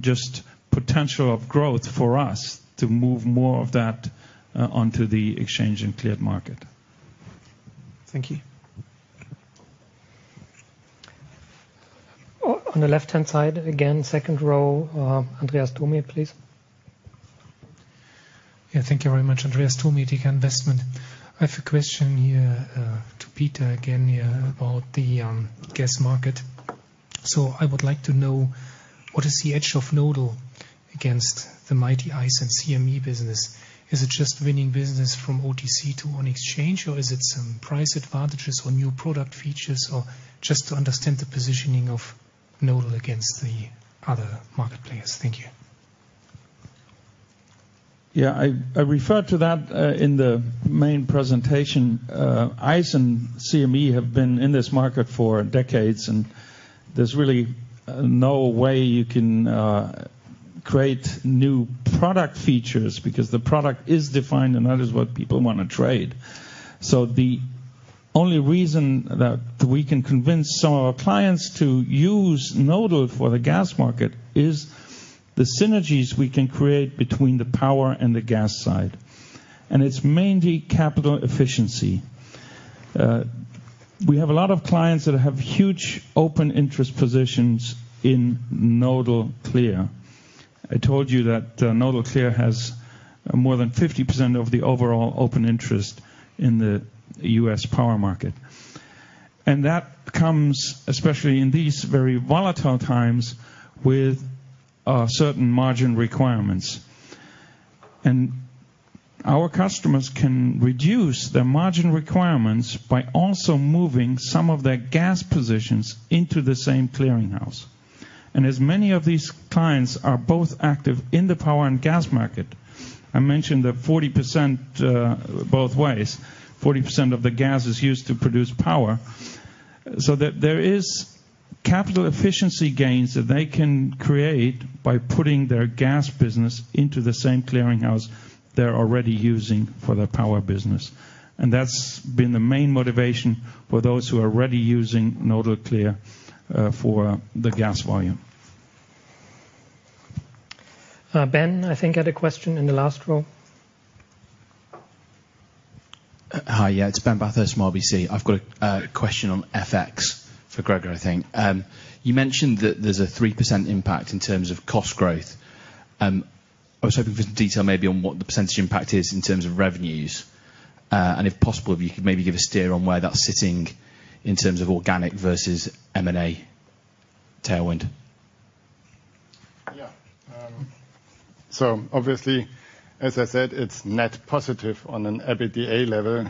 just potential of growth for us to move more of that onto the exchange and cleared market. Thank you. On the left-hand side again, second row. Andreas Thomae, please. Yeah, thank you very much. Andreas Thomae, Deka Investment. I have a question here to Peter again about the gas market. I would like to know, what is the edge of Nodal against the mighty ICE and CME business? Is it just winning business from OTC to on exchange? Or is it some price advantages or new product features? Or just to understand the positioning of Nodal against the other market players. Thank you. Yeah. I referred to that in the main presentation. ICE and CME have been in this market for decades, and there's really no way you can create new product features because the product is defined, and that is what people wanna trade. So the only reason that we can convince some of our clients to use Nodal for the gas market is the synergies we can create between the power and the gas side, and it's mainly capital efficiency. We have a lot of clients that have huge open interest positions in Nodal Clear. I told you that Nodal Clear has more than 50% of the overall open interest in the U.S. power market. That comes especially in these very volatile times with certain margin requirements. Our customers can reduce their margin requirements by also moving some of their gas positions into the same clearinghouse. As many of these clients are both active in the power and gas market, I mentioned that 40%, both ways, 40% of the gas is used to produce power. That there is capital efficiency gains that they can create by putting their gas business into the same clearinghouse they're already using for their power business. That's been the main motivation for those who are already using Nodal Clear for the gas volume. Ben, I think had a question in the last row. Hi, yeah, it's Ben Bathurst from RBC. I've got a question on FX for Gregor Pottmeyer, I think. You mentioned that there's a 3% impact in terms of cost growth. I was hoping for some detail maybe on what the percentage impact is in terms of revenues. If possible, if you could maybe give a steer on where that's sitting in terms of organic versus M&A tailwind. Yeah. Obviously, as I said, it's net positive on an EBITDA level.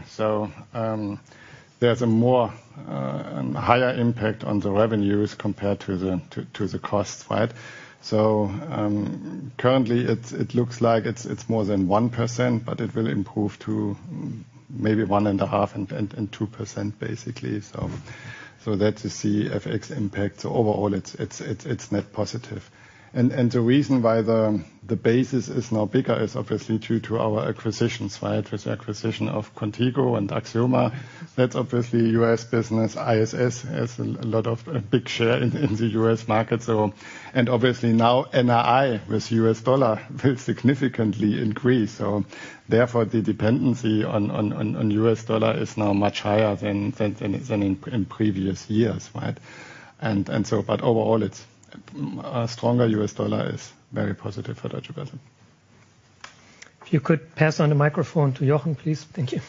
There's a higher impact on the revenues compared to the costs, right? Currently it looks like it's more than 1%, but it will improve to maybe 1.5% and 2% basically. That's the FX impact. Overall it's net positive. The reason why the basis is now bigger is obviously due to our acquisitions, right? With acquisition of Qontigo and Axioma. That's obviously U.S. business. ISS has a lot of big share in the U.S. market. Obviously now NII with U.S. dollar will significantly increase. Therefore, the dependency on U.S. dollar is now much higher than in previous years, right? Overall it's a stronger U.S. dollar is very positive for Deutsche Börse. If you could pass on the microphone to Jochen, please. Thank you.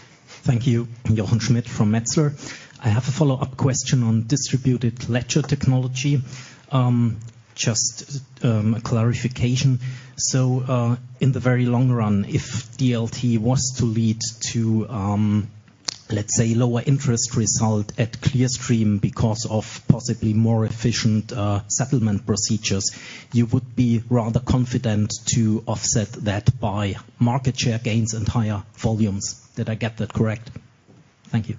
Thank you. Jochen Schmitt from Metzler. I have a follow-up question on distributed ledger technology. Just a clarification. In the very long run, if DLT was to lead to, let's say, lower interest result at Clearstream because of possibly more efficient settlement procedures, you would be rather confident to offset that by market share gains and higher volumes. Did I get that correct? Thank you.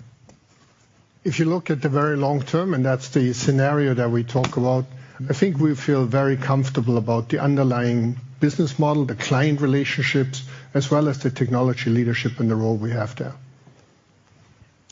If you look at the very long term, and that's the scenario that we talk about, I think we feel very comfortable about the underlying business model, the client relationships, as well as the technology leadership and the role we have there.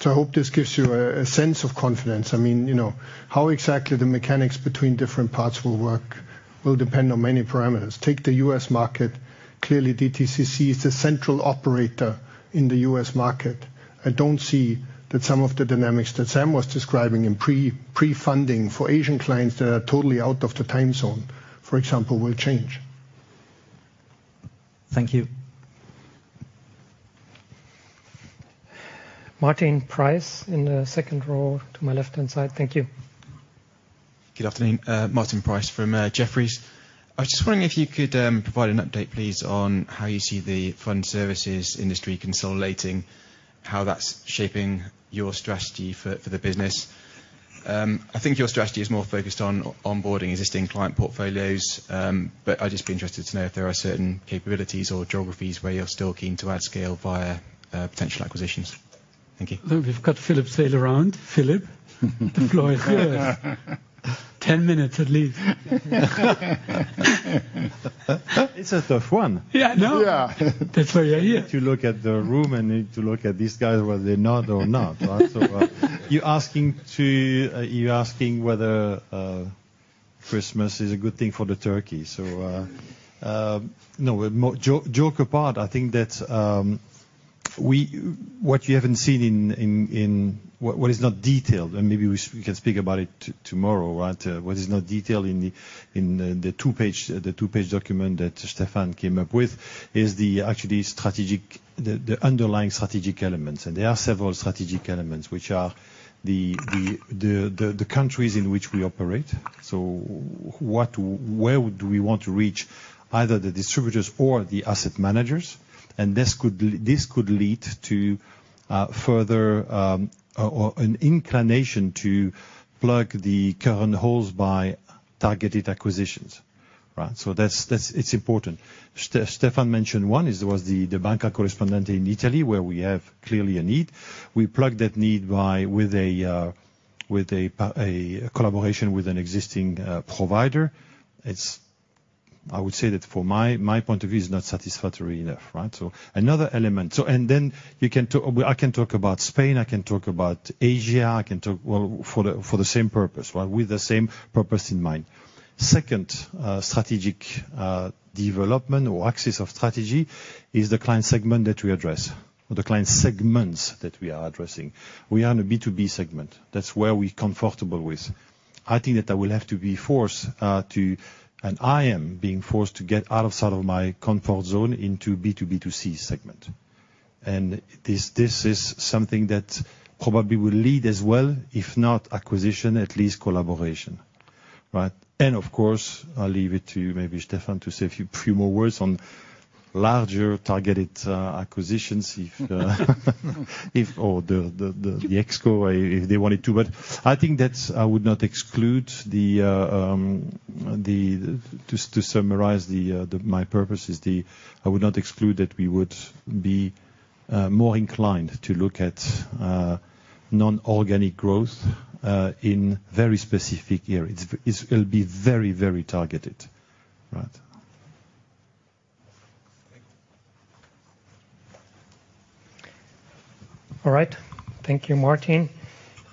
I hope this gives you a sense of confidence. I mean, you know, how exactly the mechanics between different parts will work will depend on many parameters. Take the U.S. market. Clearly, DTCC is the central operator in the U.S. market. I don't see that some of the dynamics that Sam was describing in pre-funding for Asian clients that are totally out of the time zone, for example, will change. Thank you. [Martin Price] in the second row to my left-hand side. Thank you. Good afternoon. [Martin Price] from Jefferies. I was just wondering if you could provide an update, please, on how you see the fund services industry consolidating, how that's shaping your strategy for the business. I think your strategy is more focused on onboarding existing client portfolios. I'd just be interested to know if there are certain capabilities or geographies where you're still keen to add scale via potential acquisitions. Thank you. Look, we've got Philippe Seyll around. Philippe Seyll, the floor is yours. Ten minutes at least. It's a tough one. Yeah, I know. Yeah. That's why you're here. If you look at the room and need to look at these guys, whether they nod or not, right? Are you asking whether Christmas is a good thing for the turkey? No, joking apart, I think that what you haven't seen, what is not detailed, and maybe we can speak about it tomorrow, right? What is not detailed in the two-page document that Stephan came up with is actually the strategic, the underline strategic elements, and there are several strategic elements, which are the countries in which we operate. Where do we want to reach either the distributors or the asset managers? This could lead to further or an inclination to plug the current holes by targeted acquisitions. Right? That's important. Stephan mentioned one, was the Banca Corrispondente in Italy, where we have clearly a need. We plug that need by with a collaboration with an existing provider. It's I would say that from my point of view, it's not satisfactory enough, right? Another element. I can talk about Spain, I can talk about Asia, I can talk well for the same purpose, right? With the same purpose in mind. Second, strategic development or axis of strategy is the client segment that we address, or the client segments that we are addressing. We are in a B2B segment. That's where we're comfortable with. I think that I will have to be forced and I am being forced to get out of some of my comfort zone into B2B2C segment. This is something that probably will lead as well, if not acquisition, at least collaboration. Right? Of course, I'll leave it to maybe Stephan to say a few more words on larger targeted acquisitions if or the [ExCo] if they wanted to. I think that I would not exclude. To summarize, my point is that I would not exclude that we would be more inclined to look at non-organic growth in very specific areas. It will be very targeted, right? All right. Thank you, Martin.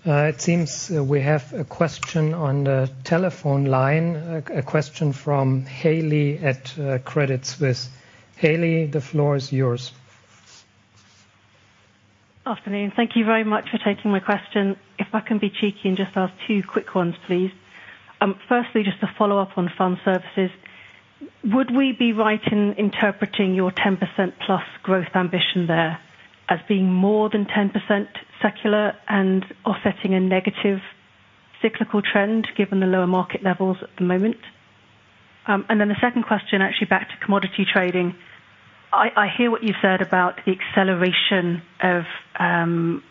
It seems we have a question on the telephone line. A question from Haley at Credit Suisse. Haley, the floor is yours. Afternoon. Thank you very much for taking my question. If I can be cheeky and just ask two quick ones, please. Firstly, just to follow up on fund services, would we be right in interpreting your 10%+ growth ambition there as being more than 10% secular and offsetting a negative cyclical trend, given the lower market levels at the moment? And then the second question, actually back to commodity trading. I hear what you've said about the acceleration of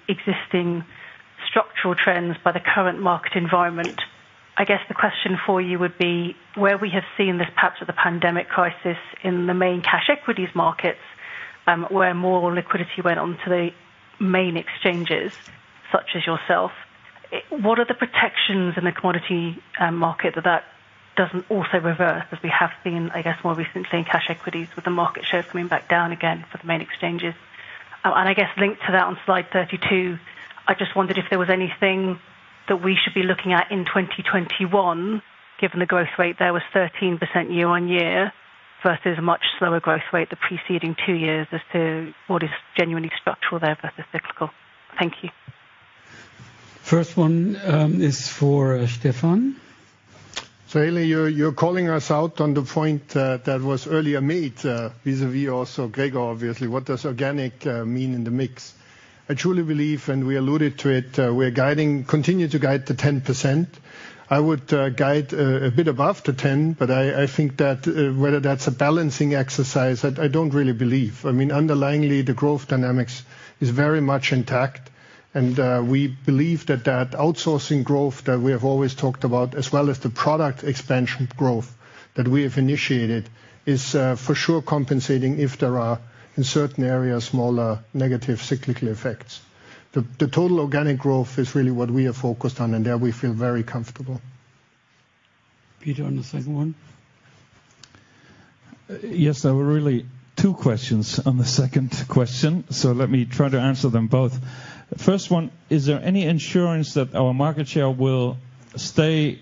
existing structural trends by the current market environment. I guess the question for you would be, where we have seen this, perhaps with the pandemic crisis in the main cash equities markets, where more liquidity went on to the main exchanges, such as yourself, what are the protections in the commodity market that doesn't also reverse as we have seen, I guess, more recently in cash equities with the market shares coming back down again for the main exchanges? I guess linked to that on slide 32, I just wondered if there was anything that we should be looking at in 2021, given the growth rate there was 13% year-on-year, versus much slower growth rate the preceding two years as to what is genuinely structural there versus cyclical. Thank you. First one, is for Stephan. Haley, you're calling us out on the point that was earlier made vis-a-vis also Gregor, obviously. What does organic mean in the mix? I truly believe, and we alluded to it. We continue to guide to 10%. I would guide a bit above the 10%, but I think that whether that's a balancing exercise, I don't really believe. I mean, underlyingly, the growth dynamics is very much intact. We believe that that outsourcing growth that we have always talked about, as well as the product expansion growth that we have initiated, is for sure compensating if there are in certain areas smaller negative cyclical effects. The total organic growth is really what we are focused on, and there we feel very comfortable. Peter, on the second one. Yes. There were really two questions on the second question, so let me try to answer them both. First one, is there any insurance that our market share will stay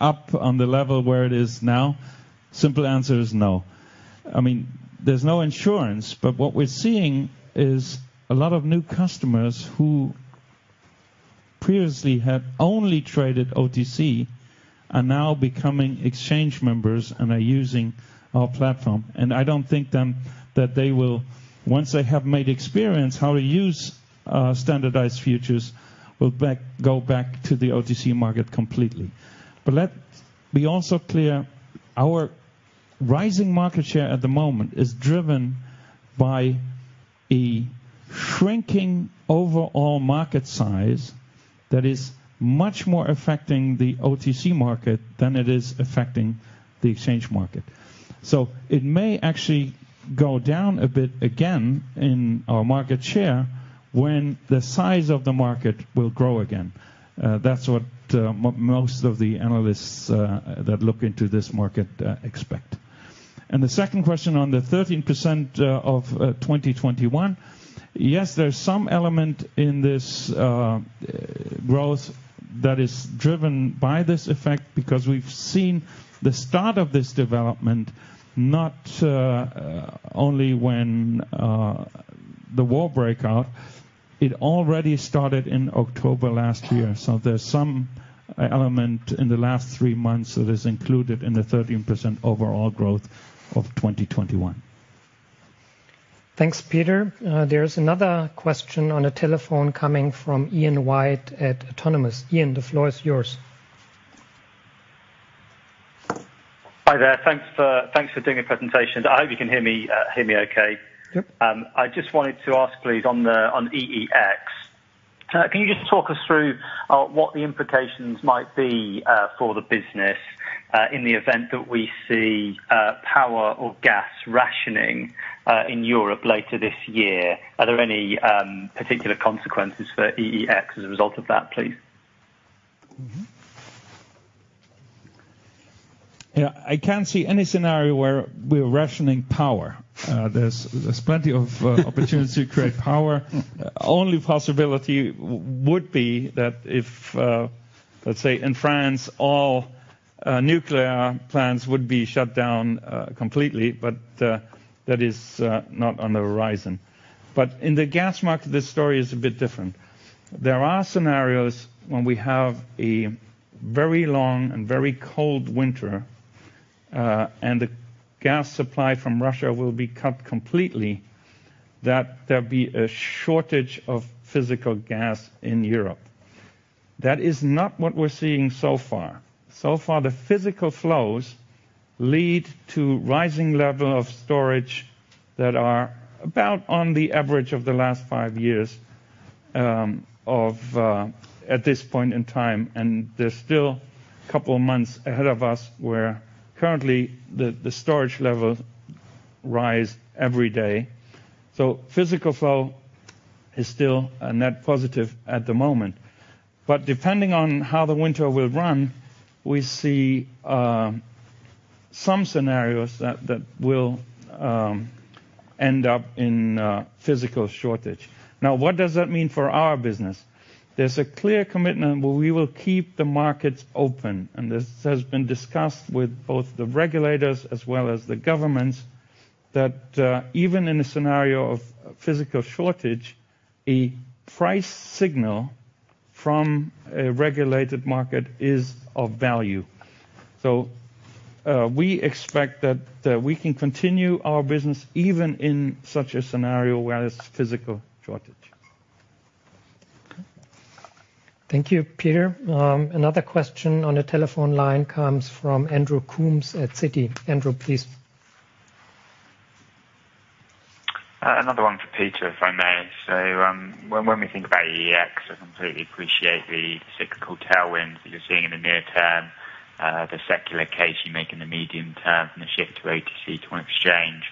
up on the level where it is now? Simple answer is no. I mean, there's no insurance, but what we're seeing is a lot of new customers who previously had only traded OTC are now becoming exchange members and are using our platform. And I don't think then that they will. Once they have made experience how to use standardized futures, will go back to the OTC market completely. But let be also clear, our rising market share at the moment is driven by a shrinking overall market size that is much more affecting the OTC market than it is affecting the exchange market. It may actually go down a bit again in our market share when the size of the market will grow again. That's what most of the analysts that look into this market expect. The second question on the 13% of 2021, yes, there's some element in this growth that is driven by this effect because we've seen the start of this development, not only when the war break out. It already started in October last year. There's some element in the last three months that is included in the 13% overall growth of 2021. Thanks, Peter. There's another question on a telephone coming from Ian White at Autonomous. Ian, the floor is yours. Hi there. Thanks for doing the presentation. I hope you can hear me okay. Yep. I just wanted to ask, please, on EEX. Can you just talk us through what the implications might be for the business in the event that we see power or gas rationing in Europe later this year? Are there any particular consequences for EEX as a result of that, please? Yeah, I can't see any scenario where we're rationing power. There's plenty of opportunity to create power. Only possibility would be that if, let's say in France, all nuclear plants would be shut down completely, but that is not on the horizon. In the gas market, the story is a bit different. There are scenarios when we have a very long and very cold winter, and the gas supply from Russia will be cut completely that there'll be a shortage of physical gas in Europe. That is not what we're seeing so far. So far, the physical flows lead to rising level of storage that are about on the average of the last five years, of at this point in time. There's still a couple of months ahead of us, where currently the storage levels rise every day. Physical flow is still a net positive at the moment. Depending on how the winter will run, we see some scenarios that will end up in physical shortage. Now, what does that mean for our business? There's a clear commitment where we will keep the markets open, and this has been discussed with both the regulators as well as the governments, that even in a scenario of physical shortage, a price signal from a regulated market is of value. We expect that we can continue our business even in such a scenario where there's physical shortage. Thank you, Peter. Another question on the telephone line comes from Andrew Coombs at Citi. Andrew, please. Another one for Peter, if I may. When we think about EEX, I completely appreciate the cyclical tailwinds that you're seeing in the near term, the secular case you make in the medium term and the shift to OTC to an exchange.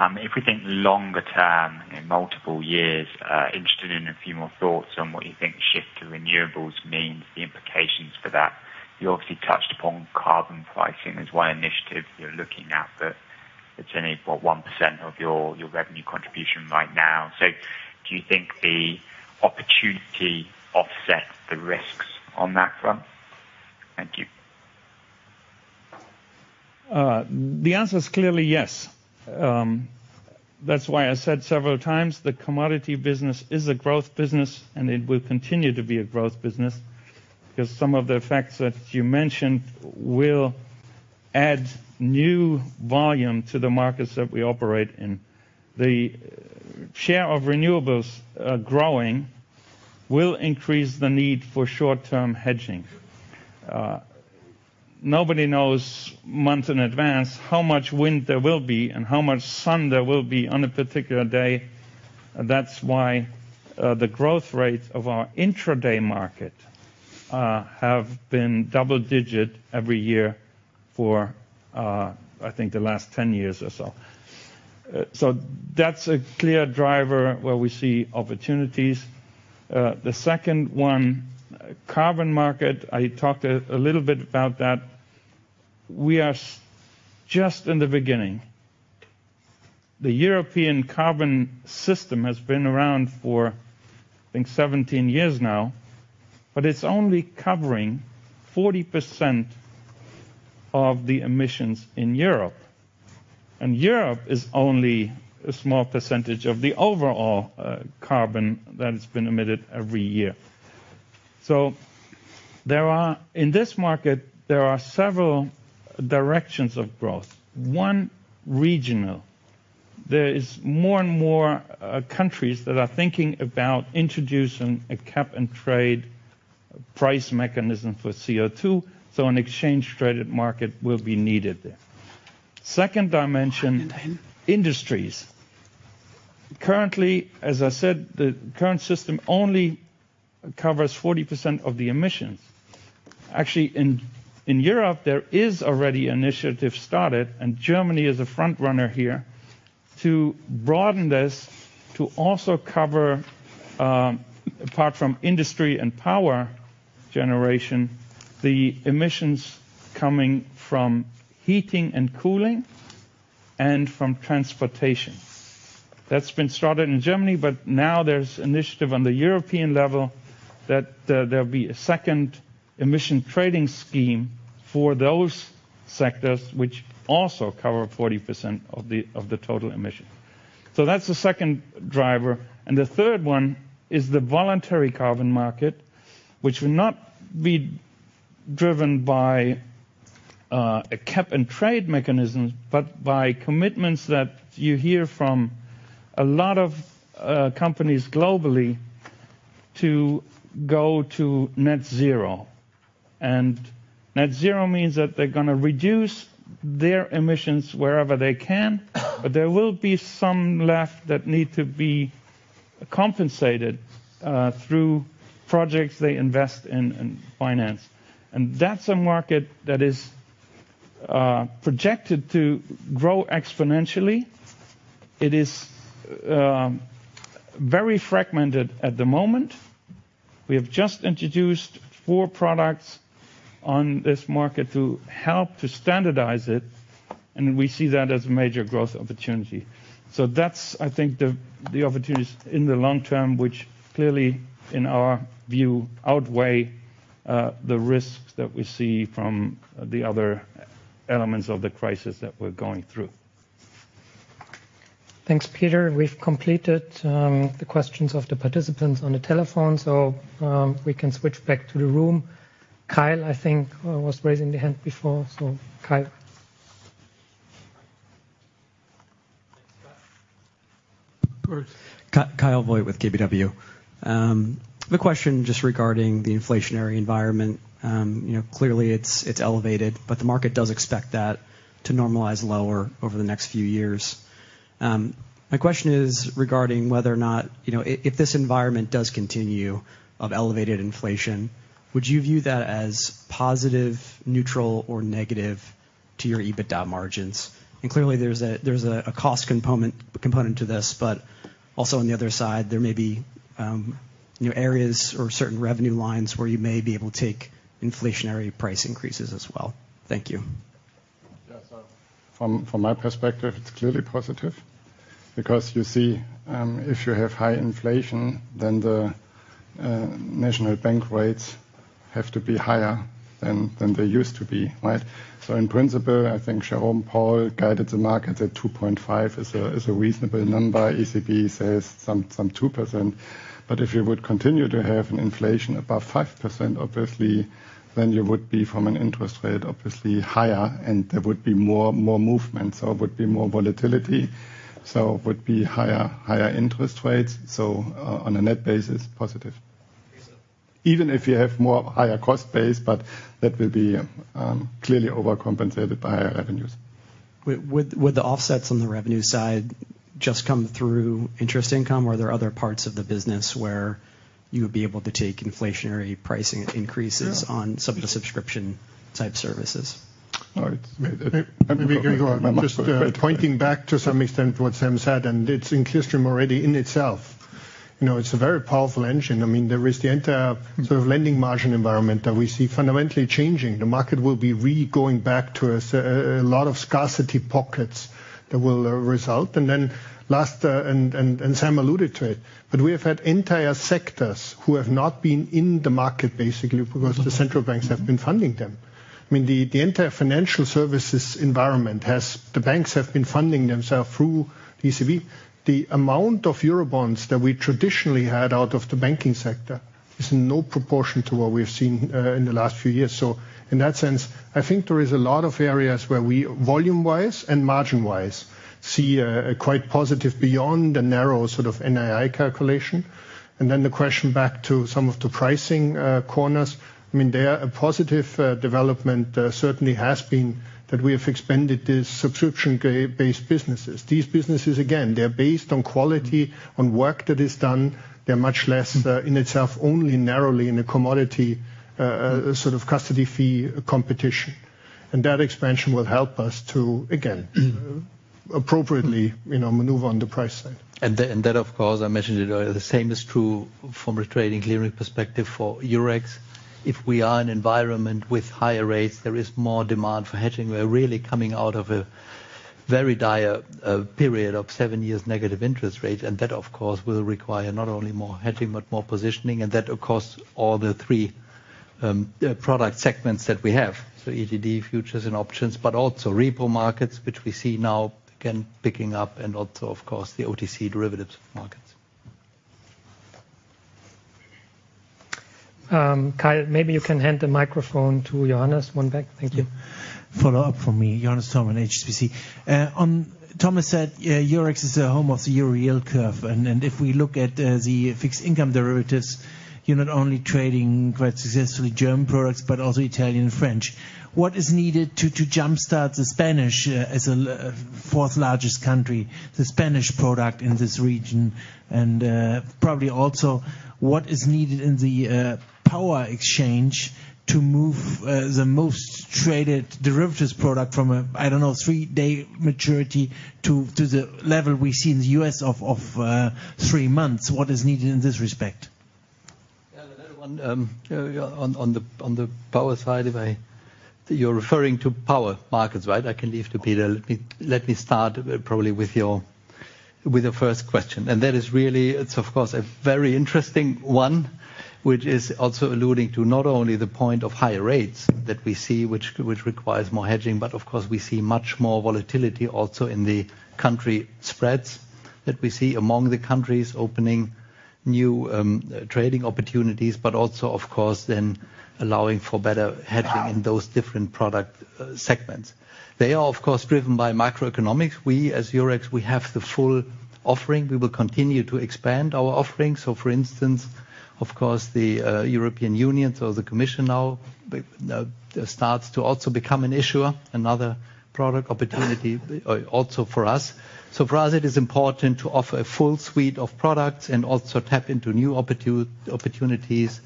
If we think longer term, you know, multiple years, interested in a few more thoughts on what you think shift to renewables means, the implications for that. You obviously touched upon carbon pricing as one initiative you're looking at, but it's only 1% of your revenue contribution right now. Do you think the opportunity offsets the risks on that front? Thank you. The answer is clearly yes. That's why I said several times the commodity business is a growth business, and it will continue to be a growth business, cause some of the facts that you mentioned will add new volume to the markets that we operate in. The share of renewables growing will increase the need for short-term hedging. Nobody knows months in advance how much wind there will be and how much sun there will be on a particular day. That's why the growth rate of our intra-day market have been double-digit every year for, I think, the last 10 years or so. So that's a clear driver where we see opportunities. The second one, carbon market. I talked a little bit about that. We are just in the beginning. The European carbon system has been around for, I think, 17 years now, but it's only covering 40% of the emissions in Europe. Europe is only a small percentage of the overall carbon that has been emitted every year. In this market, there are several directions of growth. One, regional. There is more and more countries that are thinking about introducing a cap and trade price mechanism for CO2, so an exchange-traded market will be needed there. Second dimension, industries. Currently, as I said, the current system only covers 40% of the emissions. Actually, in Europe, there is already initiative started, and Germany is a front-runner here to broaden this to also cover, apart from industry and power generation, the emissions coming from heating and cooling and from transportation. That's been started in Germany, but now there's initiative on the European level that there'll be a second emission trading scheme for those sectors which also cover 40% of the total emission. That's the second driver. The third one is the voluntary carbon market, which will not be driven by a cap and trade mechanism, but by commitments that you hear from a lot of companies globally to go to net zero. Net zero means that they're gonna reduce their emissions wherever they can, but there will be some left that need to be compensated through projects they invest in and finance. That's a market that is projected to grow exponentially. It is very fragmented at the moment. We have just introduced four products on this market to help to standardize it, and we see that as a major growth opportunity. That's, I think, the opportunities in the long term, which clearly, in our view, outweigh the risks that we see from the other elements of the crisis that we're going through. Thanks, Peter. We've completed the questions of the participants on the telephone, so we can switch back to the room. Kyle, I think, was raising their hand before. Kyle. Kyle Voigt with KBW. The question just regarding the inflationary environment. You know, clearly it's elevated, but the market does expect that to normalize lower over the next few years. My question is regarding whether or not, you know, if this environment does continue with elevated inflation, would you view that as positive, neutral, or negative to your EBITDA margins? Clearly there's a cost component to this, but also on the other side, there may be, you know, areas or certain revenue lines where you may be able to take inflationary price increases as well. Thank you. Yeah. From my perspective, it's clearly positive because you see, if you have high inflation, then the central bank rates have to be higher than they used to be, right? In principle, I think Jerome Powell guided the market that 2.5% is a reasonable number. ECB says some 2%. But if you would continue to have an inflation above 5%, obviously then you would have interest rates obviously higher, and there would be more movement, so would be more volatility. Would be higher interest rates. On a net basis, positive. Okay. Even if you have more higher cost base, but that will be clearly overcompensated by higher revenues. Would the offsets on the revenue side just come through interest income, or are there other parts of the business where you would be able to take inflationary pricing increases? Yeah. On some of the subscription type services? All right. Let me go on. Just pointing back to some extent what Sam said, and it's in Clearstream already in itself. You know, it's a very powerful engine. I mean, there is the entire sort of lending margin environment that we see fundamentally changing. The market will be re-going back to a lot of scarcity pockets that will result. Last, and Sam alluded to it, but we have had entire sectors who have not been in the market basically because the central banks have been funding them. I mean, the entire financial services environment has. The banks have been funding themselves through ECB. The amount of Euro bonds that we traditionally had out of the banking sector is no proportion to what we've seen in the last few years. In that sense, I think there is a lot of areas where we volume-wise and margin-wise see quite positive beyond the narrow sort of NII calculation. The question back to some of the pricing corners. I mean, they are a positive development certainly has been that we have expanded the subscription-based businesses. These businesses, again, they're based on quality, on work that is done. They're much less in itself only narrowly in a commodity sort of custody fee competition. That expansion will help us to again, appropriately, you know, maneuver on the price side. That of course I mentioned it earlier, the same is true from a trading and clearing perspective for Eurex. If we are in an environment with higher rates, there is more demand for hedging. We're really coming out of a very dire period of seven years of negative interest rates, and that of course will require not only more hedging but more positioning, and that across all the three product segments that we have. ETD, futures and options, but also repo markets, which we see now again picking up and also of course the OTC derivatives markets. Kyle, maybe you can hand the microphone to Johannes, one back. Thank you. Follow up from me, Johannes Thormann, HSBC. Thomas said Eurex is a home of the Euro yield curve. If we look at the fixed-income derivatives, you're not only trading quite successfully German products but also Italian and French. What is needed to jumpstart the Spanish as the fourth largest country, the Spanish product in this region? Probably also what is needed in the power exchange to move the most traded derivatives product from a three-day maturity to the level we see in the U.S. of three months. What is needed in this respect? Yeah, the other one, yeah, on the power side. You're referring to power markets, right? I can leave to Peter. Let me start probably with your first question. That is really, it's of course a very interesting one, which is also alluding to not only the point of higher rates that we see, which requires more hedging, but of course we see much more volatility also in the country spreads that we see among the countries opening new trading opportunities. But also, of course, then allowing for better hedging in those different product segments. They are, of course, driven by macroeconomics. We as Eurex, we have the full offering. We will continue to expand our offerings. For instance, of course, the European Commission now starts to also become an issuer, another product opportunity also for us. For us it is important to offer a full suite of products and also tap into new opportunities,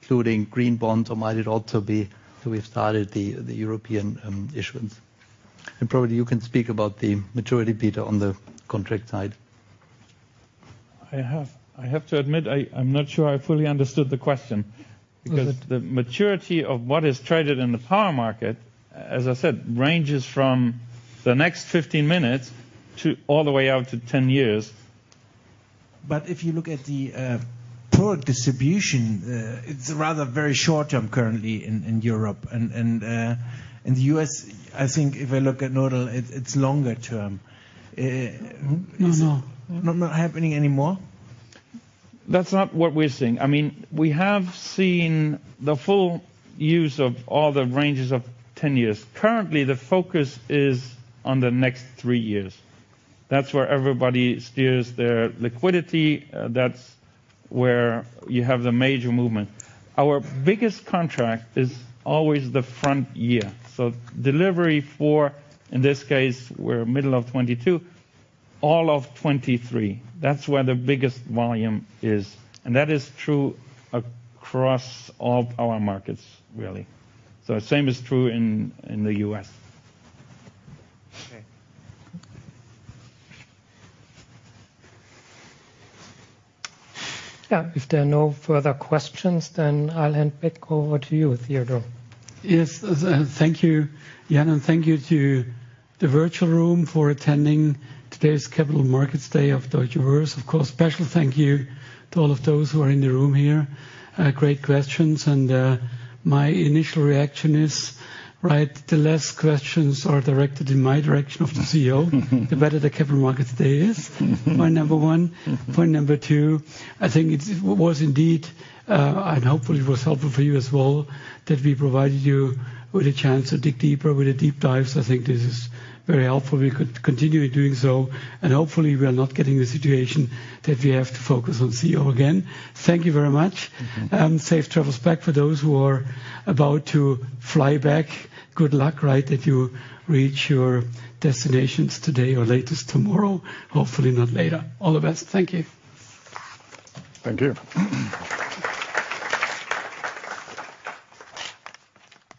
including green bonds or might it also be that we've started the European issuance. Probably you can speak about the maturity, Peter, on the contract side. I have to admit, I'm not sure I fully understood the question. Okay. Because the maturity of what is traded in the power market, as I said, ranges from the next 15 minutes to all the way out to 10 years. If you look at the product distribution, it's rather very short-term currently in Europe and in the U.S. I think if I look at Nodal, it's longer-term. No, no. Not happening anymore? That's not what we're seeing. I mean, we have seen the full use of all the ranges of 10 years. Currently, the focus is on the next three years. That's where everybody steers their liquidity. That's where you have the major movement. Our biggest contract is always the front year. Delivery for, in this case, we're middle of 2022, all of 2023. That's where the biggest volume is, and that is true across all power markets, really. Same is true in the U.S. Okay. Yeah. If there are no further questions, then I'll hand back over to you, Theodor. Yes. Thank you, Jan, and thank you to the virtual room for attending today's Capital Markets Day of Deutsche Börse. Of course, special thank you to all of those who are in the room here. Great questions, and my initial reaction is, right, the less questions are directed in my direction of the CEO, the better the Capital Markets Day is. Point number one. Point number two, I think it was indeed, and hopefully it was helpful for you as well, that we provided you with a chance to dig deeper with the deep dives. I think this is very helpful. We could continue doing so, and hopefully we are not getting the situation that we have to focus on CEO again. Thank you very much. Safe travels back for those who are about to fly back. Good luck, right, if you reach your destinations today or latest tomorrow. Hopefully not later. All the best. Thank you. Thank you.